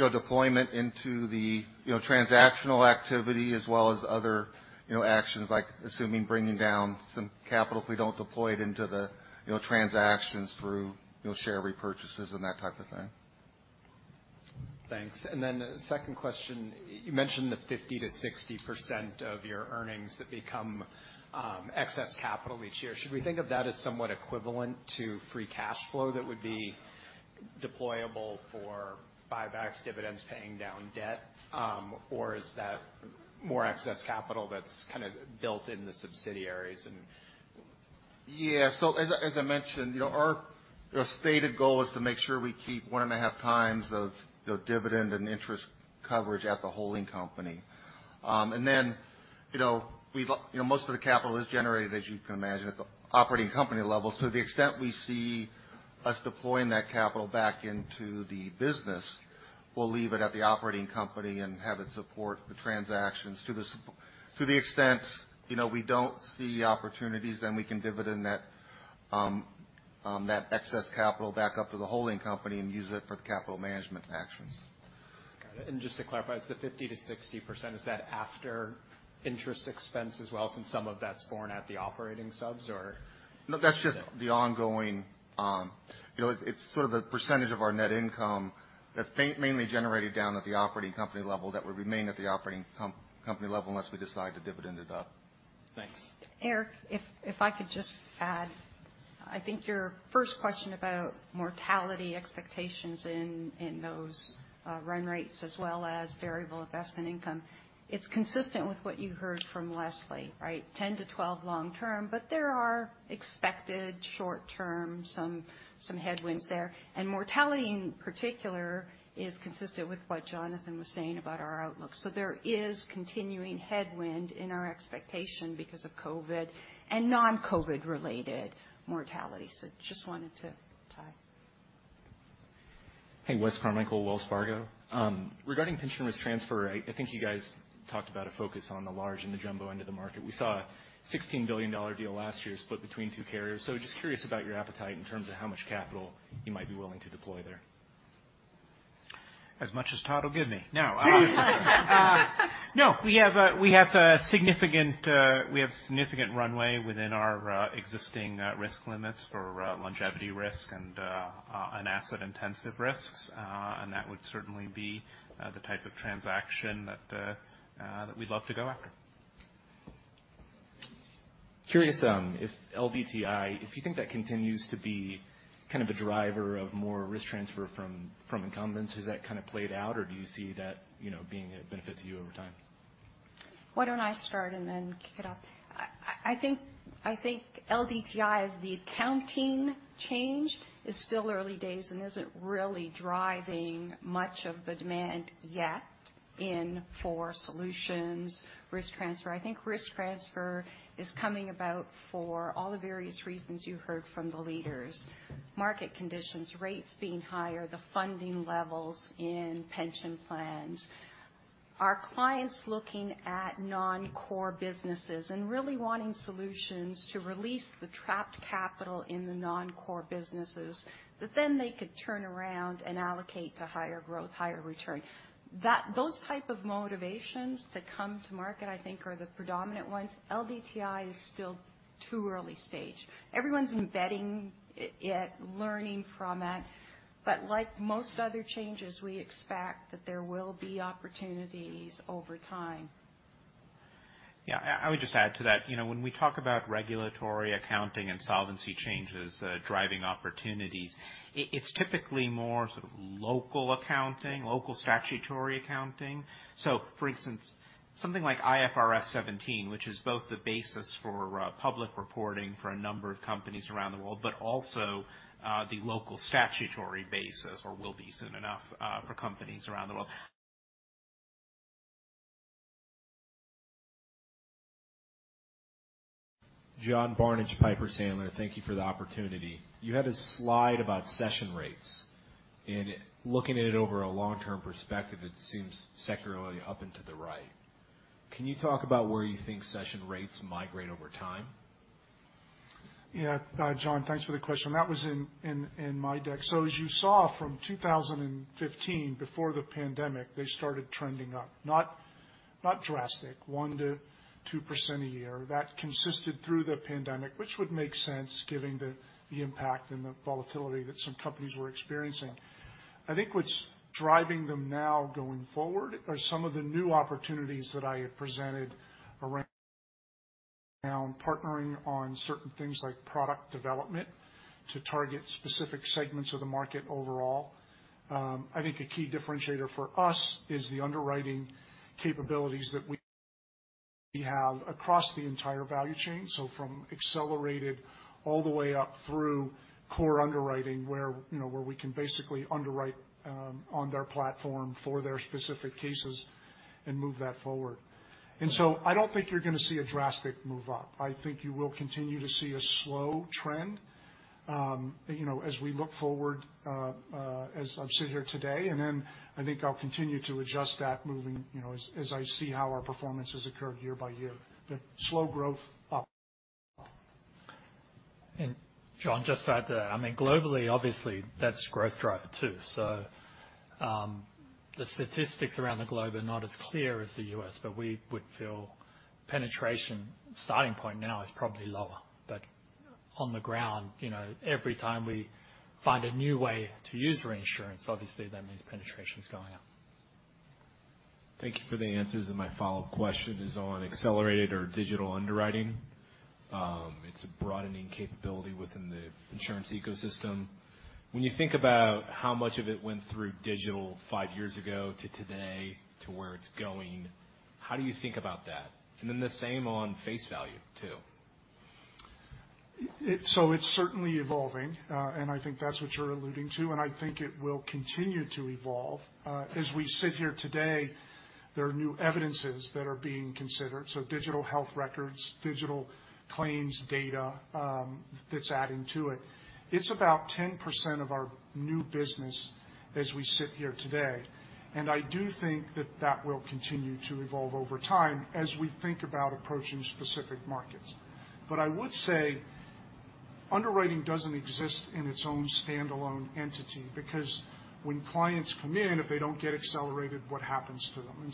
you know, deployment into the, you know, transactional activity as well as other, you know, actions like assuming bringing down some capital if we don't deploy it into the, you know, transactions through, you know, share repurchases and that type of thing. Thanks. The second question: You mentioned the 50%-60% of your earnings that become excess capital each year. Should we think of that as somewhat equivalent to free cash flow that would be deployable for buybacks, dividends, paying down debt, or is that more excess capital that's kind of built in the subsidiaries? Yeah. As I, as I mentioned, you know, the stated goal is to make sure we keep one and a half times of the dividend and interest coverage at the holding company. You know, we've, you know, most of the capital is generated, as you can imagine, at the operating company level. To the extent we see us deploying that capital back into the business, we'll leave it at the operating company and have it support the transactions. To the extent, you know, we don't see opportunities, we can dividend that excess capital back up to the holding company and use it for capital management actions. Got it. Just to clarify, is the 50%-60%, is that after interest expense as well, since some of that's borne at the operating subs, or? No, that's just the ongoing, you know, it's sort of the percentage of our net income that's mainly generated down at the operating company level, that would remain at the operating company level unless we decide to dividend it up. Thanks. Eric, if I could just add, I think your first question about mortality expectations in those run rates as well as variable investment income, it's consistent with what you heard from Leslie, right? 10-12 long term, but there are expected short term, some headwinds there. Mortality, in particular, is consistent with what Jonathan was saying about our outlook. There is continuing headwind in our expectation because of COVID and non-COVID related mortality. Just wanted to tie. Hey, Wes Carmichael, Wells Fargo. Regarding Pension Risk Transfer, I think you guys talked about a focus on the large and the jumbo end of the market. We saw a $16 billion deal last year split between two carriers. Just curious about your appetite in terms of how much capital you might be willing to deploy there? As much as Todd will give me. No, no, we have a significant, we have significant runway within our, existing, risk limits for, longevity risk and, asset-intensive risks. That would certainly be, the type of transaction that we'd love to go after. Curious, if LDTI, if you think that continues to be kind of a driver of more risk transfer from incumbents, has that kind of played out, or do you see that, you know, being a benefit to you over time? Why don't I start and then kick it off? I think LDTI as the accounting change is still early days and isn't really driving much of the demand yet in for solutions, risk transfer. I think risk transfer is coming about for all the various reasons you heard from the leaders. Market conditions, rates being higher, the funding levels in pension plans, our clients looking at non-core businesses and really wanting solutions to release the trapped capital in the non-core businesses, that then they could turn around and allocate to higher growth, higher return. those type of motivations that come to market, I think, are the predominant ones. LDTI is still too early stage. Everyone's embedding it, learning from it, but like most other changes, we expect that there will be opportunities over time. Yeah, I would just add to that. You know, when we talk about regulatory accounting and solvency changes, driving opportunities, it's typically more sort of local accounting, local statutory accounting. For instance, something like IFRS 17, which is both the basis for public reporting for a number of companies around the world, but also the local statutory basis, or will be soon enough, for companies around the world. John Barnidge, Piper Sandler, thank you for the opportunity. You had a slide about cession rates, and looking at it over a long-term perspective, it seems secularly up and to the right. Can you talk about where you think cession rates migrate over time? John, thanks for the question. That was in my deck. As you saw from 2015, before the pandemic, they started trending up. Not drastic, 1%-2% a year. That consisted through the pandemic, which would make sense, given the impact and the volatility that some companies were experiencing. I think what's driving them now going forward are some of the new opportunities that I have presented around partnering on certain things like product development to target specific segments of the market overall. I think a key differentiator for us is the underwriting capabilities that we have across the entire value chain. From accelerated all the way up through core underwriting, where, you know, we can basically underwrite on their platform for their specific cases and move that forward. I don't think you're going to see a drastic move up. I think you will continue to see a slow trend, you know, as we look forward, as I've sit here today, and then I think I'll continue to adjust that moving, you know, as I see how our performance has occurred year by year, the slow growth up. John, just to add to that, I mean, globally, obviously, that's growth driver, too. The statistics around the globe are not as clear as the U.S., but we would feel penetration starting point now is probably lower. On the ground, you know, every time we find a new way to use reinsurance, obviously, that means penetration is going up. Thank you for the answers. My follow-up question is on accelerated or digital underwriting. It's a broadening capability within the insurance ecosystem. When you think about how much of it went through digital five years ago to today to where it's going, how do you think about that? Then the same on face value, too. It's certainly evolving, and I think that's what you're alluding to, and I think it will continue to evolve. As we sit here today, there are new evidences that are being considered. Digital health records, digital claims data, that's adding to it. It's about 10% of our new business as we sit here today, and I do think that that will continue to evolve over time as we think about approaching specific markets. I would say underwriting doesn't exist in its own standalone entity, because when clients come in, if they don't get accelerated, what happens to them?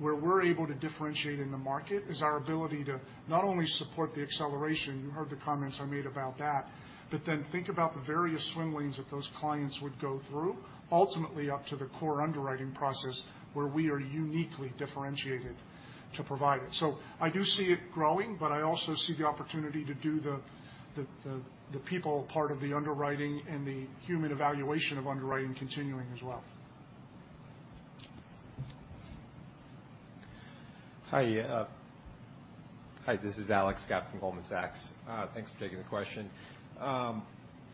Where we're able to differentiate in the market is our ability to not only support the acceleration, you heard the comments I made about that, but then think about the various swim lanes that those clients would go through, ultimately up to the core underwriting process, where we are uniquely differentiated to provide it. I do see it growing, but I also see the opportunity to do the people part of the underwriting and the human evaluation of underwriting continuing as well. Hi, this is Alex Scott from Goldman Sachs. Thanks for taking the question.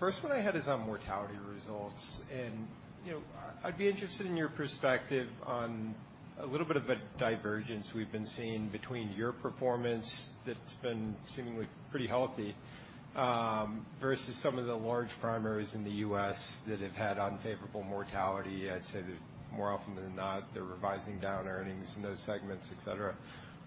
First one I had is on mortality results, and, you know, I'd be interested in your perspective on a little bit of a divergence we've been seeing between your performance that's been seemingly pretty healthy versus some of the large primaries in the U.S. that have had unfavorable mortality. I'd say that more often than not, they're revising down earnings in those segments, et cetera.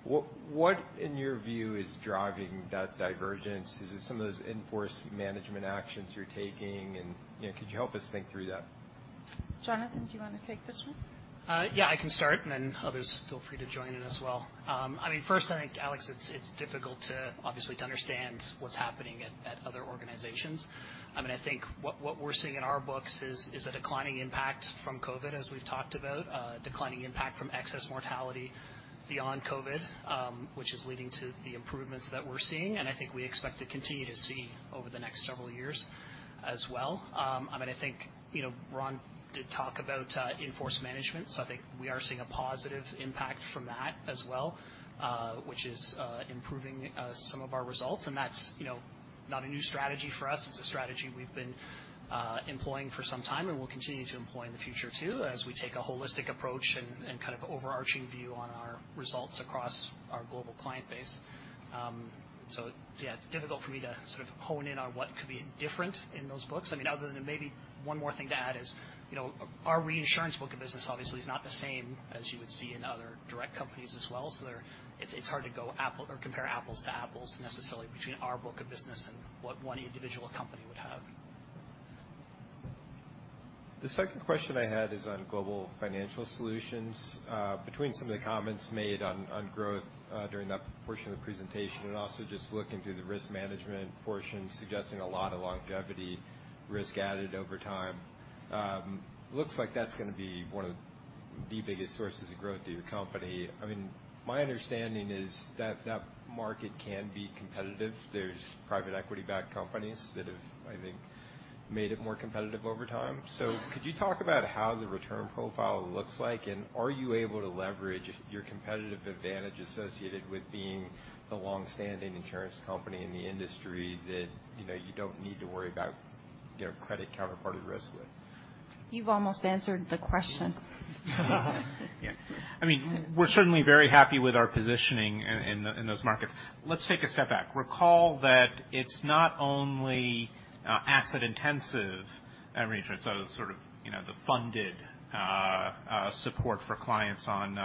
What, in your view, is driving that divergence? Is it some of those in-force management actions you're taking? You know, could you help us think through that? Jonathan, do you want to take this one? Yeah, I can start, and then others, feel free to join in as well. I mean, first, I think, Alex, it's difficult to, obviously, to understand what's happening at other organizations. I mean, I think what we're seeing in our books is a declining impact from COVID, as we've talked about, declining impact from excess mortality beyond COVID, which is leading to the improvements that we're seeing, and I think we expect to continue to see over the next several years as well. I mean, I think, you know, Ron did talk about in-force management, so I think we are seeing a positive impact from that as well, which is improving some of our results. That's, you know, not a new strategy for us. It's a strategy we've been employing for some time and will continue to employ in the future, too, as we take a holistic approach and kind of overarching view on our results across our global client base. Yeah, it's difficult for me to sort of hone in on what could be different in those books. I mean, other than maybe one more thing to add is, you know, our reinsurance book of business obviously is not the same as you would see in other direct companies as well. It's hard to compare apples to apples necessarily between our book of business and what one individual company would have. The second question I had is on Global Financial Solutions. Between some of the comments made on growth during that portion of the presentation and also just looking through the risk management portion, suggesting a lot of longevity risk added over time, looks like that's gonna be one of the biggest sources of growth to your company. I mean, my understanding is that that market can be competitive. There's private equity-backed companies that have, I think, made it more competitive over time. Could you talk about how the return profile looks like, and are you able to leverage your competitive advantage associated with being the long-standing insurance company in the industry that, you know, you don't need to worry about, you know, credit counterparty risk with? You've almost answered the question. Yeah. I mean, we're certainly very happy with our positioning in those markets. Let's take a step back. Recall that it's not only asset-intensive every insurance, so sort of, you know, the funded support for clients on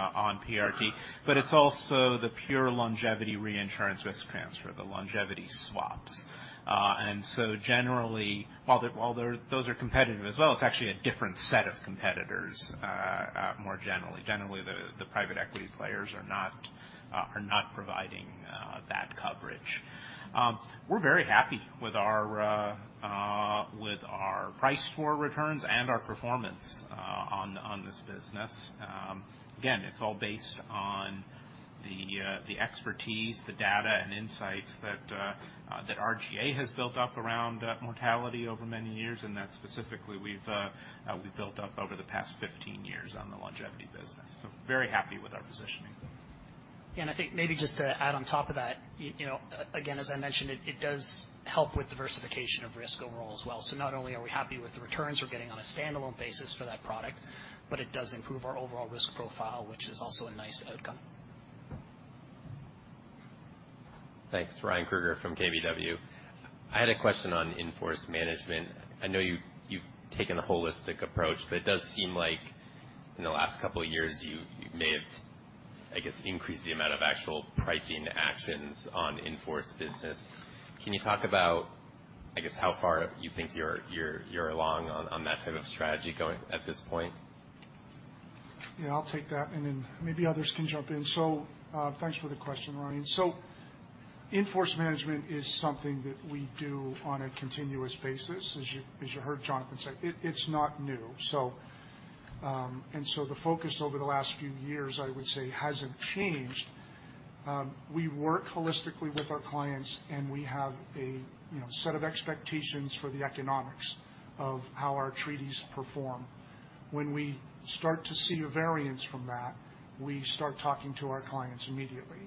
PRT, but it's also the pure longevity reinsurance risk transfer, the longevity swaps. Generally, while those are competitive as well, it's actually a different set of competitors more generally. Generally, the private equity players are not providing that coverage. We're very happy with our price for returns and our performance on this business. Again, it's all based on the expertise, the data, and insights that RGA has built up around mortality over many years, and that specifically we've built up over the past 15 years on the longevity business. Very happy with our positioning. I think maybe just to add on top of that, you know, again, as I mentioned, it does help with diversification of risk overall as well. Not only are we happy with the returns we're getting on a standalone basis for that product, but it does improve our overall risk profile, which is also a nice outcome. Thanks. Ryan Krueger from KBW. I had a question on in-force management. I know you've taken a holistic approach, but it does seem like in the last couple of years, you may have, I guess, increased the amount of actual pricing actions on in-force business. Can you talk about, I guess, how far you think you're along on that type of strategy going at this point? Yeah, I'll take that, and then maybe others can jump in. Thanks for the question, Ryan. In-force management is something that we do on a continuous basis. As you heard Jonathan say, it's not new. The focus over the last few years, I would say, hasn't changed. We work holistically with our clients, we have a, you know, set of expectations for the economics of how our treaties perform. When we start to see a variance from that, we start talking to our clients immediately.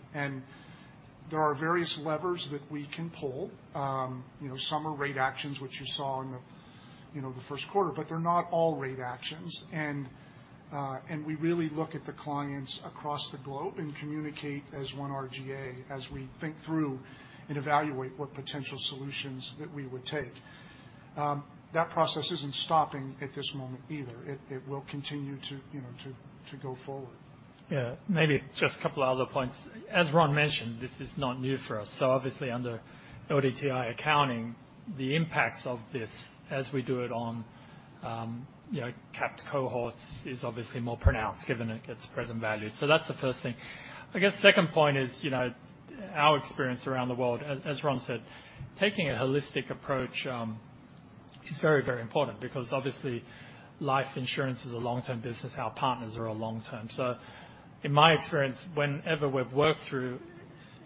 There are various levers that we can pull. You know, some are rate actions, which you saw in the, you know, the first quarter, but they're not all rate actions. We really look at the clients across the globe and communicate as one RGA, as we think through and evaluate what potential solutions that we would take. That process isn't stopping at this moment either. It will continue to, you know, to go forward. Yeah, maybe just a couple other points. As Ron mentioned, this is not new for us. Obviously, under LDTI accounting, the impacts of this as we do it on, you know, capped cohorts is obviously more pronounced, given it gets present value. That's the first thing. I guess second point is, you know, our experience around the world, as Ron said, taking a holistic approach, is very, very important because, obviously, life insurance is a long-term business. Our partners are long-term. In my experience, whenever we've worked through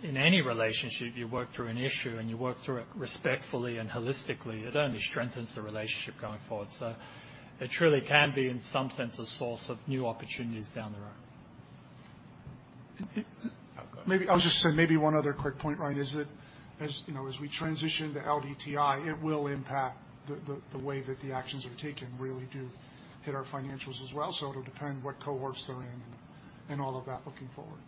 in any relationship, you work through an issue, and you work through it respectfully and holistically, it only strengthens the relationship going forward. It truly can be, in some sense, a source of new opportunities down the road. Maybe I'll just say maybe one other quick point, Ryan, is that as, you know, as we transition to LDTI, it will impact the way that the actions are taken really do hit our financials as well. It'll depend what cohorts they're in and all of that looking forward.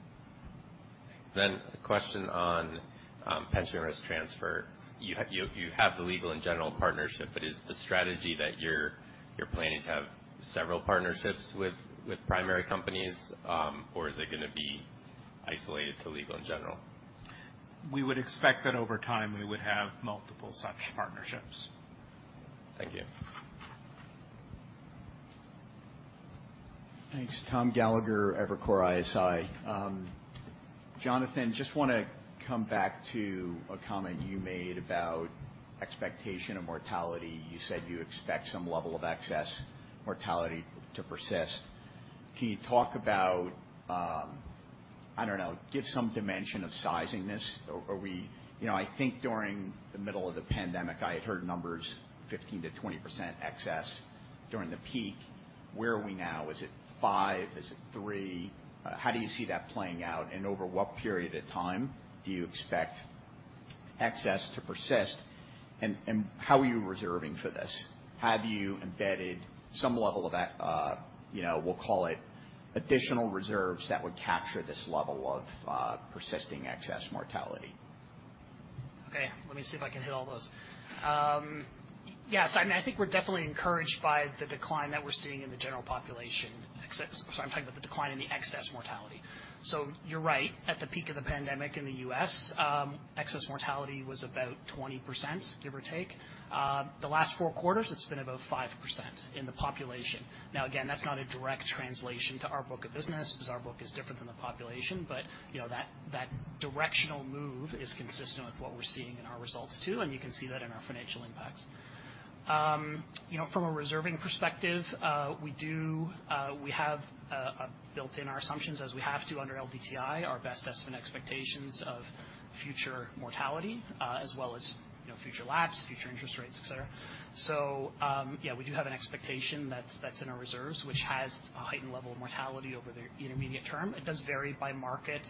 A question on Pension Risk Transfer. You have the Legal & General partnership, but is the strategy that you're planning to have several partnerships with primary companies, or is it gonna be isolated to Legal & General? We would expect that over time, we would have multiple such partnerships. Thank you. Thanks. Tom Gallagher, Evercore ISI. Jonathan, just want to come back to a comment you made about expectation of mortality. You said you expect some level of excess mortality to persist. Can you talk about, I don't know, give some dimension of sizing this? You know, I think during the middle of the pandemic, I had heard numbers 15%-20% excess during the peak. Where are we now? Is it 5%? Is it 3%? How do you see that playing out, and over what period of time do you expect excess to persist, and how are you reserving for this? Have you embedded some level of, you know, we'll call it additional reserves that would capture this level of persisting excess mortality? Let me see if I can hit all those. Yes, I mean, I think we're definitely encouraged by the decline that we're seeing in the general population sorry, I'm talking about the decline in the excess mortality. You're right. At the peak of the pandemic in the U.S., excess mortality was about 20%, give or take. The last four quarters, it's been about 5% in the population. Again, that's not a direct translation to our book of business, because our book is different than the population, but, you know, that directional move is consistent with what we're seeing in our results, too, and you can see that in our financial impacts. You know, from a reserving perspective, we do, we have built in our assumptions, as we have to under LDTI, our best estimate expectations of future mortality, as well as, you know, future lapse, future interest rates, et cetera. Yeah, we do have an expectation that's in our reserves, which has a heightened level of mortality over the intermediate term. It does vary by market,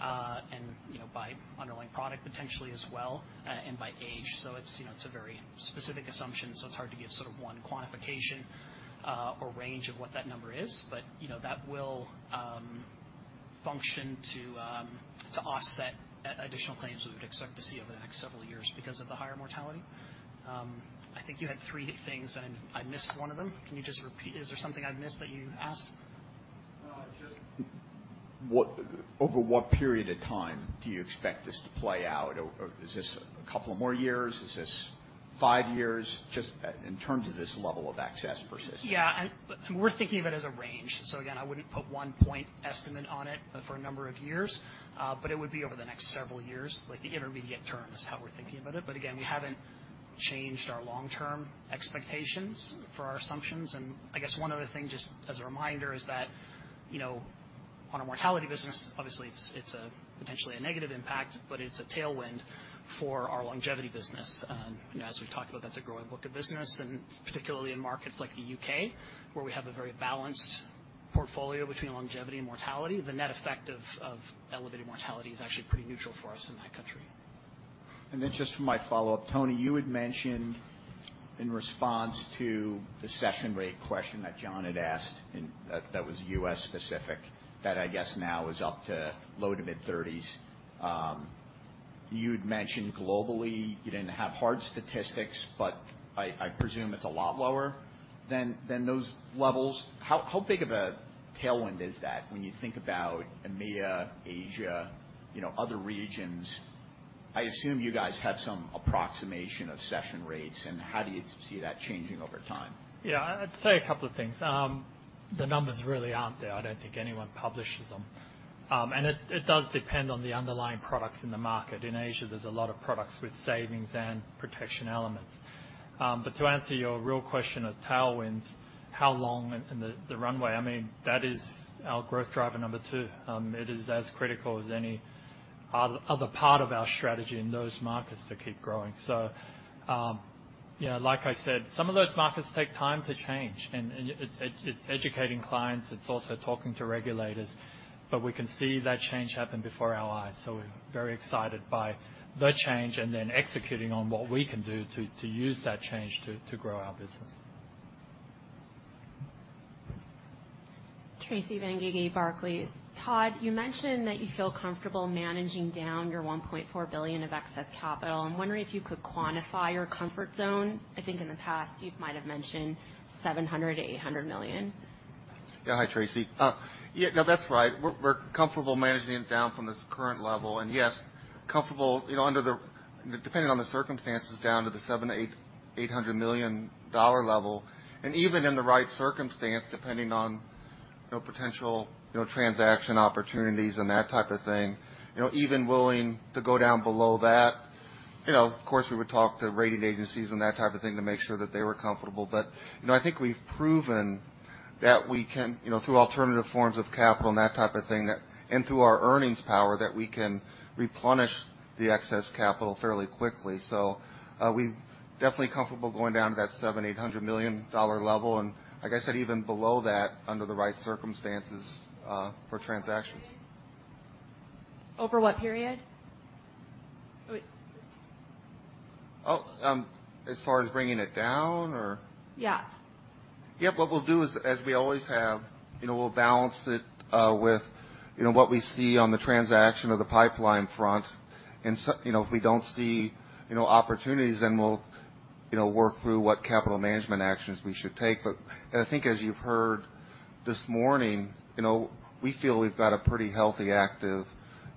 and, you know, by underlying product potentially as well, and by age. It's, you know, it's a very specific assumption, so it's hard to give sort of one quantification or range of what that number is. You know, that will function to offset additional claims we would expect to see over the next several years because of the higher mortality. I think you had three things, and I missed one of them. Can you just repeat? Is there something I missed that you asked? Just over what period of time do you expect this to play out? Or is this a couple of more years? Is this five years? Just in terms of this level of excess persisting. Yeah, we're thinking of it as a range. Again, I wouldn't put one point estimate on it for a number of years, but it would be over the next several years. Like, the intermediate term is how we're thinking about it. Again, we haven't changed our long-term expectations for our assumptions. I guess one other thing, just as a reminder, is that, you know, on a mortality business, obviously, it's a potentially a negative impact, but it's a tailwind for our longevity business. You know, as we've talked about, that's a growing book of business, and particularly in markets like the U.K., where we have a very balanced portfolio between longevity and mortality. The net effect of elevated mortality is actually pretty neutral for us in that country. Just for my follow-up, Tony, you had mentioned in response to the cession rate question that John had asked, and that was U.S.-specific, that I guess now is up to low to mid-30s. You'd mentioned globally, you didn't have hard statistics, but I presume it's a lot lower than those levels. How big of a tailwind is that when you think about EMEA, Asia, you know, other regions? I assume you guys have some approximation of cession rates, and how do you see that changing over time? Yeah, I'd say a couple of things. The numbers really aren't there. I don't think anyone publishes them. It does depend on the underlying products in the market. In Asia, there's a lot of products with savings and protection elements. To answer your real question of tailwinds, how long in the runway, I mean, that is our growth driver number two. It is as critical as are the part of our strategy in those markets to keep growing. Yeah, like I said, some of those markets take time to change, and it's educating clients, it's also talking to regulators. We can see that change happen before our eyes, we're very excited by the change and then executing on what we can do to use that change to grow our business. Tracy Benguigui, Barclays. Todd, you mentioned that you feel comfortable managing down your $1.4 billion of excess capital. I'm wondering if you could quantify your comfort zone. I think in the past, you might have mentioned $700 million-$800 million. Yeah. Hi, Tracy. Yeah, no, that's right. We're comfortable managing it down from this current level, and yes, comfortable, you know, under the Depending on the circumstances, down to the $700 million-$800 million level, and even in the right circumstance, depending on, you know, potential, you know, transaction opportunities and that type of thing, you know, even willing to go down below that. You know, of course, we would talk to rating agencies and that type of thing to make sure that they were comfortable. You know, I think we've proven that we can, you know, through alternative forms of capital and that type of thing, that, and through our earnings power, that we can replenish the excess capital fairly quickly. We definitely comfortable going down to that $700 million-$800 million level, and like I said, even below that, under the right circumstances, for transactions. Over what period? Wait. Oh, as far as bringing it down, or? Yeah. Yeah. What we'll do is, as we always have, you know, we'll balance it with, you know, what we see on the transaction or the pipeline front. If we don't see, you know, opportunities, then we'll, you know, work through what capital management actions we should take. I think as you've heard this morning, you know, we feel we've got a pretty healthy, active,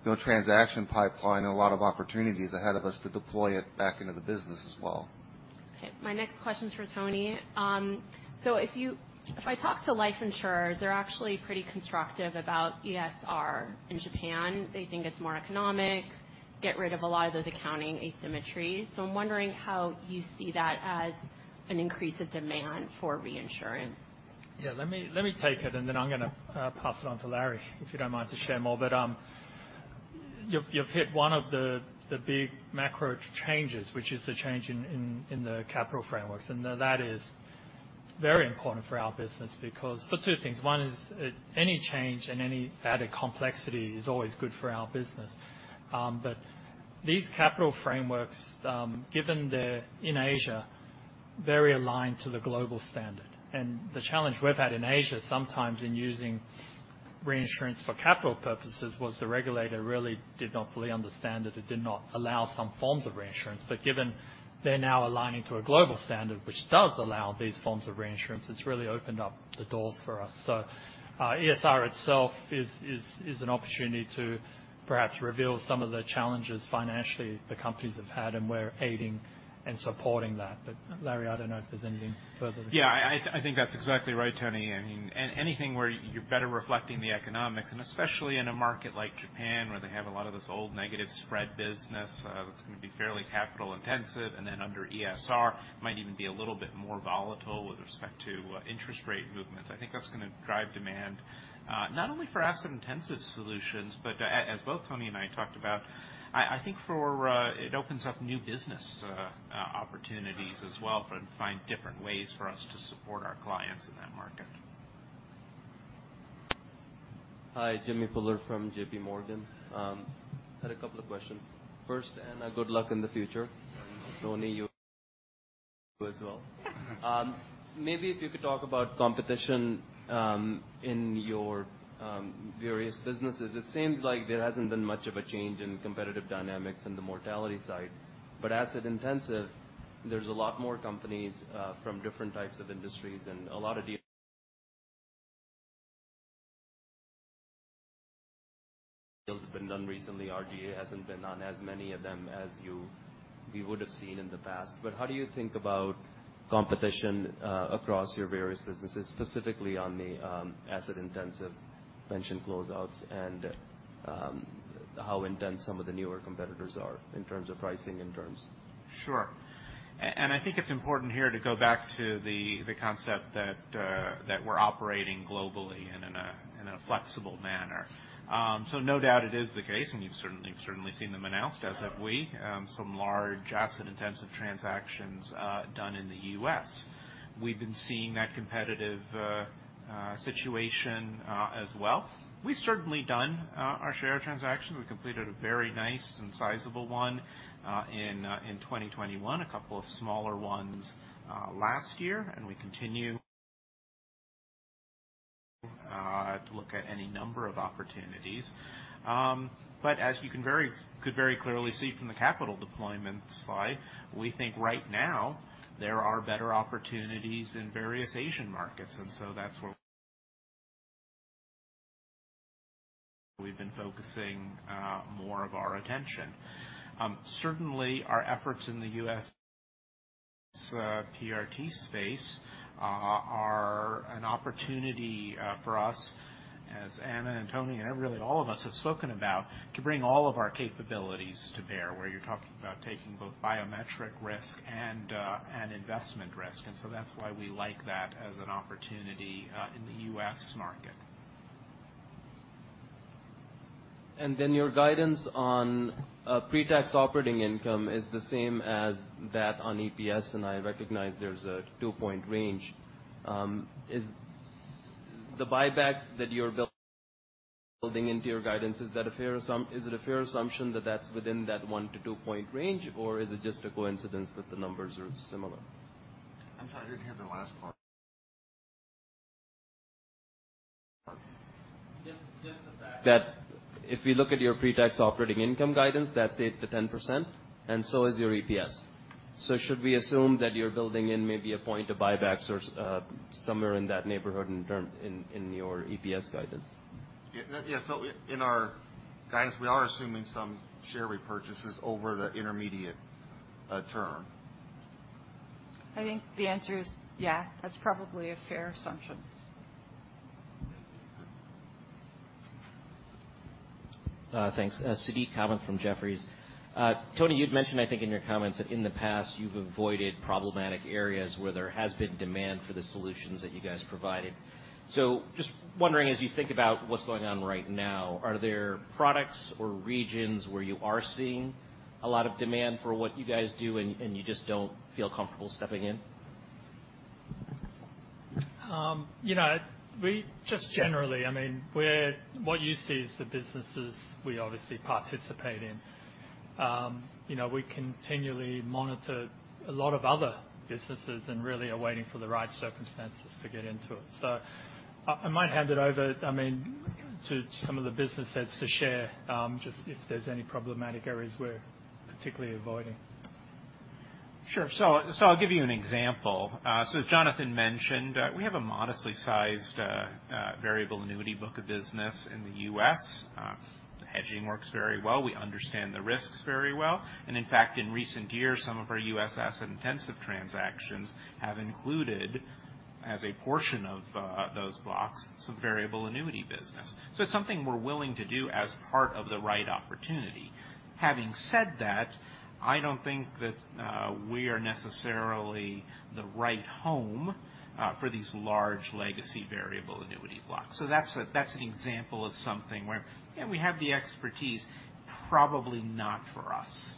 you know, transaction pipeline and a lot of opportunities ahead of us to deploy it back into the business as well. My next question is for Tony. If I talk to life insurers, they're actually pretty constructive about ESR in Japan. They think it's more economic, get rid of a lot of those accounting asymmetries. I'm wondering how you see that as an increase of demand for reinsurance. Yeah, let me take it, and then I'm going to pass it on to Larry, if you don't mind, to share more. You've hit one of the big macro changes, which is the change in the capital frameworks. That is very important for our business, because for two things. One is, any change and any added complexity is always good for our business. These capital frameworks, given they're in Asia, very aligned to the global standard. The challenge we've had in Asia, sometimes in using reinsurance for capital purposes, was the regulator really did not fully understand it, or did not allow some forms of reinsurance. Given they're now aligning to a global standard, which does allow these forms of reinsurance, it's really opened up the doors for us. ESR itself is an opportunity to perhaps reveal some of the challenges financially the companies have had, and we're aiding and supporting that. Larry, I don't know if there's anything further. Yeah, I think that's exactly right, Tony. I mean, anything where you're better reflecting the economics, and especially in a market like Japan, where they have a lot of this old negative spread business, that's going to be fairly capital intensive, and then under ESR, might even be a little bit more volatile with respect to interest rate movements. I think that's going to drive demand, not only for asset-intensive solutions, but as both Tony and I talked about, I think it opens up new business opportunities as well, for find different ways for us to support our clients in that market. Okay. Hi, Jimmy Bhullar from JPMorgan. Had a couple of questions. First, Anna, good luck in the future. Tony, you as well. Maybe if you could talk about competition in your various businesses. It seems like there hasn't been much of a change in competitive dynamics in the mortality side. Asset-intensive, there's a lot more companies from different types of industries and a lot of deals have been done recently. RGA hasn't been on as many of them as we would have seen in the past. How do you think about competition across your various businesses, specifically on the asset-intensive pension closeouts and how intense some of the newer competitors are in terms of pricing? Sure. I think it's important here to go back to the concept that we're operating globally and in a flexible manner. No doubt it is the case, and you've certainly seen them announced, as have we, some large asset-intensive transactions, done in the U.S. We've been seeing that competitive situation as well. We've certainly done our share transactions. We completed a very nice and sizable one in 2021, a couple of smaller ones last year, and we continue to look at any number of opportunities. As you could very clearly see from the capital deployment slide, we think right now there are better opportunities in various Asian markets, that's where we've been focusing more of our attention. Certainly, our efforts in the U.S. PRT space are an opportunity for us, as Anna and Tony, and really all of us have spoken about, to bring all of our capabilities to bear, where you're talking about taking both biometric risk and investment risk. That's why we like that as an opportunity in the U.S. market. Your guidance on pre-tax operating income is the same as that on EPS, and I recognize there's a two-point range. Is the buybacks that you're building into your guidance, is it a fair assumption that that's within that one to two-point range, or is it just a coincidence that the numbers are similar? I'm sorry, I didn't hear the last part. Just the fact that if we look at your pre-tax operating income guidance, that's 8%-10%, and so is your EPS. Should we assume that you're building in maybe a point of buybacks or somewhere in that neighborhood, in your EPS guidance? In our guidance, we are assuming some share repurchases over the intermediate term. I think the answer is yeah, that's probably a fair assumption. Thanks. Suneet Kamath from Jefferies. Tony, you'd mentioned, I think, in your comments, that in the past, you've avoided problematic areas where there has been demand for the solutions that you guys provided. Just wondering, as you think about what's going on right now, are there products or regions where you are seeing a lot of demand for what you guys do and you just don't feel comfortable stepping in? You know, we just generally, I mean, what you see is the businesses we obviously participate in. you know, we continually monitor a lot of other businesses and really are waiting for the right circumstances to get into it. I might hand it over, I mean, to some of the business heads to share just if there's any problematic areas we're particularly avoiding. Sure. I'll give you an example. As Jonathan mentioned, we have a modestly sized variable annuity book of business in the U.S. The hedging works very well. We understand the risks very well. In fact, in recent years, some of our U.S. asset-intensive transactions have included, as a portion of those blocks, some variable annuity business. It's something we're willing to do as part of the right opportunity. Having said that, I don't think that we are necessarily the right home for these large legacy variable annuity blocks. That's an example of something where, yeah, we have the expertise, probably not for us.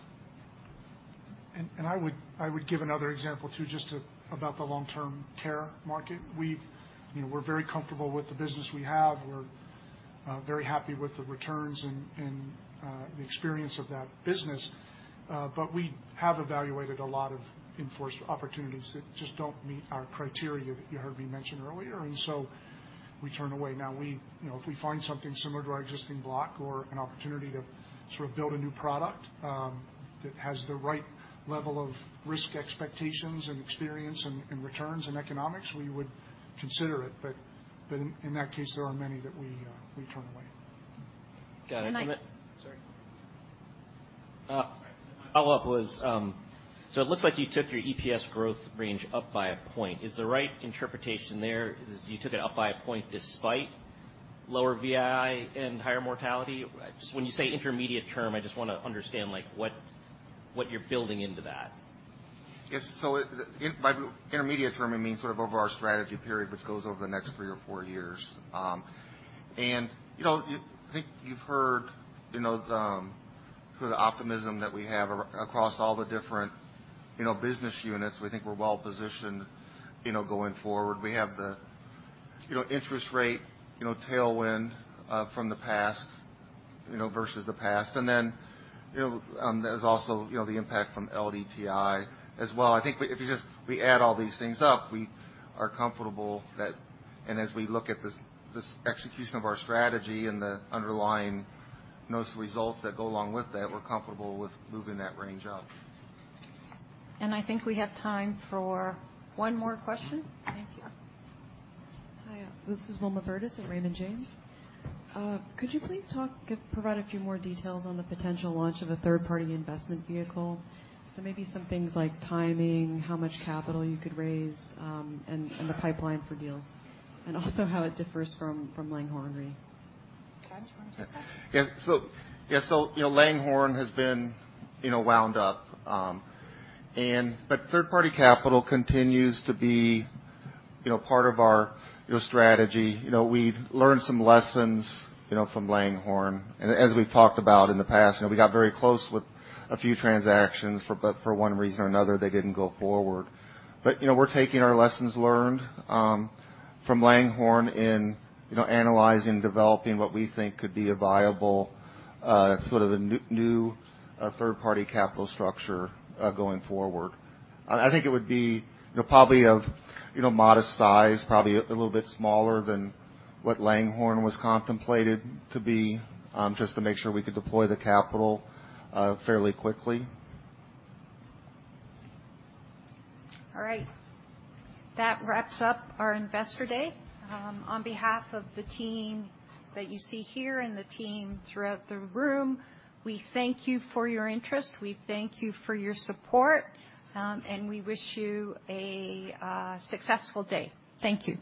And I would give another example, too, just to about the long-term care market. You know, we're very comfortable with the business we have. We're very happy with the returns and the experience of that business. We have evaluated a lot of in-force opportunities that just don't meet our criteria that you heard me mention earlier, and so we turn away. Now, you know, if we find something similar to our existing block or an opportunity to sort of build a new product, that has the right level of risk expectations and experience and returns and economics, we would consider it. In that case, there are many that we turn away. Got it. Sorry. Follow-up was, it looks like you took your EPS growth range up by a point. Is the right interpretation there is you took it up by a point despite lower VI and higher mortality? Just when you say intermediate term, I just want to understand, like, what you're building into that. Yes. By intermediate term, it means sort of over our strategy period, which goes over the next three or four years. You know, I think you've heard, you know, the optimism that we have across all the different, you know, business units. We think we're well positioned, you know, going forward. We have the, you know, interest rate, you know, tailwind from the past, you know, versus the past. You know, there's also, you know, the impact from LDTI as well. I think if we add all these things up, we are comfortable that... As we look at the execution of our strategy and the underlying notes results that go along with that, we're comfortable with moving that range up. I think we have time for one more question. Thank you. Hi, this is Wilma Burdis at Raymond James. Could you please provide a few more details on the potential launch of a third-party investment vehicle, maybe some things like timing, how much capital you could raise, and the pipeline for deals, and also how it differs from Langhorne Re? Todd, do you want to take that? You know, Langhorne has been, you know, wound up. But third-party capital continues to be, you know, part of our, you know, strategy. You know, we've learned some lessons, you know, from Langhorne. As we've talked about in the past, you know, we got very close with a few transactions, but for one reason or another, they didn't go forward. You know, we're taking our lessons learned from Langhorne in, you know, analyzing, developing what we think could be a viable sort of a new third-party capital structure going forward. I think it would be, you know, probably of, you know, modest size, probably a little bit smaller than what Langhorne was contemplated to be, just to make sure we could deploy the capital fairly quickly. All right. That wraps up our Investor Day. On behalf of the team that you see here and the team throughout the room, we thank you for your interest, we thank you for your support, we wish you a successful day. Thank you.